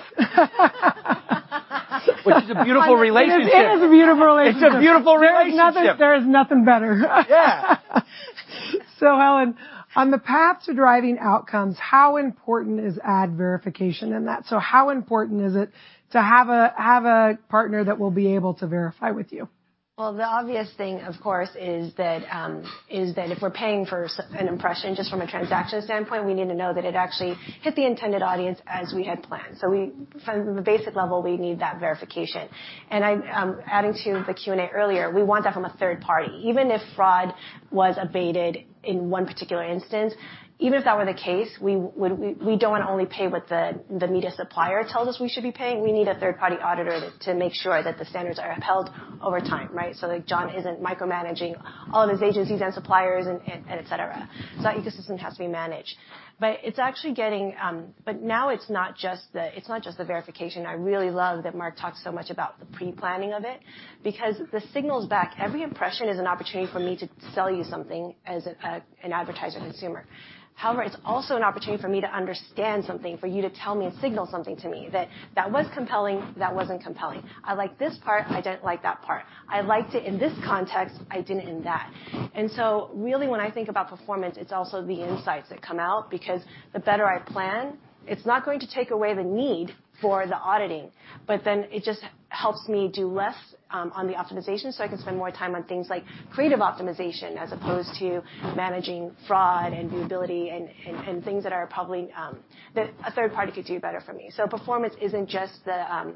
Which is a beautiful relationship. It is a beautiful relationship. It's a beautiful relationship. There is nothing better. Yeah. Helen, on the path to driving outcomes, how important is ad verification in that? How important is it to have a partner that will be able to verify with you? Well, the obvious thing, of course, is that if we're paying for an impression just from a transaction standpoint, we need to know that it actually hit the intended audience as we had planned. From the basic level, we need that verification. I'm adding to the Q&A earlier, we want that from a third party. Even if fraud was abated in one particular instance, even if that were the case, we don't wanna only pay what the media supplier tells us we should be paying. We need a third-party auditor to make sure that the standards are upheld over time, right? That Jon isn't micromanaging all of his agencies and suppliers and et cetera. That ecosystem has to be managed. It's actually getting Now it's not just the verification. I really love that Mark talked so much about the pre-planning of it because the signals back, every impression is an opportunity for me to sell you something as an advertiser consumer. However, it's also an opportunity for me to understand something, for you to tell me and signal something to me that was compelling, that wasn't compelling. I like this part, I didn't like that part. I liked it in this context, I didn't in that. Really, when I think about performance, it's also the insights that come out because the better I plan, it's not going to take away the need for the auditing, but then it just helps me do less on the optimization, so I can spend more time on things like creative optimization as opposed to managing fraud and viewability and things that are probably that a third party could do better for me. Performance isn't just the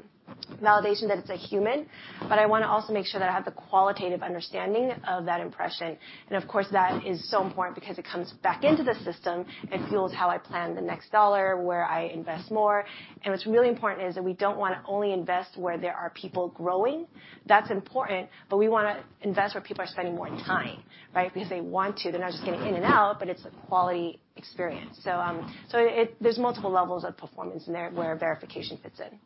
validation that it's a human, but I wanna also make sure that I have the qualitative understanding of that impression. Of course, that is so important because it comes back into the system and fuels how I plan the next dollar, where I invest more. What's really important is that we don't wanna only invest where there are people growing. That's important, but we wanna invest where people are spending more time, right? Because they want to. They're not just getting in and out, but it's a quality experience. There's multiple levels of performance in there where verification fits in.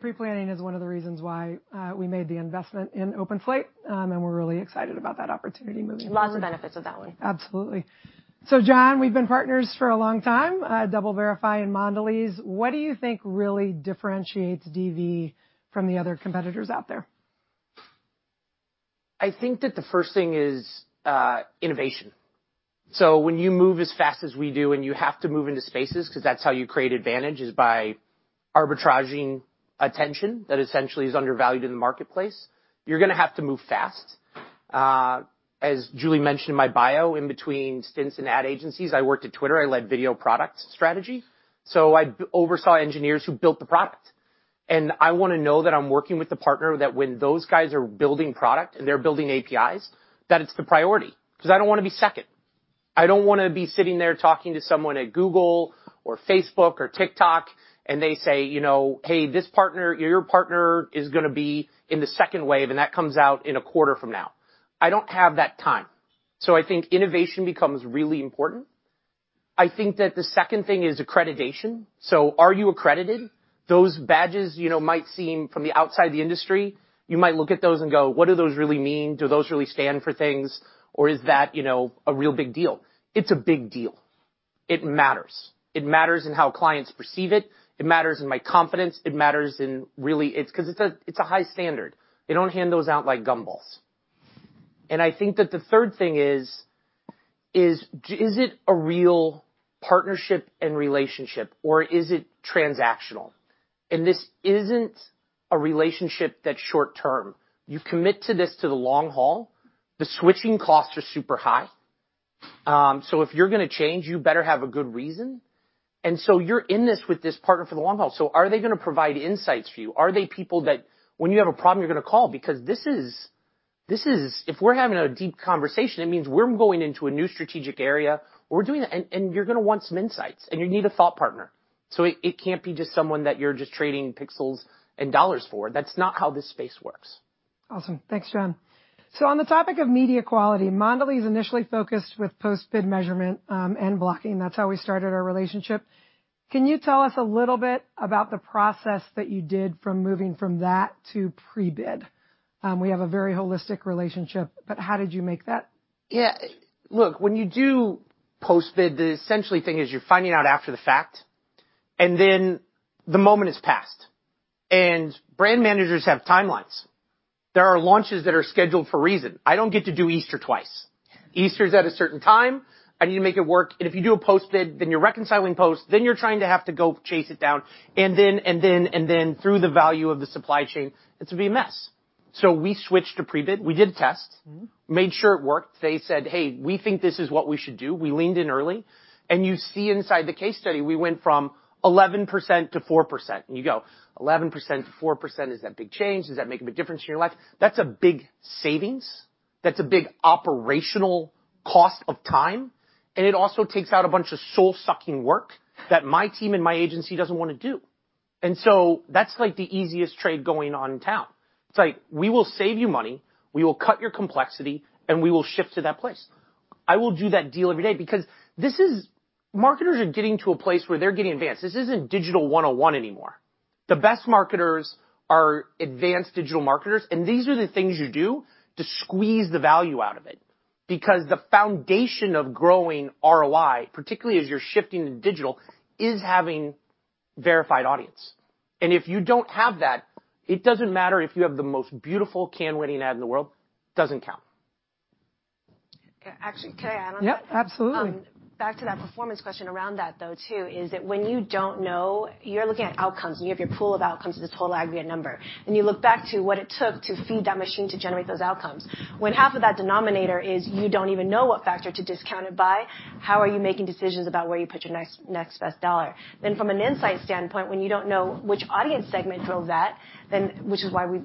Pre-planning is one of the reasons why we made the investment in OpenSlate, and we're really excited about that opportunity moving forward. Lots of benefits with that one. Absolutely. Jon, we've been partners for a long time, DoubleVerify and Mondelez. What do you think really differentiates DV from the other competitors out there? I think that the first thing is innovation. When you move as fast as we do, and you have to move into spaces 'cause that's how you create advantage, is by arbitraging attention that essentially is undervalued in the marketplace, you're gonna have to move fast. As Julie mentioned in my bio, in between stints in ad agencies, I worked at Twitter. I led video product strategy, so I oversaw engineers who built the product. I wanna know that I'm working with a partner that when those guys are building product and they're building APIs, that it's the priority, 'cause I don't wanna be second. I don't wanna be sitting there talking to someone at Google or Facebook or TikTok, and they say, you know, "Hey, this partner... Your partner is gonna be in the second wave, and that comes out in a quarter from now. I don't have that time. I think innovation becomes really important. I think that the second thing is accreditation. Are you accredited? Those badges, you know, might seem, from the outside of the industry, you might look at those and go, "What do those really mean? Do those really stand for things, or is that, you know, a real big deal?" It's a big deal. It matters. It matters in how clients perceive it. It matters in my confidence. It matters in really, it's 'cause it's a high standard. They don't hand those out like gumballs. I think that the third thing is it a real partnership and relationship, or is it transactional? This isn't a relationship that's short-term. You commit to this for the long haul. The switching costs are super high. If you're gonna change, you better have a good reason. You're in this with this partner for the long haul. Are they gonna provide insights for you? Are they people that when you have a problem, you're gonna call? If we're having a deep conversation, it means we're going into a new strategic area, or we're doing that, and you're gonna want some insights, and you need a thought partner. It can't be just someone that you're just trading pixels and dollars for. That's not how this space works. Awesome. Thanks, Jon. On the topic of media quality, Mondelez initially focused with post-bid measurement and blocking. That's how we started our relationship. Can you tell us a little bit about the process that you did from moving from that to pre-bid? We have a very holistic relationship, but how did you make that? Yeah. Look, when you do post-bid, the essential thing is you're finding out after the fact, and then the moment has passed. Brand managers have timelines. There are launches that are scheduled for a reason. I don't get to do Easter twice. Easter is at a certain time. I need to make it work. If you do a post-bid, then you're reconciling post, then you're trying to have to go chase it down. Then through the value of the supply chain, it's gonna be a mess. We switched to pre-bid. We did a test. Mm-hmm. Made sure it worked. They said, "Hey, we think this is what we should do." We leaned in early, and you see inside the case study, we went from 11% to 4%. You go, "11% to 4%, is that a big change? Does that make a big difference in your life?" That's a big savings. That's a big operational cost of time, and it also takes out a bunch of soul-sucking work that my team and my agency doesn't wanna do. That's, like, the easiest trade going on in town. It's like, we will save you money, we will cut your complexity, and we will shift to that place. I will do that deal every day because this is. Marketers are getting to a place where they're getting advanced. This isn't digital 101 anymore. The best marketers are advanced digital marketers, and these are the things you do to squeeze the value out of it. Because the foundation of growing ROI, particularly as you're shifting to digital, is having verified audience. If you don't have that, it doesn't matter if you have the most beautiful Cannes-winning ad in the world, doesn't count. Actually, can I add on that? Yep, absolutely. Back to that performance question around that, though, too, is that when you don't know, you're looking at outcomes, and you have your pool of outcomes, this whole aggregate number, and you look back to what it took to feed that machine to generate those outcomes. When half of that denominator is you don't even know what factor to discount it by, how are you making decisions about where you put your next best dollar? From an insight standpoint, when you don't know which audience segment drove that, then which is why we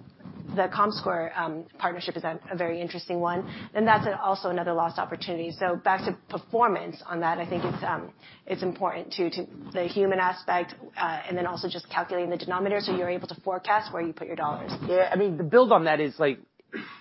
the Comscore partnership is a very interesting one, then that's also another lost opportunity. Back to performance on that, I think it's important, too, to the human aspect, and then also just calculating the denominator, so you're able to forecast where you put your dollars. Yeah, I mean, to build on that is, like,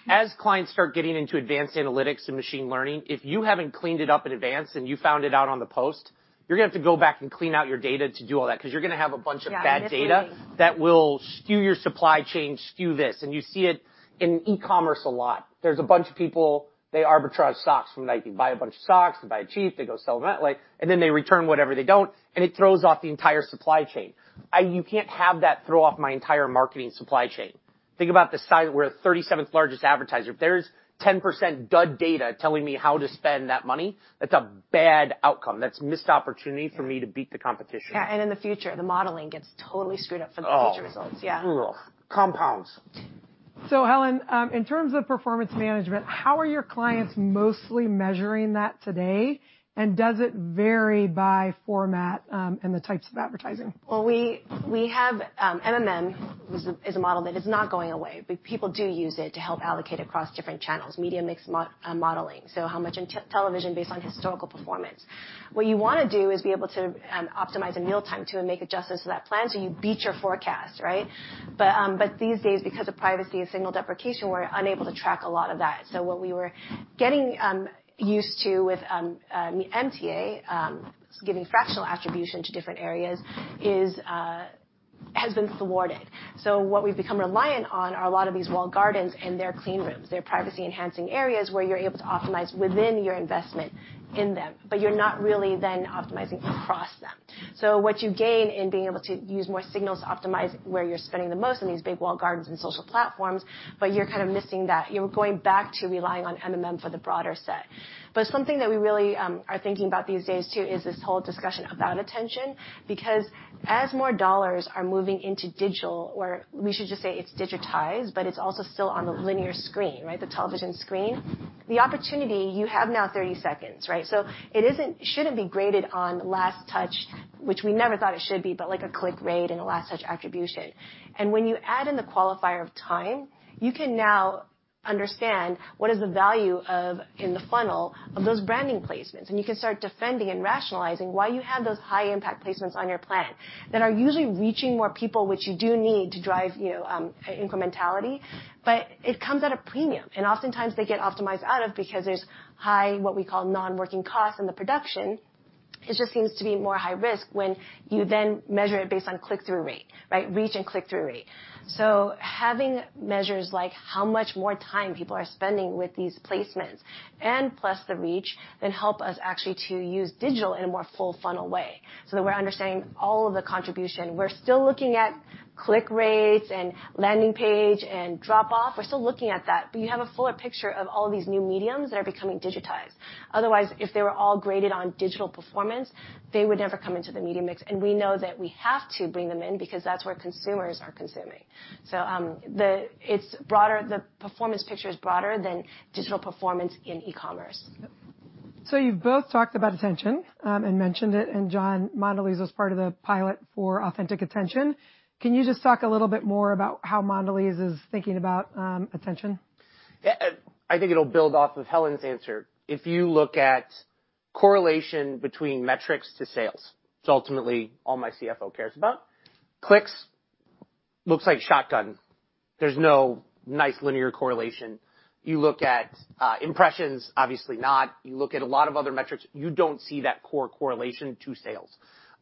as clients start getting into advanced analytics and machine learning, if you haven't cleaned it up in advance and you found it out on the post, you're gonna have to go back and clean out your data to do all that 'cause you're gonna have a bunch of bad data. Yeah, misleading. ...that will skew your supply chain, skew this. You see it in e-commerce a lot. There's a bunch of people, they arbitrage stocks from Nike. Buy a bunch of stocks, they buy it cheap, they go sell them that way, and then they return whatever they don't, and it throws off the entire supply chain. You can't have that throw off my entire marketing supply chain. Think about the size. We're the 37th largest advertiser. If there's 10% dud data telling me how to spend that money, that's a bad outcome. That's missed opportunity for me to beat the competition. Yeah. In the future, the modeling gets totally screwed up for the future results. Oh. Yeah. Compounds. Helen, in terms of performance management, how are your clients mostly measuring that today? Does it vary by format, and the types of advertising? Well, we have MMM is a model that is not going away, but people do use it to help allocate across different channels. Media mix modeling, so how much in television based on historical performance. What you wanna do is be able to optimize in real time to make adjustments to that plan so you beat your forecast, right? These days, because of privacy and signal deprecation, we're unable to track a lot of that. What we were getting used to with MTA giving fractional attribution to different areas is has been thwarted. What we've become reliant on are a lot of these walled gardens and their clean rooms, their privacy-enhancing areas where you're able to optimize within your investment in them, but you're not really then optimizing across them. What you gain in being able to use more signals to optimize where you're spending the most on these big walled gardens and social platforms, but you're kind of missing that. You're going back to relying on MMM for the broader set. Something that we really are thinking about these days too is this whole discussion about attention. Because as more dollars are moving into digital or we should just say it's digitized, but it's also still on the linear screen, right, the television screen. The opportunity you have now 30 seconds, right? It shouldn't be graded on last touch, which we never thought it should be, but like a click rate and a last touch attribution. When you add in the qualifier of time, you can now understand what is the value of in the funnel of those branding placements, and you can start defending and rationalizing why you had those high-impact placements on your plan that are usually reaching more people, which you do need to drive, you know, incrementality. But it comes at a premium, and oftentimes they get optimized out of because there's high, what we call non-working costs in the production. It just seems to be more high risk when you then measure it based on click-through rate, right? Reach and click-through rate. Having measures like how much more time people are spending with these placements and plus the reach then help us actually to use digital in a more full funnel way so that we're understanding all of the contribution. We're still looking at click rates and landing page and drop off. We're still looking at that, but you have a fuller picture of all these new media that are becoming digitized. Otherwise, if they were all graded on digital performance, they would never come into the media mix. We know that we have to bring them in because that's where consumers are consuming. It's broader. The performance picture is broader than digital performance in e-commerce. You've both talked about attention, and mentioned it, and Jon, Mondelez was part of the pilot for Authentic Attention. Can you just talk a little bit more about how Mondelez is thinking about attention? Yeah, I think it'll build off of Helen's answer. If you look at correlation between metrics to sales, it's ultimately all my CFO cares about. Clicks looks like shotgun. There's no nice linear correlation. You look at impressions, obviously not. You look at a lot of other metrics, you don't see that core correlation to sales.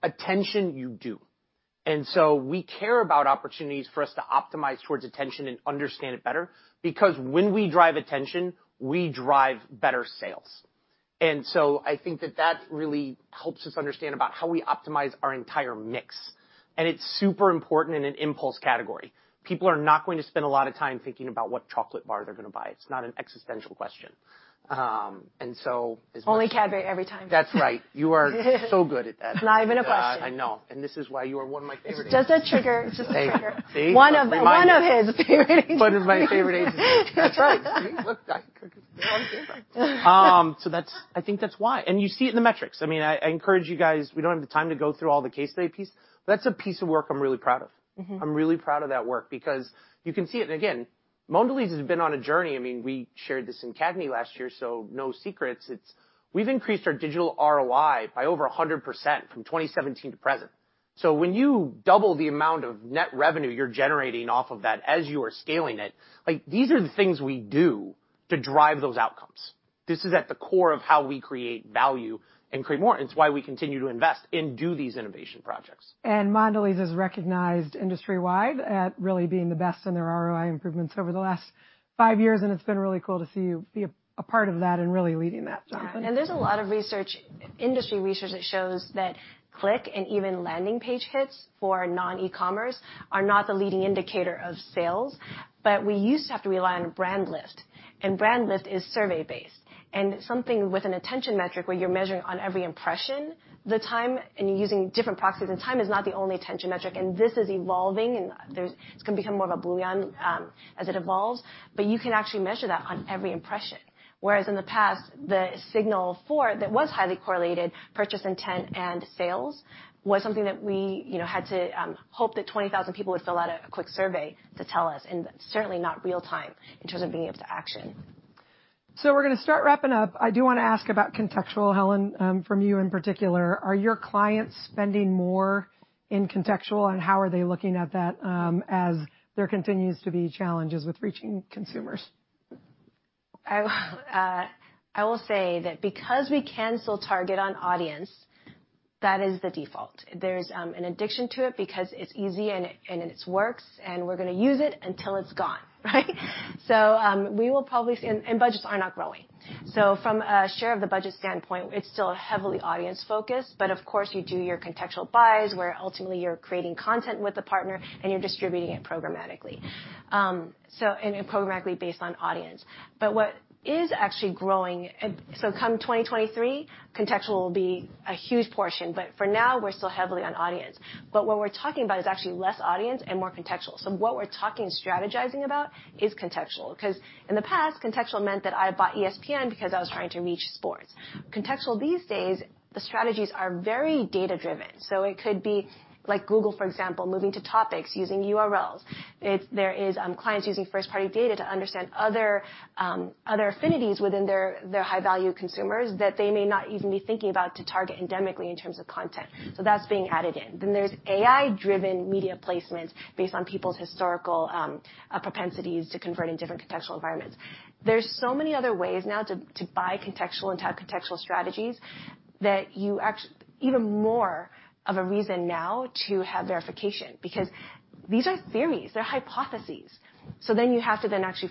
Attention, you do. We care about opportunities for us to optimize towards attention and understand it better because when we drive attention, we drive better sales. I think that that really helps us understand about how we optimize our entire mix. It's super important in an impulse category. People are not going to spend a lot of time thinking about what chocolate bar they're gonna buy. It's not an existential question. Only Cadbury every time. That's right. You are so good at that. It's not even a question. I know. This is why you are one of my favorite agents. It's just a trigger. Just a trigger. See? One of his favorite agents. One of my favorite agents. That's right. I think that's why. You see it in the metrics. I mean, I encourage you guys, we don't have the time to go through all the case study piece. That's a piece of work I'm really proud of. Mm-hmm. I'm really proud of that work because you can see it. Again, Mondelez has been on a journey. I mean, we shared this in CAGNY last year, so no secrets. We've increased our digital ROI by over 100% from 2017 to present. When you double the amount of net revenue you're generating off of that as you are scaling it, like, these are the things we do to drive those outcomes. This is at the core of how we create value and create more. It's why we continue to invest and do these innovation projects. Mondelez is recognized industry-wide at really being the best in their ROI improvements over the last five years, and it's been really cool to see you be a part of that and really leading that, Jonathan Halvorson. There's a lot of research, industry research that shows that click and even landing page hits for non-e-commerce are not the leading indicator of sales. We used to have to rely on brand lift, and brand lift is survey-based. Something with an attention metric where you're measuring on every impression, the time, and you're using different proxies, and time is not the only attention metric. This is evolving, and there's, it's gonna become more of a boolean as it evolves, but you can actually measure that on every impression. Whereas in the past, the signal for it that was highly correlated, purchase intent and sales, was something that we, you know, had to hope that 20,000 people would fill out a quick survey to tell us, and certainly not real-time in terms of being able to action. We're gonna start wrapping up. I do wanna ask about contextual, Helen, from you in particular. Are your clients spending more in contextual, and how are they looking at that, as there continues to be challenges with reaching consumers? I will say that because we can still target on audience, that is the default. There's an addiction to it because it's easy and it works, and we're gonna use it until it's gone, right? Budgets are not growing. From a share of the budget standpoint, it's still heavily audience-focused, but of course, you do your contextual buys, where ultimately you're creating content with a partner and you're distributing it programmatically and programmatically based on audience. What is actually growing, come 2023, contextual will be a huge portion, but for now we're still heavily on audience. What we're talking about is actually less audience and more contextual. What we're talking, strategizing about is contextual. Because in the past, contextual meant that I bought ESPN because I was trying to reach sports. Contextual these days, the strategies are very data-driven. It could be like Google, for example, moving to topics using URLs. There is clients using first-party data to understand other affinities within their high-value consumers that they may not even be thinking about to target endemically in terms of content. That's being added in. There's AI-driven media placements based on people's historical propensities to convert in different contextual environments. There's so many other ways now to buy contextual and have contextual strategies even more of a reason now to have verification because these are theories, they're hypotheses. You have to actually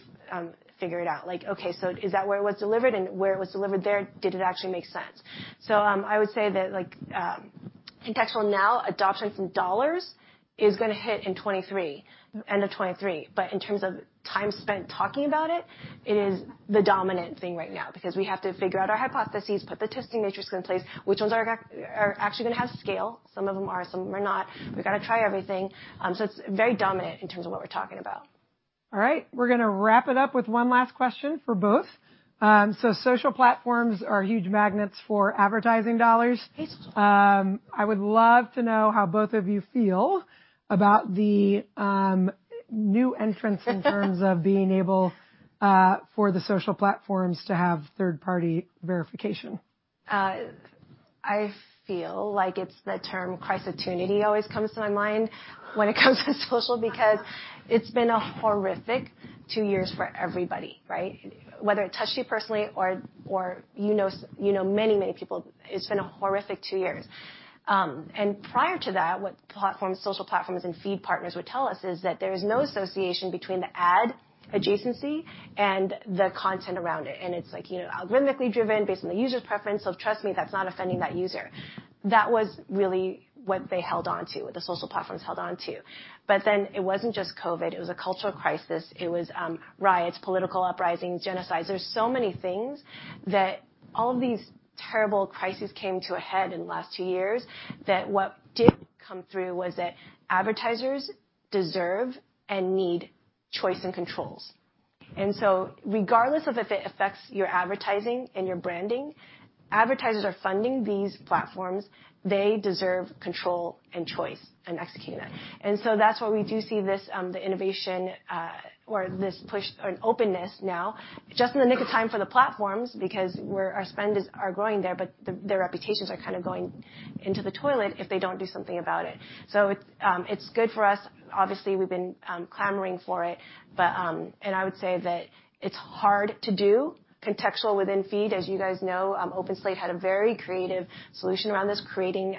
figure it out. Like, okay, is that where it was delivered there, did it actually make sense? I would say that, like, contextual now, adoption from dollars is gonna hit in 2023, end of 2023. In terms of time spent talking about it is the dominant thing right now because we have to figure out our hypotheses, put the testing matrix in place, which ones are actually gonna have scale. Some of them are, some of them are not. We've got to try everything. It's very dominant in terms of what we're talking about. All right. We're gonna wrap it up with one last question for both. Social platforms are huge magnets for advertising dollars. Mm-hmm. I would love to know how both of you feel about the new entrants in terms of being able for the social platforms to have third-party verification? I feel like it's the term crisitunity always comes to my mind when it comes to social, because it's been a horrific two years for everybody, right? Whether it touched you personally or you know many people, it's been a horrific two years. Prior to that, what platforms, social platforms and feed partners would tell us is that there is no association between the ad adjacency and the content around it. It's like, you know, algorithmically driven based on the user's preference, so trust me, that's not offending that user. That was really what they held on to, what the social platforms held on to. It wasn't just COVID, it was a cultural crisis. It was riots, political uprisings, genocides. There's so many things that all of these terrible crises came to a head in the last two years, that what did come through was that advertisers deserve and need choice and controls. Regardless of if it affects your advertising and your branding, advertisers are funding these platforms, they deserve control and choice and executing that. That's why we do see this, the innovation, or this push on openness now, just in the nick of time for the platforms, because our spend is growing there, but their reputations are kind of going into the toilet if they don't do something about it. It's good for us. Obviously, we've been clamoring for it. I would say that it's hard to do contextual within feed. As you guys know, OpenSlate had a very creative solution around this, creating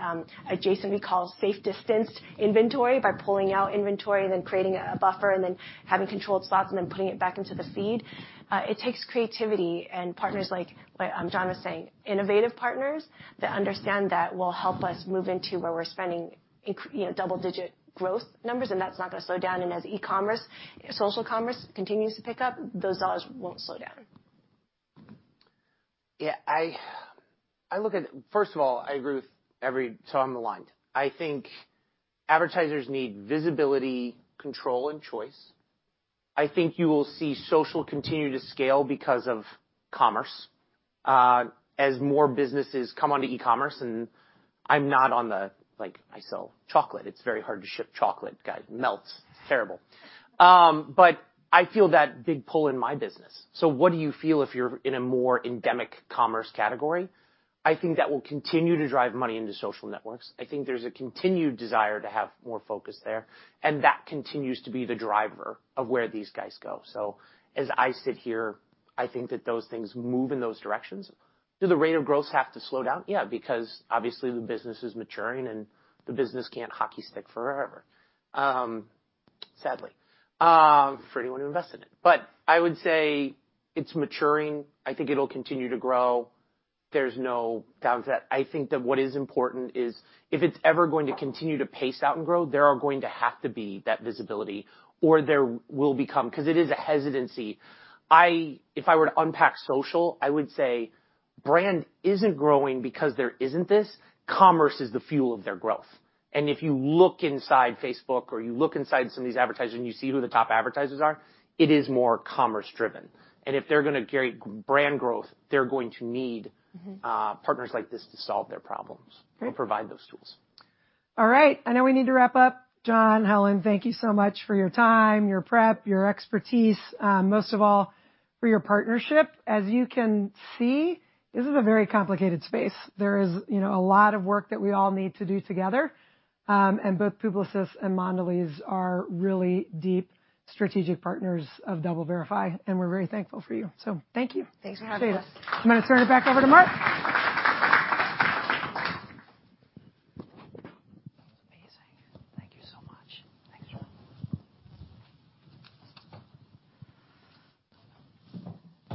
adjacent we call safe distanced inventory by pulling out inventory and then creating a buffer and then having controlled spots and then putting it back into the feed. It takes creativity and partners like what Jon was saying, innovative partners that understand that will help us move into where we're spending inc you know, double-digit growth numbers, and that's not gonna slow down. As e-commerce, social commerce continues to pick up, those dollars won't slow down. Yeah, I look at. First of all, I agree, so I'm aligned. I think advertisers need visibility, control, and choice. I think you will see social continue to scale because of commerce as more businesses come onto e-commerce, and I'm not on the, like, I sell chocolate. It's very hard to ship chocolate, guys. It melts, terrible. I feel that big pull in my business. What do you feel if you're in a more endemic commerce category? I think that will continue to drive money into social networks. I think there's a continued desire to have more focus there, and that continues to be the driver of where these guys go. As I sit here, I think that those things move in those directions. Do the rate of growth have to slow down? Yeah, because obviously the business is maturing and the business can't hockey stick forever, sadly, for anyone who invested in it. I would say it's maturing. I think it'll continue to grow. There's no doubt that I think that what is important is if it's ever going to continue to pace out and grow, there are going to have to be that visibility or there will become 'cause it is a hesitancy. If I were to unpack social, I would say brand isn't growing because there isn't this. Commerce is the fuel of their growth. If you look inside Facebook or you look inside some of these advertisers and you see who the top advertisers are, it is more commerce-driven. If they're gonna carry brand growth, they're going to need- Mm-hmm. Partners like this to solve their problems. Great. Provide those tools. All right. I know we need to wrap up. Jon, Helen, thank you so much for your time, your prep, your expertise, most of all, for your partnership. As you can see, this is a very complicated space. There is, you know, a lot of work that we all need to do together. Both Publicis and Mondelez are really deep strategic partners of DoubleVerify, and we're very thankful for you. Thank you. Thanks for having us. I'm gonna turn it back over to Mark. That was amazing. Thank you so much. Thanks, Jon.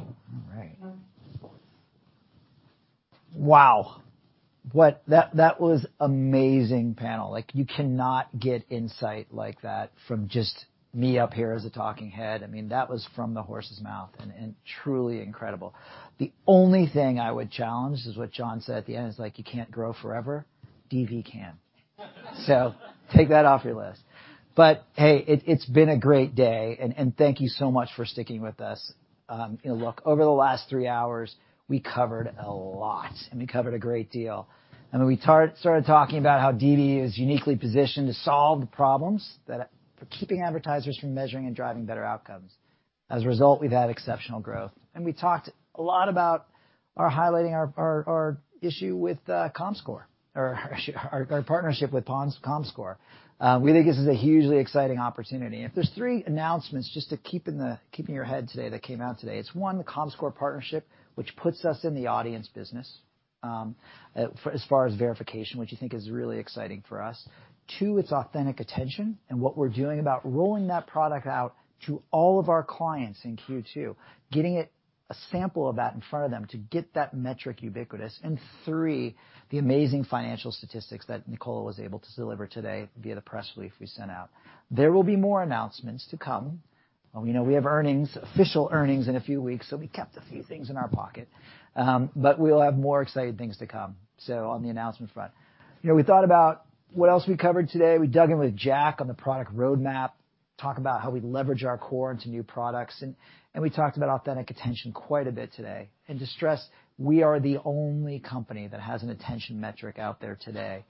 All right. Wow. That was amazing panel. Like, you cannot get insight like that from just me up here as a talking head. I mean, that was from the horse's mouth and truly incredible. The only thing I would challenge is what Jon said at the end, is like, you can't grow forever. DV can. Take that off your list. Hey, it's been a great day and thank you so much for sticking with us. You know, look, over the last three hours, we covered a lot, and we covered a great deal. I mean, we started talking about how DV is uniquely positioned to solve the problems that are keeping advertisers from measuring and driving better outcomes. As a result, we've had exceptional growth. We talked a lot about highlighting our issue with Comscore or our partnership with Comscore. We think this is a hugely exciting opportunity. If there's three announcements just to keep in your head today that came out today, it's one, the Comscore partnership, which puts us in the audience business for as far as verification, which I think is really exciting for us. Two, it's Authentic Attention and what we're doing about rolling that product out to all of our clients in Q2, getting a sample of that in front of them to get that metric ubiquitous. Three, the amazing financial statistics that Nicola was able to deliver today via the press brief we sent out. There will be more announcements to come. You know, we have earnings, official earnings in a few weeks, so we kept a few things in our pocket. We'll have more exciting things to come, so on the announcement front. You know, we thought about what else we covered today. We dug in with Jack on the product roadmap, talk about how we leverage our core into new products, and we talked about Authentic Attention quite a bit today. To stress, we are the only company that has an attention metric out there today.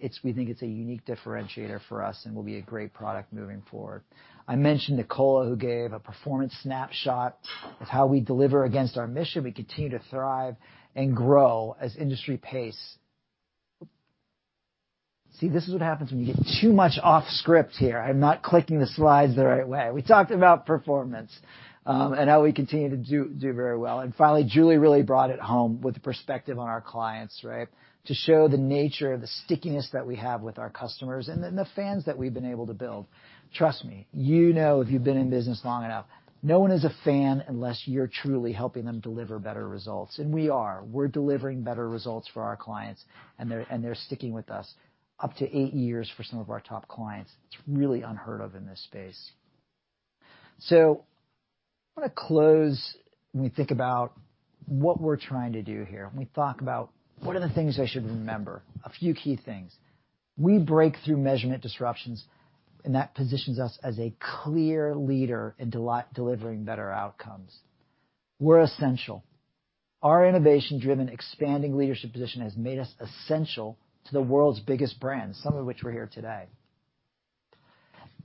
It's we think it's a unique differentiator for us and will be a great product moving forward. I mentioned Nicola, who gave a performance snapshot of how we deliver against our mission. We continue to thrive and grow at industry pace. See, this is what happens when you get too much off script here. I'm not clicking the slides the right way. We talked about performance and how we continue to do very well. Finally, Julie really brought it home with perspective on our clients, right? To show the nature of the stickiness that we have with our customers and then the fans that we've been able to build. Trust me, you know if you've been in business long enough. No one is a fan unless you're truly helping them deliver better results, and we are. We're delivering better results for our clients, and they're sticking with us up to eight years for some of our top clients. It's really unheard of in this space. I wanna close when we think about what we're trying to do here. When we talk about what are the things I should remember? A few key things. We break through measurement disruptions, and that positions us as a clear leader in delivering better outcomes. We're essential. Our innovation-driven expanding leadership position has made us essential to the world's biggest brands, some of which were here today.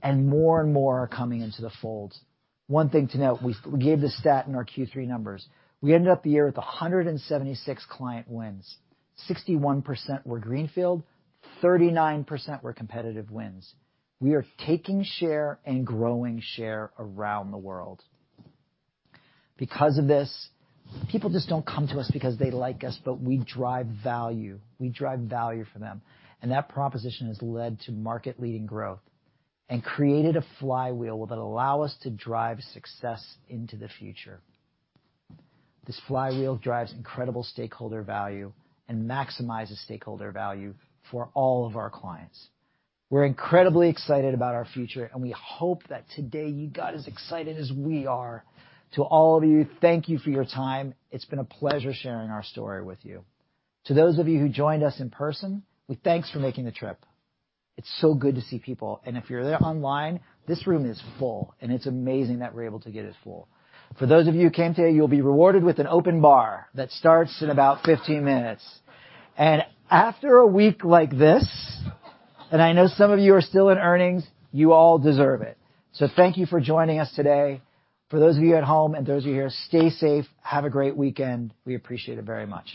More and more are coming into the fold. One thing to note, we gave the stat in our Q3 numbers. We ended up the year with 176 client wins. 61% were greenfield, 39% were competitive wins. We are taking share and growing share around the world. Because of this, people just don't come to us because they like us, but we drive value. We drive value for them, and that proposition has led to market-leading growth and created a flywheel that allow us to drive success into the future. This flywheel drives incredible stakeholder value and maximizes stakeholder value for all of our clients. We're incredibly excited about our future, and we hope that today you got as excited as we are. To all of you, thank you for your time. It's been a pleasure sharing our story with you. To those of you who joined us in person, thanks for making the trip. It's so good to see people. If you're there online, this room is full, and it's amazing that we're able to get it full. For those of you who came today, you'll be rewarded with an open bar that starts in about 15 minutes. After a week like this, and I know some of you are still in earnings, you all deserve it. Thank you for joining us today. For those of you at home and those of you here, stay safe. Have a great weekend. We appreciate it very much.